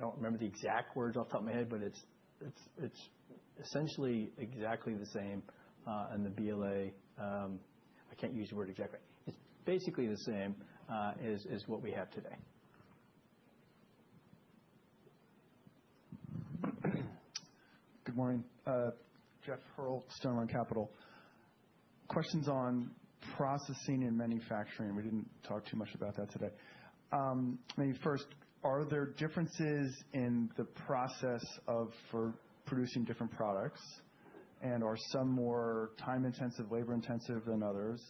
don't remember the exact words off the top of my head, but it's essentially exactly the same. The BLA, I can't use the word exactly. It's basically the same as what we have today. Good morning. Jeff Hurl at Stonewall Capital. Questions on processing and manufacturing. We did not talk too much about that today. Maybe first, are there differences in the process for producing different products? And are some more time-intensive, labor-intensive than others?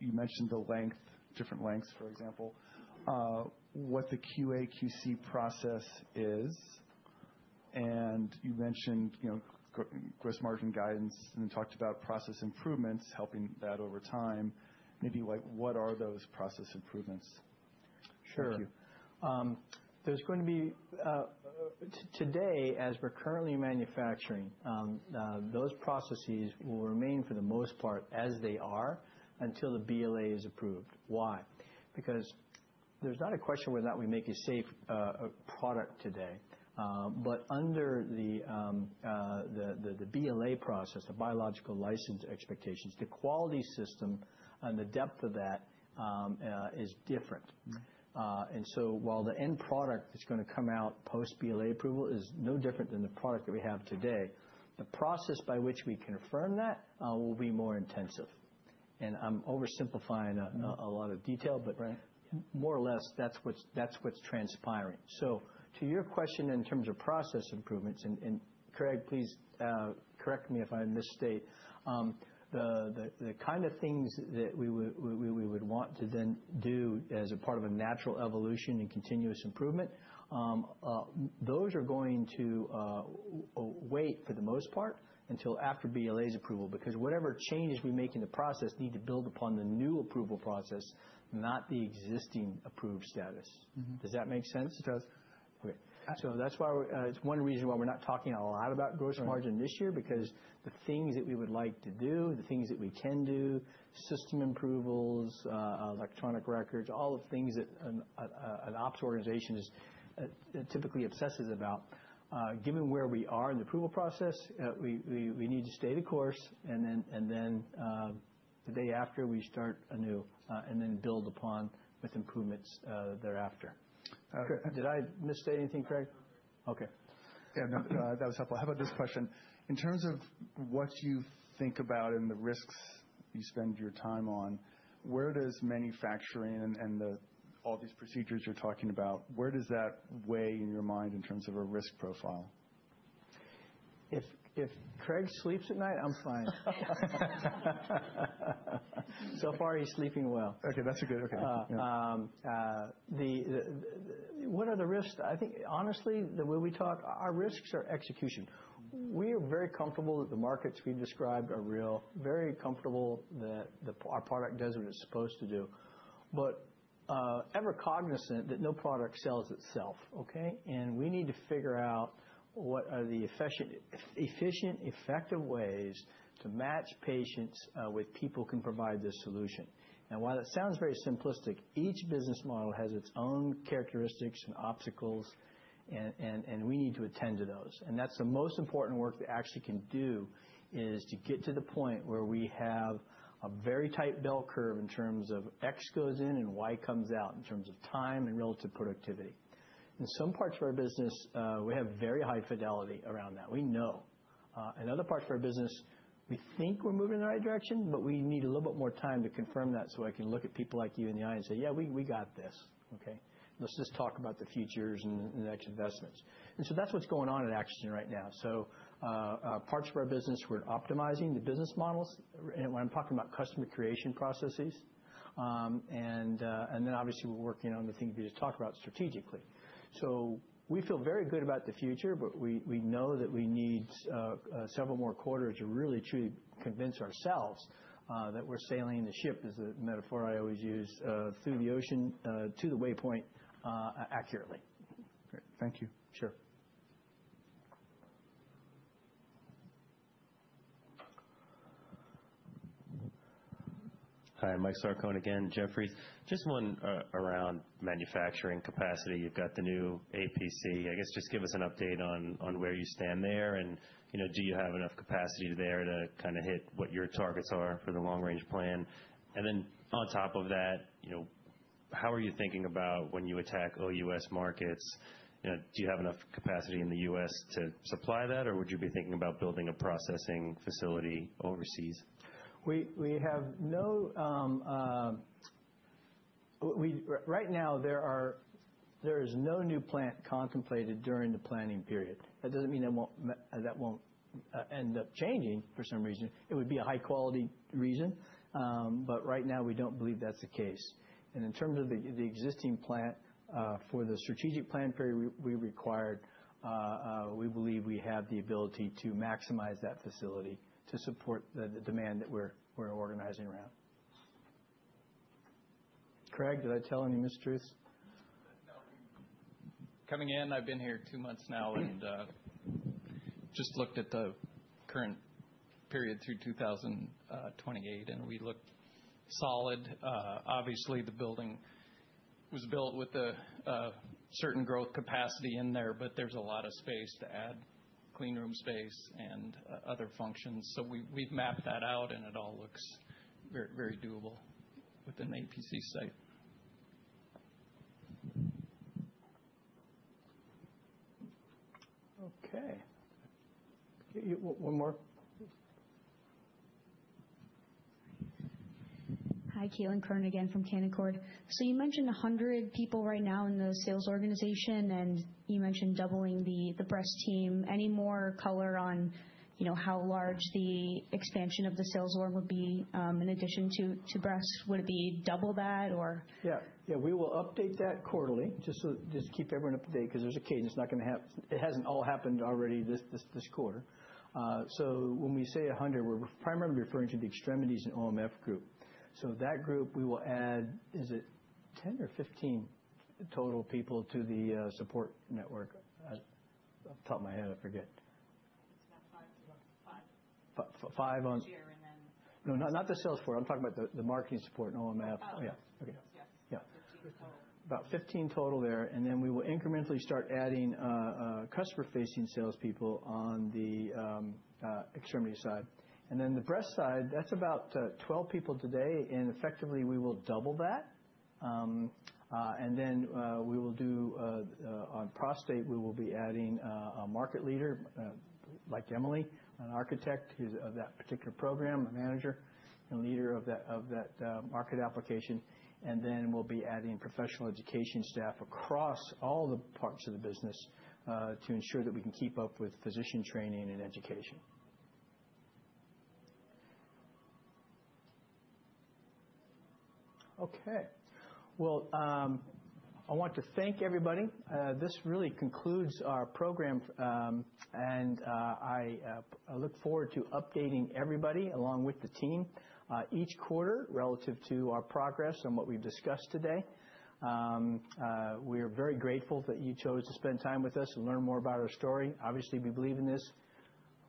You mentioned the length, different lengths, for example, what the QA/QC process is. You mentioned gross margin guidance and then talked about process improvements, helping that over time. Maybe what are those process improvements? Sure. There's going to be today, as we're currently manufacturing, those processes will remain for the most part as they are until the BLA is approved. Why? Because there's not a question whether or not we make a safe product today. Under the BLA process, the biological license expectations, the quality system and the depth of that is different. While the end product that's going to come out post-BLA approval is no different than the product that we have today, the process by which we confirm that will be more intensive. I'm oversimplifying a lot of detail, but more or less, that's what's transpiring. To your question in terms of process improvements, and Craig, please correct me if I misstate. The kind of things that we would want to then do as a part of a natural evolution and continuous improvement, those are going to wait for the most part until after BLA's approval because whatever changes we make in the process need to build upon the new approval process, not the existing approved status. Does that make sense? It does. Okay. That is why it is one reason why we are not talking a lot about gross margin this year because the things that we would like to do, the things that we can do, system improvements, electronic records, all of the things that an ops organization typically obsesses about, given where we are in the approval process, we need to stay the course. The day after, we start anew and then build upon with improvements thereafter. Did I misstate anything, Craig? No, sir. Okay. Yeah, no, that was helpful. How about this question? In terms of what you think about and the risks you spend your time on, where does manufacturing and all these procedures you're talking about, where does that weigh in your mind in terms of a risk profile? If Craig sleeps at night, I'm fine. So far, he's sleeping well. Okay. That's a good okay. What are the risks? I think, honestly, the way we talk, our risks are execution. We are very comfortable that the markets we described are real, very comfortable that our product does what it's supposed to do, ever cognizant that no product sells itself. Okay? We need to figure out what are the efficient, effective ways to match patients with people who can provide this solution. While it sounds very simplistic, each business model has its own characteristics and obstacles, and we need to attend to those. That's the most important work that we actually can do is to get to the point where we have a very tight bell curve in terms of X goes in and Y comes out in terms of time and relative productivity. In some parts of our business, we have very high fidelity around that. We know. In other parts of our business, we think we're moving in the right direction, but we need a little bit more time to confirm that so I can look at people like you in the eye and say, "Yeah, we got this. Okay? Let's just talk about the futures and the next investments." That's what's going on at AxoGen right now. Parts of our business, we're optimizing the business models. When I'm talking about customer creation processes. Obviously, we're working on the things we just talked about strategically. We feel very good about the future, but we know that we need several more quarters to really truly convince ourselves that we're sailing the ship, is the metaphor I always use, through the ocean to the waypoint accurately. Great. Thank you. Sure. Hi, Mike Sarcone again, Jefferies. Just one around manufacturing capacity. You've got the new APC. I guess just give us an update on where you stand there. Do you have enough capacity there to kind of hit what your targets are for the long-range plan? On top of that, how are you thinking about when you attack OUS markets? Do you have enough capacity in the U.S. to supply that, or would you be thinking about building a processing facility overseas? We have no right now, there is no new plant contemplated during the planning period. That does not mean that will not end up changing for some reason. It would be a high-quality reason. Right now, we do not believe that is the case. In terms of the existing plant for the strategic plan period, we required, we believe we have the ability to maximize that facility to support the demand that we are organizing around. Craig, did I tell any mysteries? No. Coming in, I've been here two months now and just looked at the current period through 2028, and we looked solid. Obviously, the building was built with a certain growth capacity in there, but there's a lot of space to add cleanroom space and other functions. We have mapped that out, and it all looks very doable with an APC site. Okay. One more. Hi, Caitlin Cronin again from Canaccord. You mentioned 100 people right now in the sales organization, and you mentioned doubling the breast team. Any more color on how large the expansion of the sales org would be in addition to breast? Would it be double that, or? Yeah. Yeah, we will update that quarterly just to keep everyone up to date because there's a cadence. It hasn't all happened already this quarter. When we say 100, we're primarily referring to the extremities and OMF group. That group, we will add, is it 10 or 15 total people to the support network? Off the top of my head, I forget. It's about five to five Five. Each year and then. No, not the sales for. I'm talking about the marketing support in OMF. OMF. Oh, yeah. Yes.About 15 total. About 15 total there. We will incrementally start adding customer-facing salespeople on the extremity side. On the breast side, that's about 12 people today. Effectively, we will double that. We will do on prostate, we will be adding a market leader like Emily, an architect of that particular program, a manager and leader of that market application. We will be adding professional education staff across all the parts of the business to ensure that we can keep up with physician training and education. Okay. I want to thank everybody. This really concludes our program, and I look forward to updating everybody along with the team each quarter relative to our progress and what we've discussed today. We are very grateful that you chose to spend time with us and learn more about our story. Obviously, we believe in this.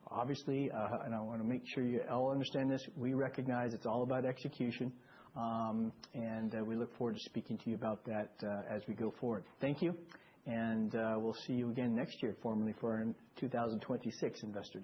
Obviously, and I want to make sure you all understand this, we recognize it's all about execution. We look forward to speaking to you about that as we go forward. Thank you. We'll see you again next year formally for our 2026 investor.